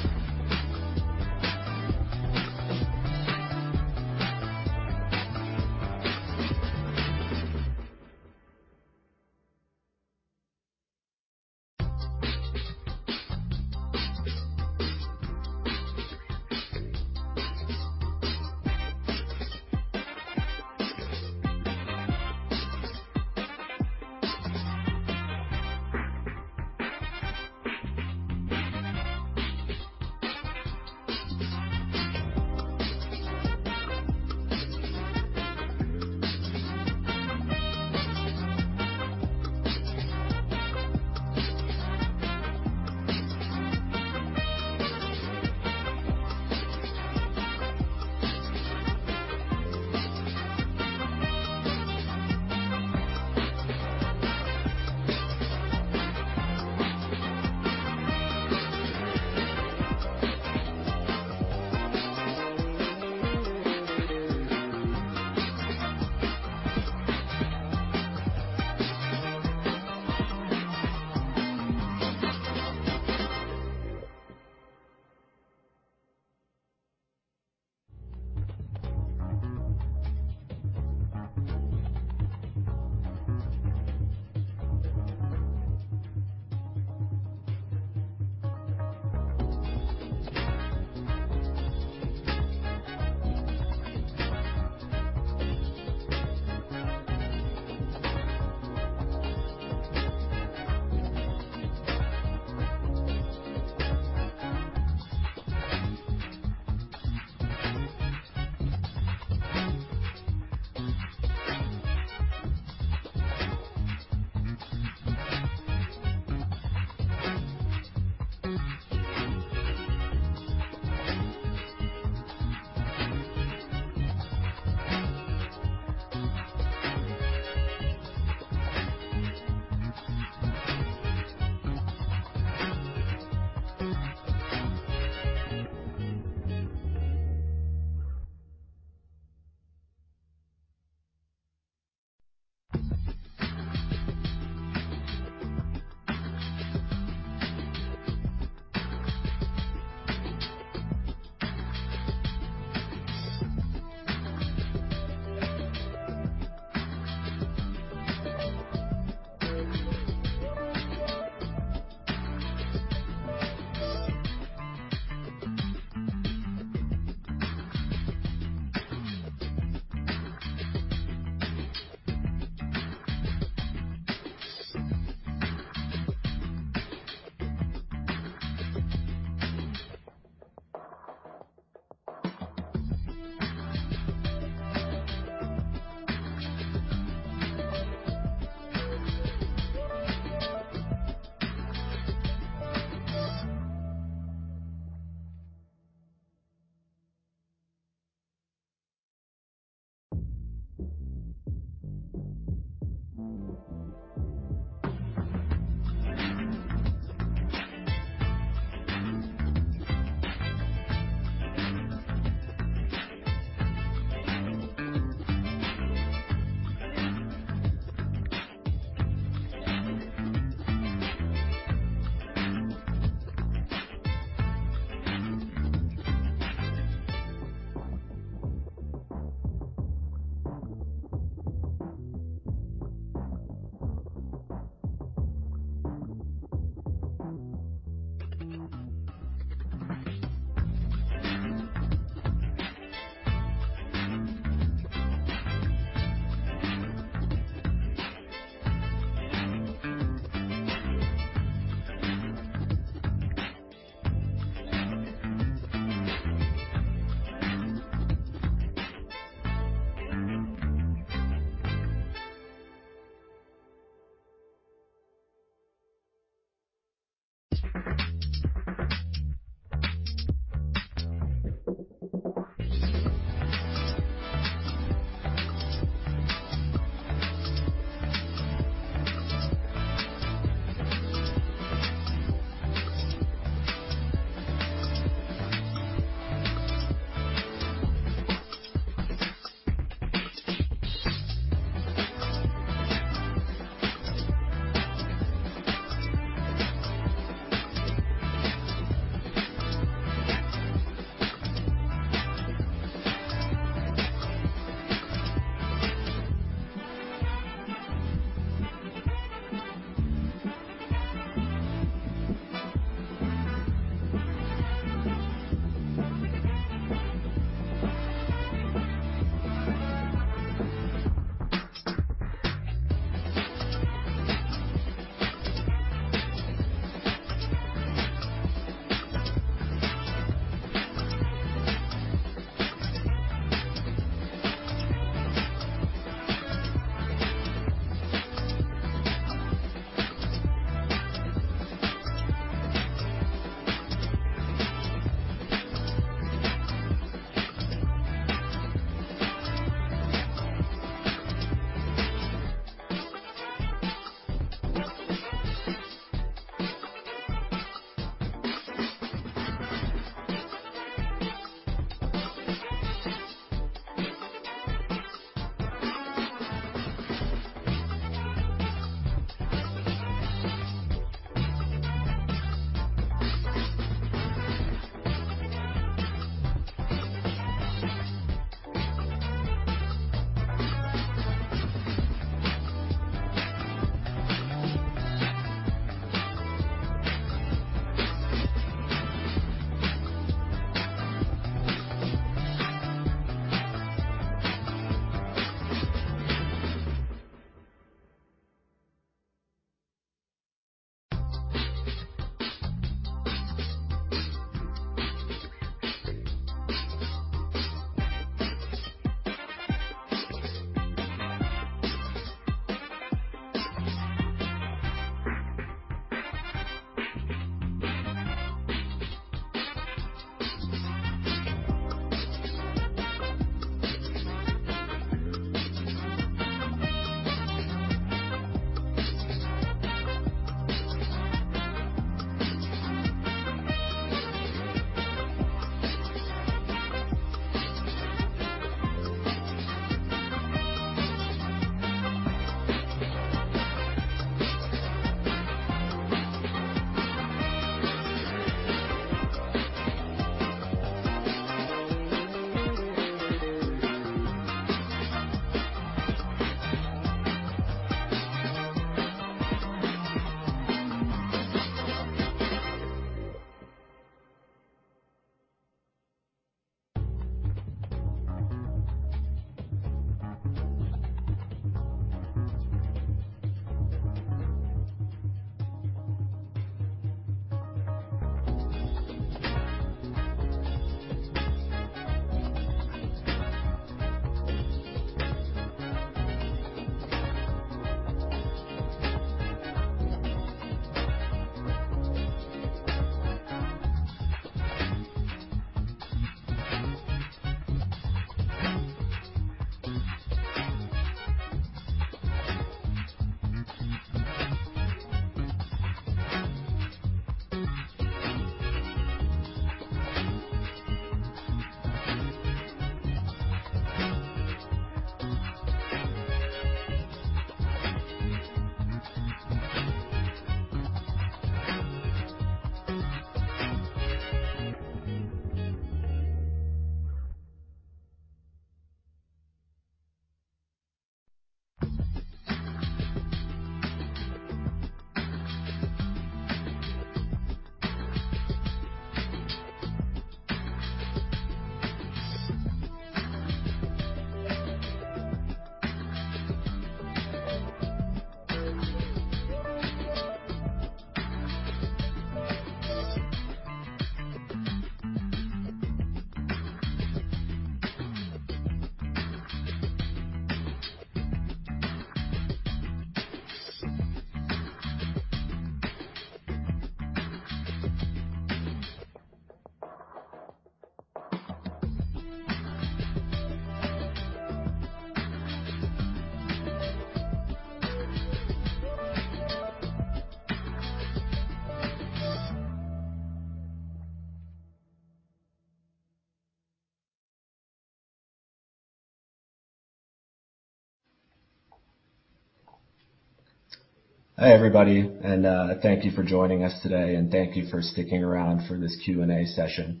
Hi, everybody, and thank you for joining us today, and thank you for sticking around for this Q&A session.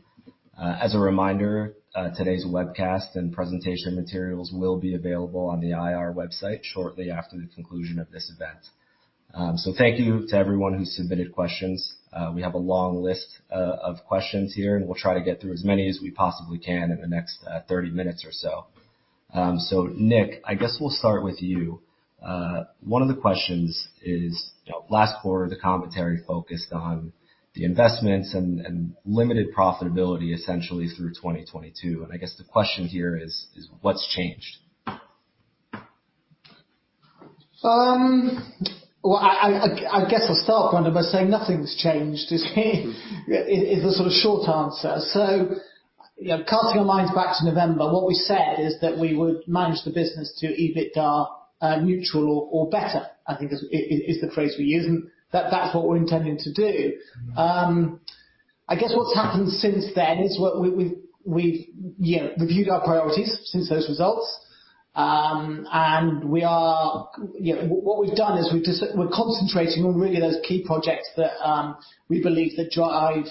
As a reminder, today's webcast and presentation materials will be available on the ir website shortly after the conclusion of this event. So thank you to everyone who submitted questions. We have a long list of questions here, and we'll try to get through as many as we possibly can in the next 30 minutes or so. So Nick, I guess we'll start with you. One of the questions is, you know, last quarter, the commentary focused on the investments and limited profitability essentially through 2022. I guess the question here is, what's changed? Well, I guess I'll start, Brandon, by saying nothing's changed. It's the sort of short answer. You know, casting our minds back to November, what we said is that we would manage the business to EBITDA neutral or better, I think that's the phrase we used. That's what we're intending to do. I guess what's happened since then is we've, you know, reviewed our priorities since those results. You know, what we've done is we're concentrating on really those key projects that we believe that drive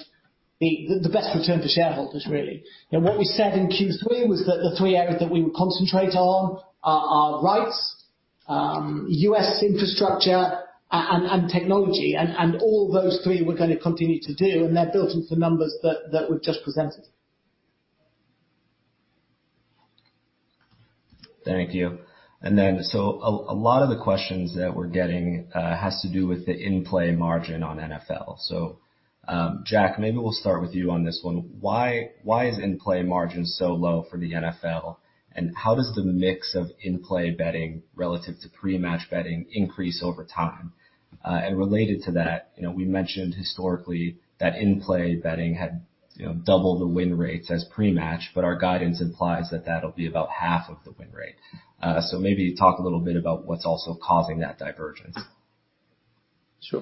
the best return for shareholders really. You know, what we said in Q3 was that the three areas that we would concentrate on are rights, U.S. infrastructure and technology, and all those three we're gonna continue to do, and they're built into the numbers that we've just presented. Thank you. A lot of the questions that we're getting has to do with the in-play margin on NFL. Jack, maybe we'll start with you on this one. Why is in-play margin so low for the NFL? And how does the mix of in-play betting relative to pre-match betting increase over time? And related to that, you know, we mentioned historically that in-play betting had, you know, double the win rates as pre-match, but our guidance implies that that'll be about half of the win rate. Maybe talk a little bit about what's also causing that divergence. Sure.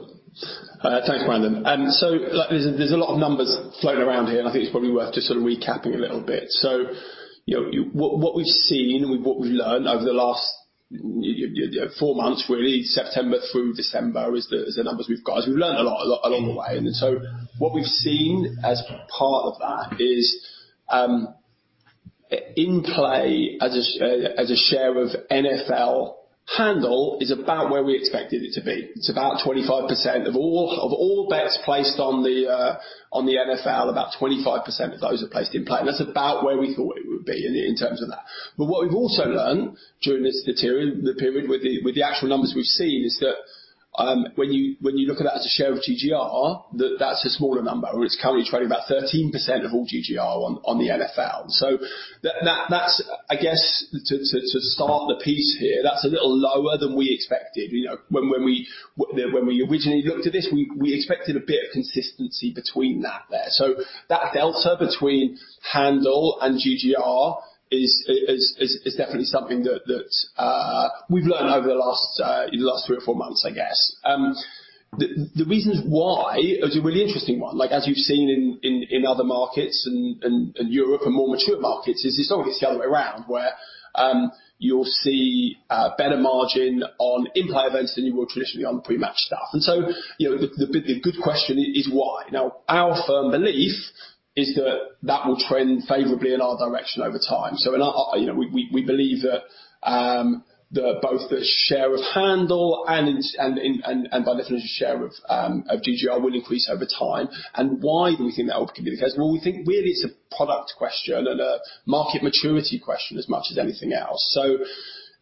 Thanks, Brandon. Like, there's a lot of numbers floating around here, and I think it's probably worth just sort of recapping a little bit. You know, what we've seen and what we've learned over the last four months, really, September through December, is the numbers we've got. We've learned a lot along the way. What we've seen as part of that is, in-play as a share of NFL handle is about where we expected it to be. It's about 25% of all bets placed on the NFL. About 25% of those are placed in-play. That's about where we thought it would be in terms of that. What we've also learned during this period with the actual numbers we've seen is that, when you look at that as a share of GGR, that's a smaller number. It's currently trading about 13% of all GGR on the NFL. So that's, I guess, to start the piece here, a little lower than we expected. You know, when we originally looked at this, we expected a bit of consistency between that there. So that delta between handle and GGR is definitely something that we've learned over the last three or four months, I guess. The reasons why is a really interesting one. Like as you've seen in other markets and Europe and more mature markets is it's almost the other way around, where you'll see better margin on in-play events than you will traditionally on pre-match stuff. You know, the good question is why? Now, our firm belief is that that will trend favorably in our direction over time. You know, we believe that both the share of handle and and by definition share of GGR will increase over time. Why do we think that will be the case? Well, we think really it's a product question and a market maturity question as much as anything else.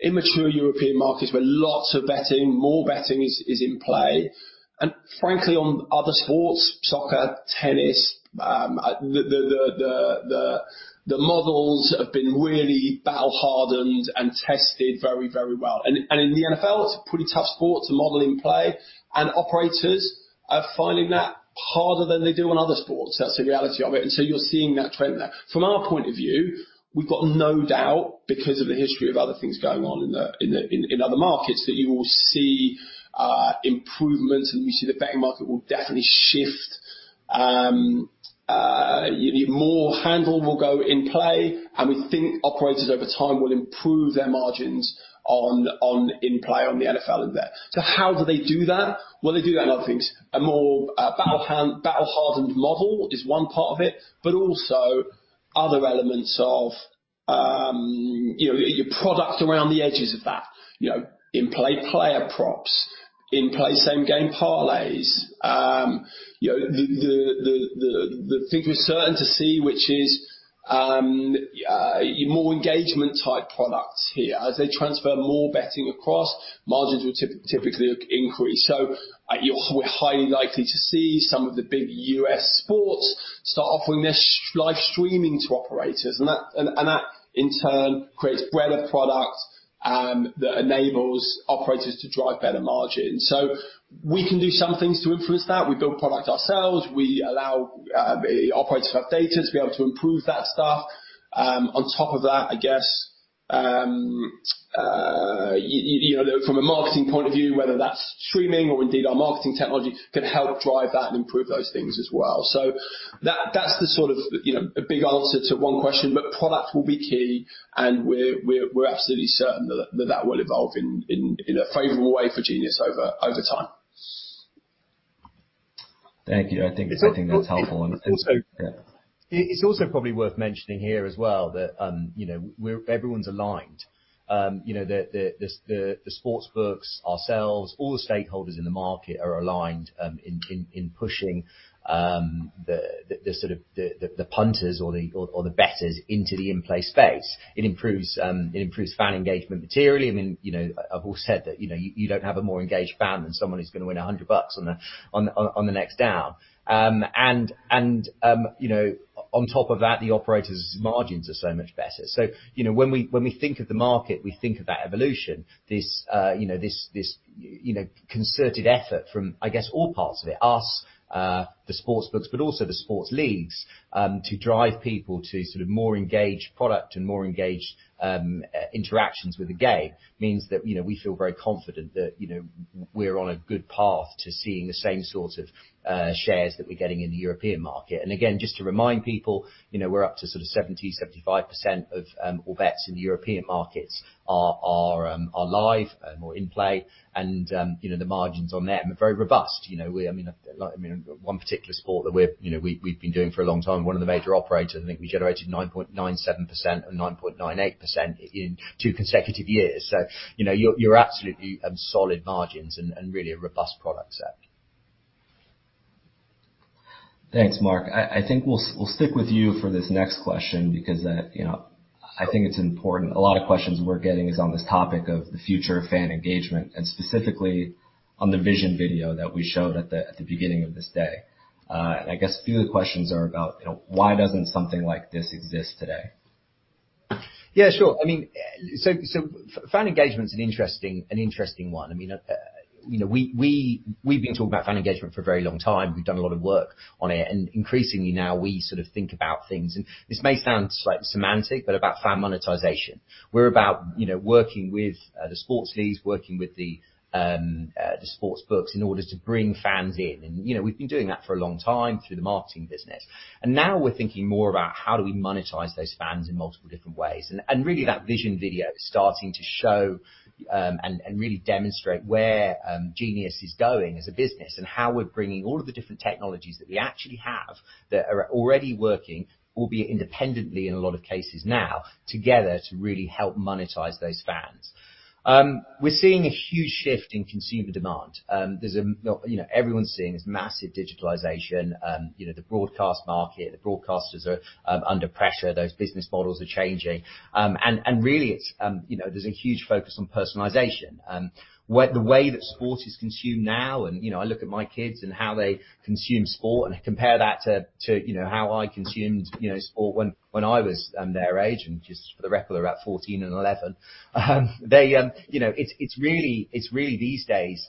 In immature European markets where lots of betting, more betting is in play. Frankly, on other sports, soccer, tennis, the models have been really battle-hardened and tested very, very well. In the NFL, it's a pretty tough sport to model in play, and operators are finding that harder than they do on other sports. That's the reality of it, you're seeing that trend there. From our point of view, we've got no doubt, because of the history of other things going on in other markets, that you will see improvements and you see the betting market will definitely shift. You know, more handle will go in play, and we think operators over time will improve their margins on in-play on the NFL in there. How do they do that? Well, they do that in a lot of things. A more battle-hardened model is one part of it, but also other elements of, you know, your product around the edges of that, you know, in-play player props, in-play same game parlays. You know, the thing we're certain to see which is more engagement type products here. As they transfer more betting across, margins will typically increase. We're highly likely to see some of the big U.S. sports start offering this live streaming to operators. That in turn creates breadth of product that enables operators to drive better margins. We can do some things to influence that. We build product ourselves. We allow operators to have data to be able to improve that stuff. On top of that, I guess, you know, from a marketing point of view, whether that's streaming or indeed our marketing technology can help drive that and improve those things as well. That, that's the sort of, you know, a big answer to one question, but product will be key, and we're absolutely certain that that will evolve in a favorable way for Genius over time. Thank you. I think that's something that's helpful. It's also- Yeah. It's also probably worth mentioning here as well that, you know, everyone's aligned. You know, the sportsbooks ourselves, all the stakeholders in the market are aligned in pushing the sort of the punters or the bettors into the in-play space. It improves fan engagement materially. I mean, you know, I've always said that, you know, you don't have a more engaged fan than someone who's gonna win $100 on the next down. On top of that, the operators' margins are so much better. You know, when we think of the market, we think of that evolution, this concerted effort from, I guess, all parts of it, us, the sportsbooks, but also the sports leagues, to drive people to sort of more engaged product and more engaged interactions with the game means that, you know, we feel very confident that, you know, we're on a good path to seeing the same sorts of shares that we're getting in the European market. Again, just to remind people, you know, we're up to sort of 70%-75% of all bets in the European markets are live or in play. You know, the margins on them are very robust. You know, I mean, like, one particular sport that we've been doing for a long time, one of the major operators, I think we generated 9.97% or 9.98% in two consecutive years. You know, you're absolutely solid margins and really a robust product set. Thanks, Mark. I think we'll stick with you for this next question because, you know, I think it's important. A lot of questions we're getting is on this topic of the future of fan engagement and specifically on the vision video that we showed at the beginning of this day. I guess a few of the questions are about, you know, why doesn't something like this exist today? Yeah, sure. I mean, so fan engagement is an interesting one. I mean, you know, we've been talking about fan engagement for a very long time. We've done a lot of work on it, and increasingly now we sort of think about things, and this may sound slightly semantic, but about fan monetization. We're about, you know, working with the sports leagues, working with the sportsbooks in order to bring fans in. You know, we've been doing that for a long time through the marketing business. Now we're thinking more about how do we monetize those fans in multiple different ways. Really that vision video is starting to show, and really demonstrate where Genius is going as a business and how we're bringing all of the different technologies that we actually have that are already working, albeit independently in a lot of cases now, together to really help monetize those fans. We're seeing a huge shift in consumer demand. You know, everyone's seeing this massive digitalization. You know, the broadcast market, the broadcasters are under pressure. Those business models are changing. Really it's, you know, there's a huge focus on personalization. The way that sport is consumed now, you know, I look at my kids and how they consume sport and compare that to, you know, how I consumed, you know, sport when I was their age, and just for the record they're about 14 and 11. They, you know, it's really these days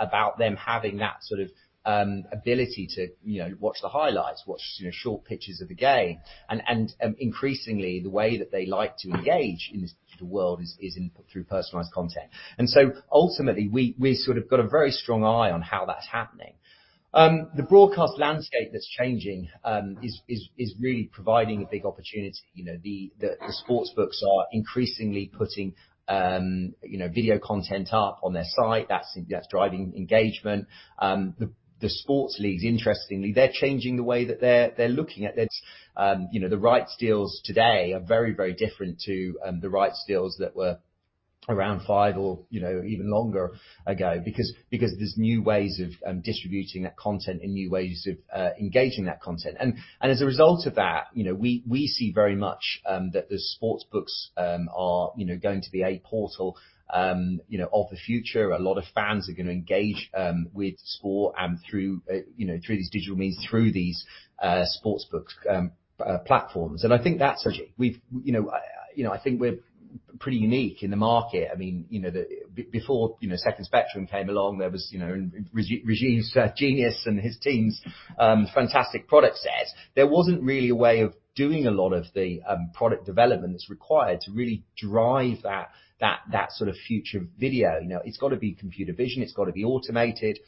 about them having that sort of ability to, you know, watch the highlights, you know, short pitches of the game. Increasingly, the way that they like to engage in this digital world is through personalized content. Ultimately, we've sort of got a very strong eye on how that's happening. The broadcast landscape that's changing is really providing a big opportunity. You know, the sportsbooks are increasingly putting video content up on their site. That's driving engagement. The sports leagues, interestingly, they're changing the way that they're looking at this. The rights deals today are very different to the rights deals that were around five or even longer ago because there's new ways of distributing that content and new ways of engaging that content. As a result of that, you know, we see very much that the sportsbooks are going to be a portal of the future. A lot of fans are gonna engage with sport and through these digital means, through these sportsbooks platforms. I think that's such. You know, I think we're pretty unique in the market. I mean, you know, before Second Spectrum came along, there was, you know, Rajiv's Genius and his team's fantastic product set. There wasn't really a way of doing a lot of the product development that's required to really drive that sort of future video. You know, it's gotta be computer vision, it's gotta be automated.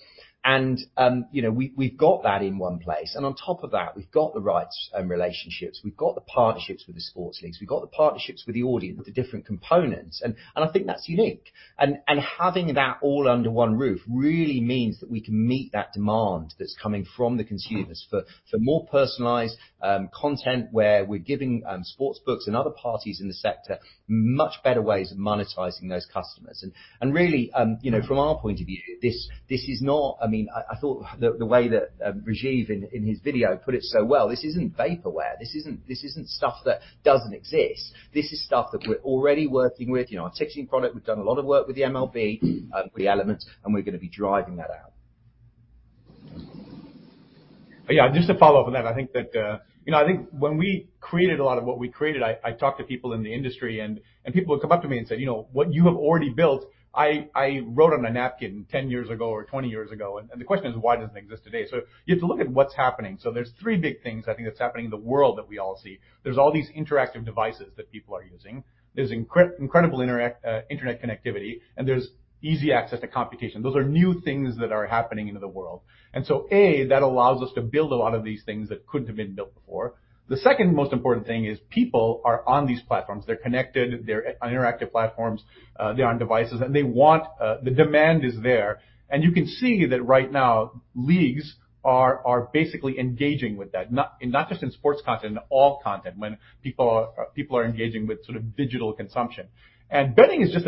You know, we've got that in one place. On top of that, we've got the rights and relationships. We've got the partnerships with the sports leagues. We've got the partnerships with the audience, the different components and I think that's unique. Having that all under one roof really means that we can meet that demand that's coming from the consumers for more personalized content where we're giving sportsbooks and other parties in the sector much better ways of monetizing those customers. Really, you know, from our point of view, this is not vaporware. I mean, I thought the way that Rajiv in his video put it so well, this isn't vaporware. This isn't stuff that doesn't exist. This is stuff that we're already working with. You know, our ticketing product, we've done a lot of work with the MLB, the elements, and we're gonna be driving that out. Yeah. Just to follow up on that, I think that, you know, I think when we created a lot of what we created, I talked to people in the industry and people would come up to me and say, "You know, what you have already built, I wrote on a napkin 10 years ago or 20 years ago. And the question is, why doesn't it exist today?" You have to look at what's happening. There's three big things I think that's happening in the world that we all see. There's all these interactive devices that people are using. There's incredible internet connectivity, and there's easy access to computation. Those are new things that are happening in the world. A, that allows us to build a lot of these things that couldn't have been built before. The second most important thing is people are on these platforms. They're connected, they're on interactive platforms, they're on devices, and they want the demand is there. You can see that right now leagues are basically engaging with that. Not just in sports content, in all content when people are engaging with sort of digital consumption. Betting is just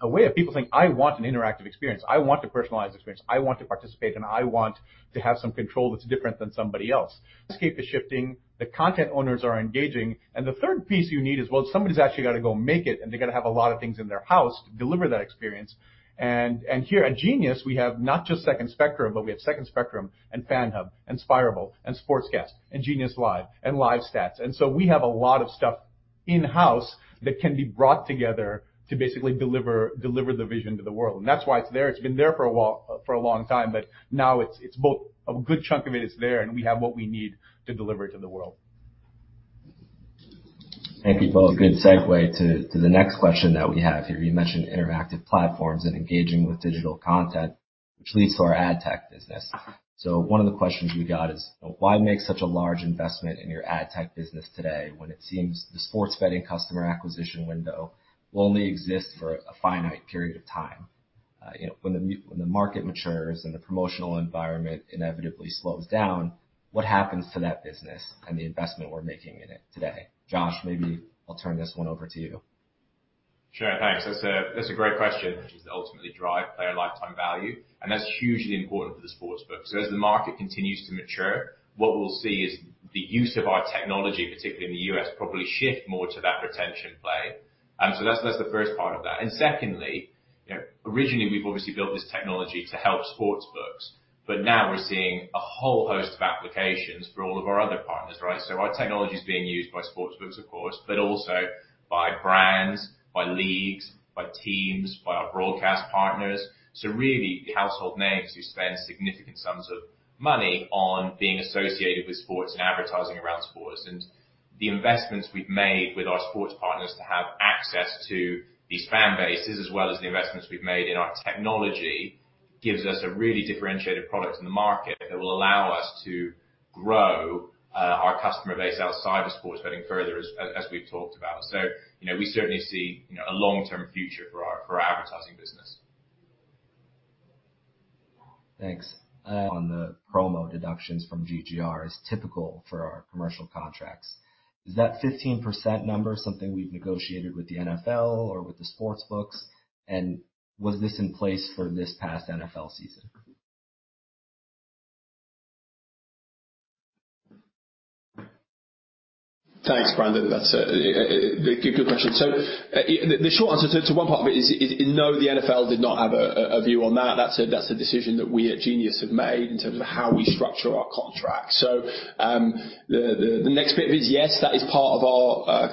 a way of people saying, "I want an interactive experience. I want a personalized experience. I want to participate, and I want to have some control that's different than somebody else." The space is shifting, the content owners are engaging, and the third piece you need is, well, somebody's actually gotta go make it, and they gotta have a lot of things in their house to deliver that experience. Here at Genius, we have not just Second Spectrum, but we have Second Spectrum and FanHub and Spirable and Sportzcast and Genius Live and LiveStats. We have a lot of stuff in-house that can be brought together to basically deliver the vision to the world. That's why it's there. It's been there for a while, for a long time, but now it's both. A good chunk of it is there, and we have what we need to deliver to the world. Thank you, Paul. Good segue to the next question that we have here. You mentioned interactive platforms and engaging with digital content, which leads to our ad tech business. One of the questions we got is, why make such a large investment in your ad tech business today when it seems the sports betting customer acquisition window will only exist for a finite period of time? You know, when the market matures and the promotional environment inevitably slows down, what happens to that business and the investment we're making in it today? Josh, maybe I'll turn this one over to you. Sure. Thanks. That's a great question, which is to ultimately drive player lifetime value, and that's hugely important for the sportsbook. As the market continues to mature, what we'll see is the use of our technology, particularly in the U.S., probably shift more to that retention play. That's the first part of that. Secondly, you know, originally we've obviously built this technology to help sportsbooks, but now we're seeing a whole host of applications for all of our other partners, right? Our technology is being used by sportsbooks of course, but also by brands, by leagues, by teams, by our broadcast partners. Really household names who spend significant sums of money on being associated with sports and advertising around sports. The investments we've made with our sports partners to have access to these fan bases as well as the investments we've made in our technology gives us a really differentiated product in the market that will allow us to grow our customer base outside of sports betting further as we've talked about. You know, we certainly see, you know, a long-term future for our advertising business. Thanks. On the promo deductions from GGR is typical for our commercial contracts. Is that 15% number something we've negotiated with the NFL or with the sports books? Was this in place for this past NFL season? Thanks, Brandon. That's a good question. The short answer to one part of it is no, the NFL did not have a view on that. That's a decision that we at Genius have made in terms of how we structure our contract. The next bit of it is, yes, that is part of our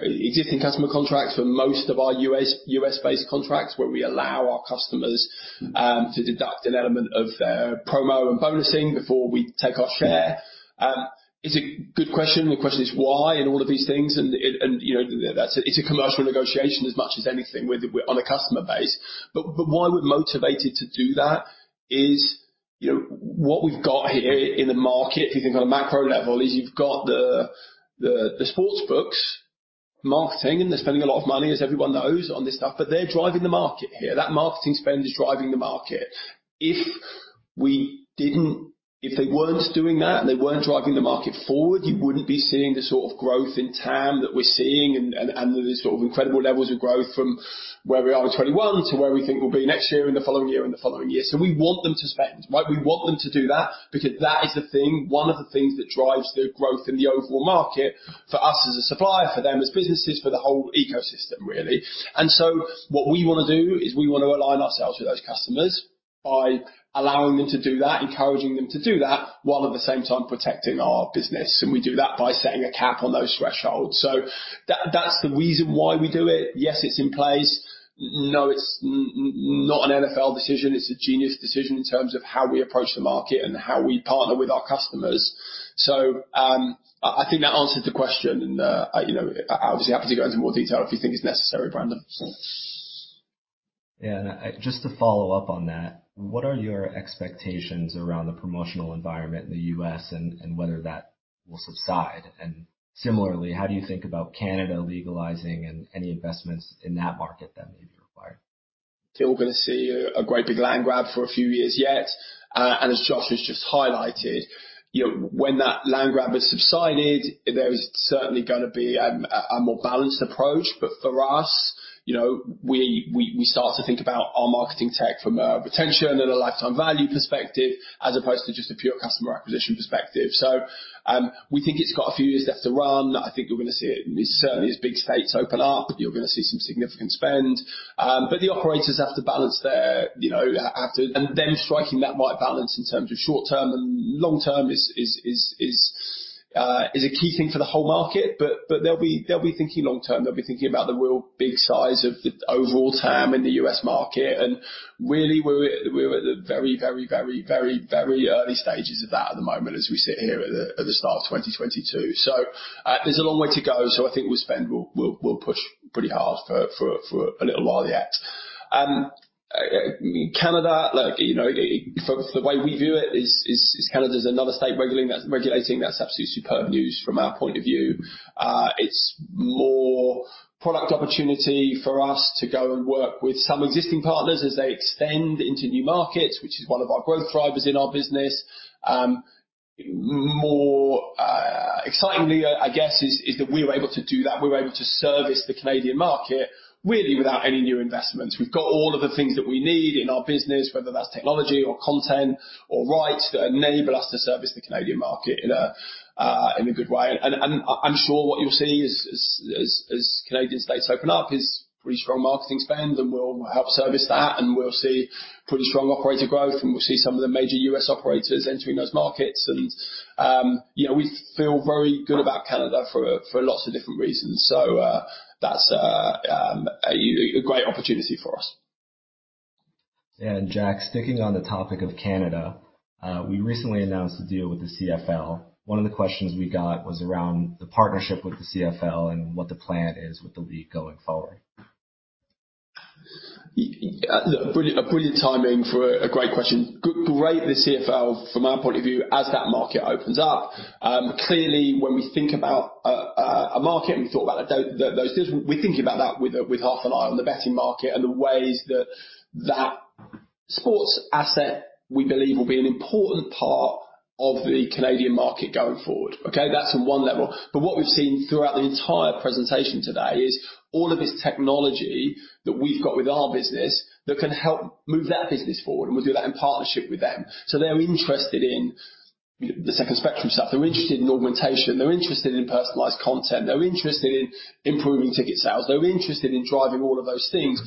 existing customer contracts for most of our U.S.-based contracts, where we allow our customers to deduct an element of their promo and bonusing before we take our share. It's a good question. The question is why and all of these things, and you know, that's a commercial negotiation as much as anything with our customer base. why we're motivated to do that is, you know, what we've got here in the market, if you think on a macro level, is you've got the sports books marketing, and they're spending a lot of money, as everyone knows, on this stuff, but they're driving the market here. That marketing spend is driving the market. If they weren't doing that, and they weren't driving the market forward, you wouldn't be seeing the sort of growth in TAM that we're seeing and the sort of incredible levels of growth from where we are with 2021 to where we think we'll be next year and the following year and the following year. We want them to spend, right? We want them to do that because that is the thing, one of the things that drives the growth in the overall market for us as a supplier, for them as businesses, for the whole ecosystem, really. What we wanna do is we wanna align ourselves with those customers by allowing them to do that, encouraging them to do that, while at the same time protecting our business. We do that by setting a cap on those thresholds. That, that's the reason why we do it. Yes, it's in place. No, it's not an NFL decision. It's a Genius decision in terms of how we approach the market and how we partner with our customers. I think that answered the question and, you know, obviously happy to go into more detail if you think it's necessary, Brandon. Yeah. Just to follow up on that, what are your expectations around the promotional environment in the U.S. and whether that will subside? Similarly, how do you think about Canada legalizing and any investments in that market that may be required? You're gonna see a great big land grab for a few years yet. As Josh has just highlighted, you know, when that land grab has subsided, there is certainly gonna be a more balanced approach. For us, you know, we start to think about our marketing tech from a retention and a lifetime value perspective as opposed to just a pure customer acquisition perspective. We think it's got a few years left to run. I think you're gonna see it as certainly as big states open up, you're gonna see some significant spend. The operators have to balance their, you know, them striking that right balance in terms of short-term and long-term is a key thing for the whole market. They'll be thinking long term. They'll be thinking about the really big size of the overall TAM in the U.S. market. Really we're at the very early stages of that at the moment as we sit here at the start of 2022. There's a long way to go. I think we'll push pretty hard for a little while yet. Canada, look, you know, for the way we view it is Canada's another state regulating. That's absolutely superb news from our point of view. It's more product opportunity for us to go and work with some existing partners as they extend into new markets, which is one of our growth drivers in our business. More excitingly, I guess, is that we were able to do that. We were able to service the Canadian market really without any new investments. We've got all of the things that we need in our business, whether that's technology or content or rights that enable us to service the Canadian market in a good way. I'm sure what you'll see as Canadian states open up is pretty strong marketing spend, and we'll help service that, and we'll see pretty strong operator growth, and we'll see some of the major U.S. operators entering those markets. You know, we feel very good about Canada for lots of different reasons. That's a great opportunity for us. Jack, sticking on the topic of Canada, we recently announced a deal with the CFL. One of the questions we got was around the partnership with the CFL and what the plan is with the league going forward. Look, brilliant, a brilliant timing for a great question. Great, the CFL from our point of view as that market opens up. Clearly, when we think about a market and we thought about those deals, we're thinking about that with half an eye on the betting market and the ways that that sports asset, we believe will be an important part of the Canadian market going forward. Okay? That's on one level. What we've seen throughout the entire presentation today is all of this technology that we've got with our business that can help move that business forward, and we'll do that in partnership with them. They're interested in the Second Spectrum stuff. They're interested in augmentation, they're interested in personalized content, they're interested in improving ticket sales, they're interested in driving all of those things.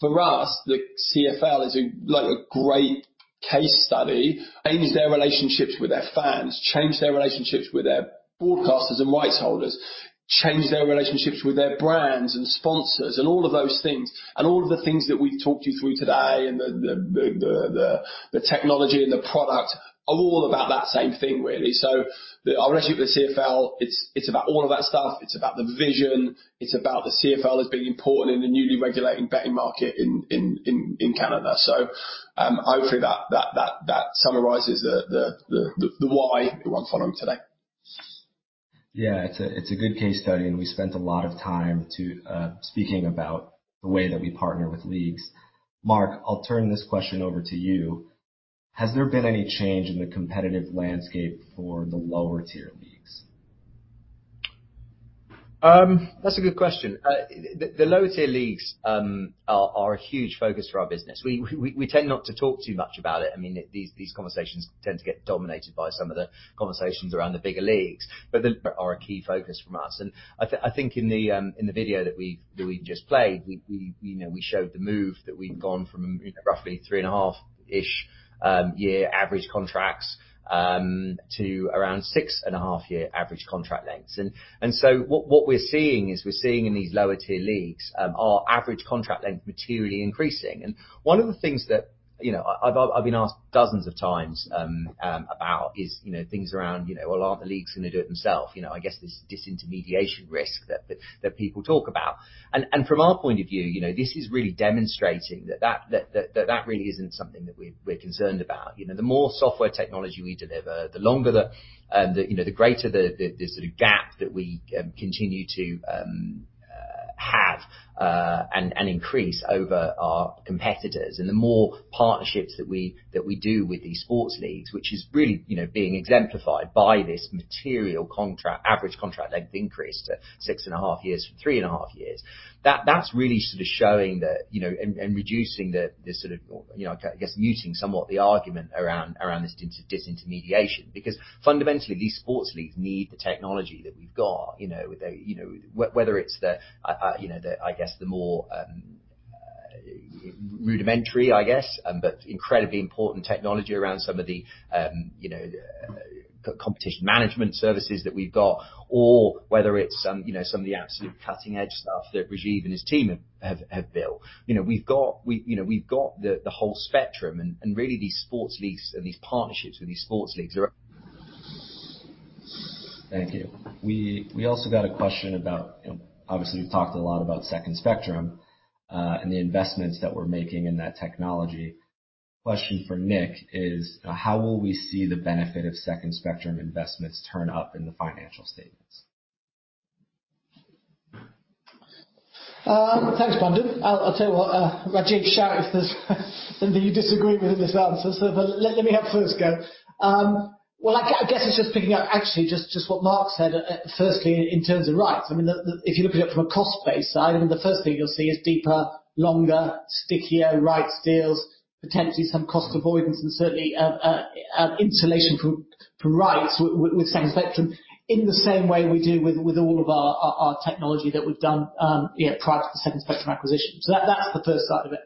For us, the CFL is like a great case study. Change their relationships with their fans, change their relationships with their broadcasters and rights holders, change their relationships with their brands and sponsors and all of those things. All of the things that we've talked you through today and the technology and the product are all about that same thing, really. Our relationship with CFL, it's about all of that stuff. It's about the vision. It's about the CFL as being important in the newly regulating betting market in Canada. Hopefully that summarizes the why everyone following today. It's a good case study, and we spent a lot of time speaking about the way that we partner with leagues. Mark, I'll turn this question over to you. Has there been any change in the competitive landscape for the lower tier leagues? That's a good question. The lower tier leagues are a huge focus for our business. We tend not to talk too much about it. I mean, these conversations tend to get dominated by some of the conversations around the bigger leagues, but they are a key focus from us. I think in the video that we just played, you know, we showed the move that we've gone from roughly 3.5-ish-year average contracts to around 6.5-year average contract lengths. What we're seeing in these lower tier leagues is our average contract length materially increasing. One of the things that, you know, I've been asked dozens of times about is, you know, things around, you know, well, aren't the leagues gonna do it themselves? You know, I guess this disintermediation risk that people talk about. From our point of view, you know, this is really demonstrating that that really isn't something that we're concerned about. You know, the more software technology we deliver, the longer the, you know, the greater the sort of gap that we continue to and increase over our competitors. The more partnerships that we do with these sports leagues, which is really, you know, being exemplified by this material contract, average contract length increase to 6.5 years from 3.5 years, that's really sort of showing that, you know, and reducing the sort of, you know, I guess muting somewhat the argument around this disintermediation, because fundamentally, these sports leagues need the technology that we've got, you know, whether it's the, you know, the more rudimentary, I guess, but incredibly important technology around some of the competition management services that we've got or whether it's some, you know, some of the absolute cutting edge stuff that Rajiv and his team have built. You know, we've got the whole spectrum and really these sports leagues and these partnerships with these sports leagues are Thank you. We also got a question about, obviously, you've talked a lot about Second Spectrum and the investments that we're making in that technology. Question for Nick is, how will we see the benefit of Second Spectrum investments turn up in the financial statements? Thanks, Brandon. I'll tell you what, Rajiv shout if there's something you disagree with in this answer. Let me have first go. Well, I guess it's just picking up actually just what Mark said, firstly in terms of rights. I mean, if you look at it from a cost-based side, I mean, the first thing you'll see is deeper, longer, stickier rights deals, potentially some cost avoidance and certainly insulation from rights with Second Spectrum in the same way we do with all of our technology that we've done, you know, prior to the Second Spectrum acquisition. That, that's the first side of it.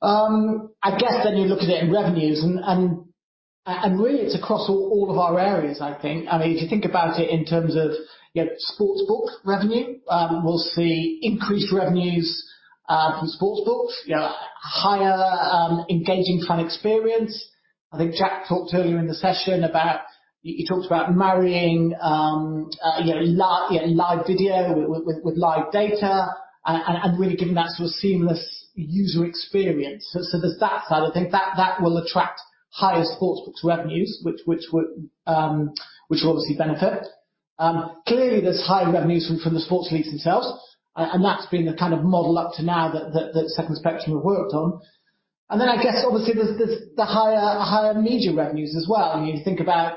I guess then you look at it in revenues and really it's across all of our areas, I think. I mean, if you think about it in terms of, you know, sports book revenue, we'll see increased revenues from sports books. You know, higher engaging fan experience. I think Jack talked earlier in the session about, he talked about marrying, you know, live video with live data and really giving that to a seamless user experience. There's that side of things. That will attract higher sports books revenues which will obviously benefit. Clearly there's higher revenues from the sports leagues themselves, and that's been the kind of model up to now that Second Spectrum have worked on. Then I guess obviously there's the higher media revenues as well. I mean, you think about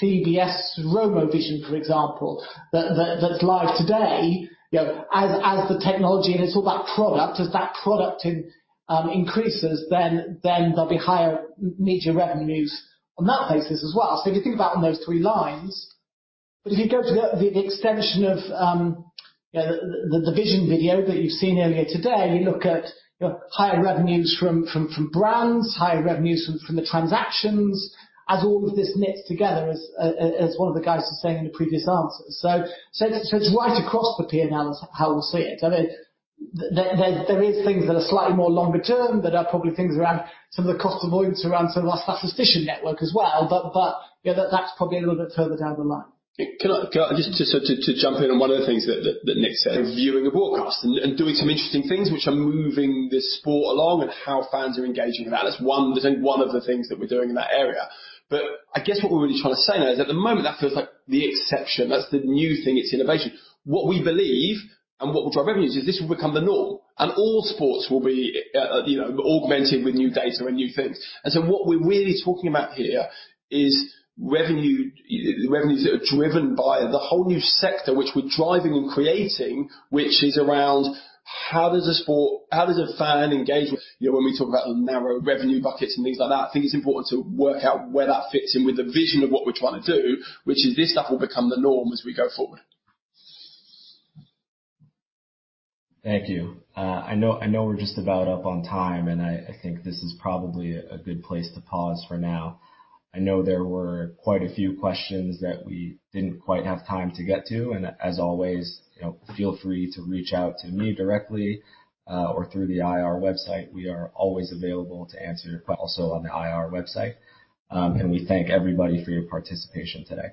CBS RomoVision, for example, that's live today. You know, as the technology and it's all about product, as that product increases then there'll be higher media revenues on that basis as well. If you think about on those three lines. If you go to the extension of the vision video that you've seen earlier today, you look at higher revenues from brands, higher revenues from the transactions as all of this knits together as one of the guys was saying in the previous answers. It's right across the P&L how we'll see it. I mean, there is things that are slightly more longer term that are probably things around some of the cost avoidance around some of our statistician network as well, but you know, that's probably a little bit further down the line. Can I just jump in on one of the things that Nick said. Viewing a broadcast and doing some interesting things which are moving this sport along and how fans are engaging with that. That's one of the things that we're doing in that area. I guess what we're really trying to say now is at the moment that feels like the exception. That's the new thing, it's innovation. What we believe and what will drive revenues is this will become the norm and all sports will be, you know, augmented with new data and new things. What we're really talking about here is revenue, the revenues that are driven by the whole new sector, which we're driving and creating, which is around how does a sport, how does a fan engage with. You know, when we talk about narrow revenue buckets and things like that, I think it's important to work out where that fits in with the vision of what we're trying to do, which is this stuff will become the norm as we go forward. Thank you. I know we're just about up on time, and I think this is probably a good place to pause for now. I know there were quite a few questions that we didn't quite have time to get to, and as always, you know, feel free to reach out to me directly, or through the IR website. We are always available to answer your questions also on the IR website. And we thank everybody for your participation today.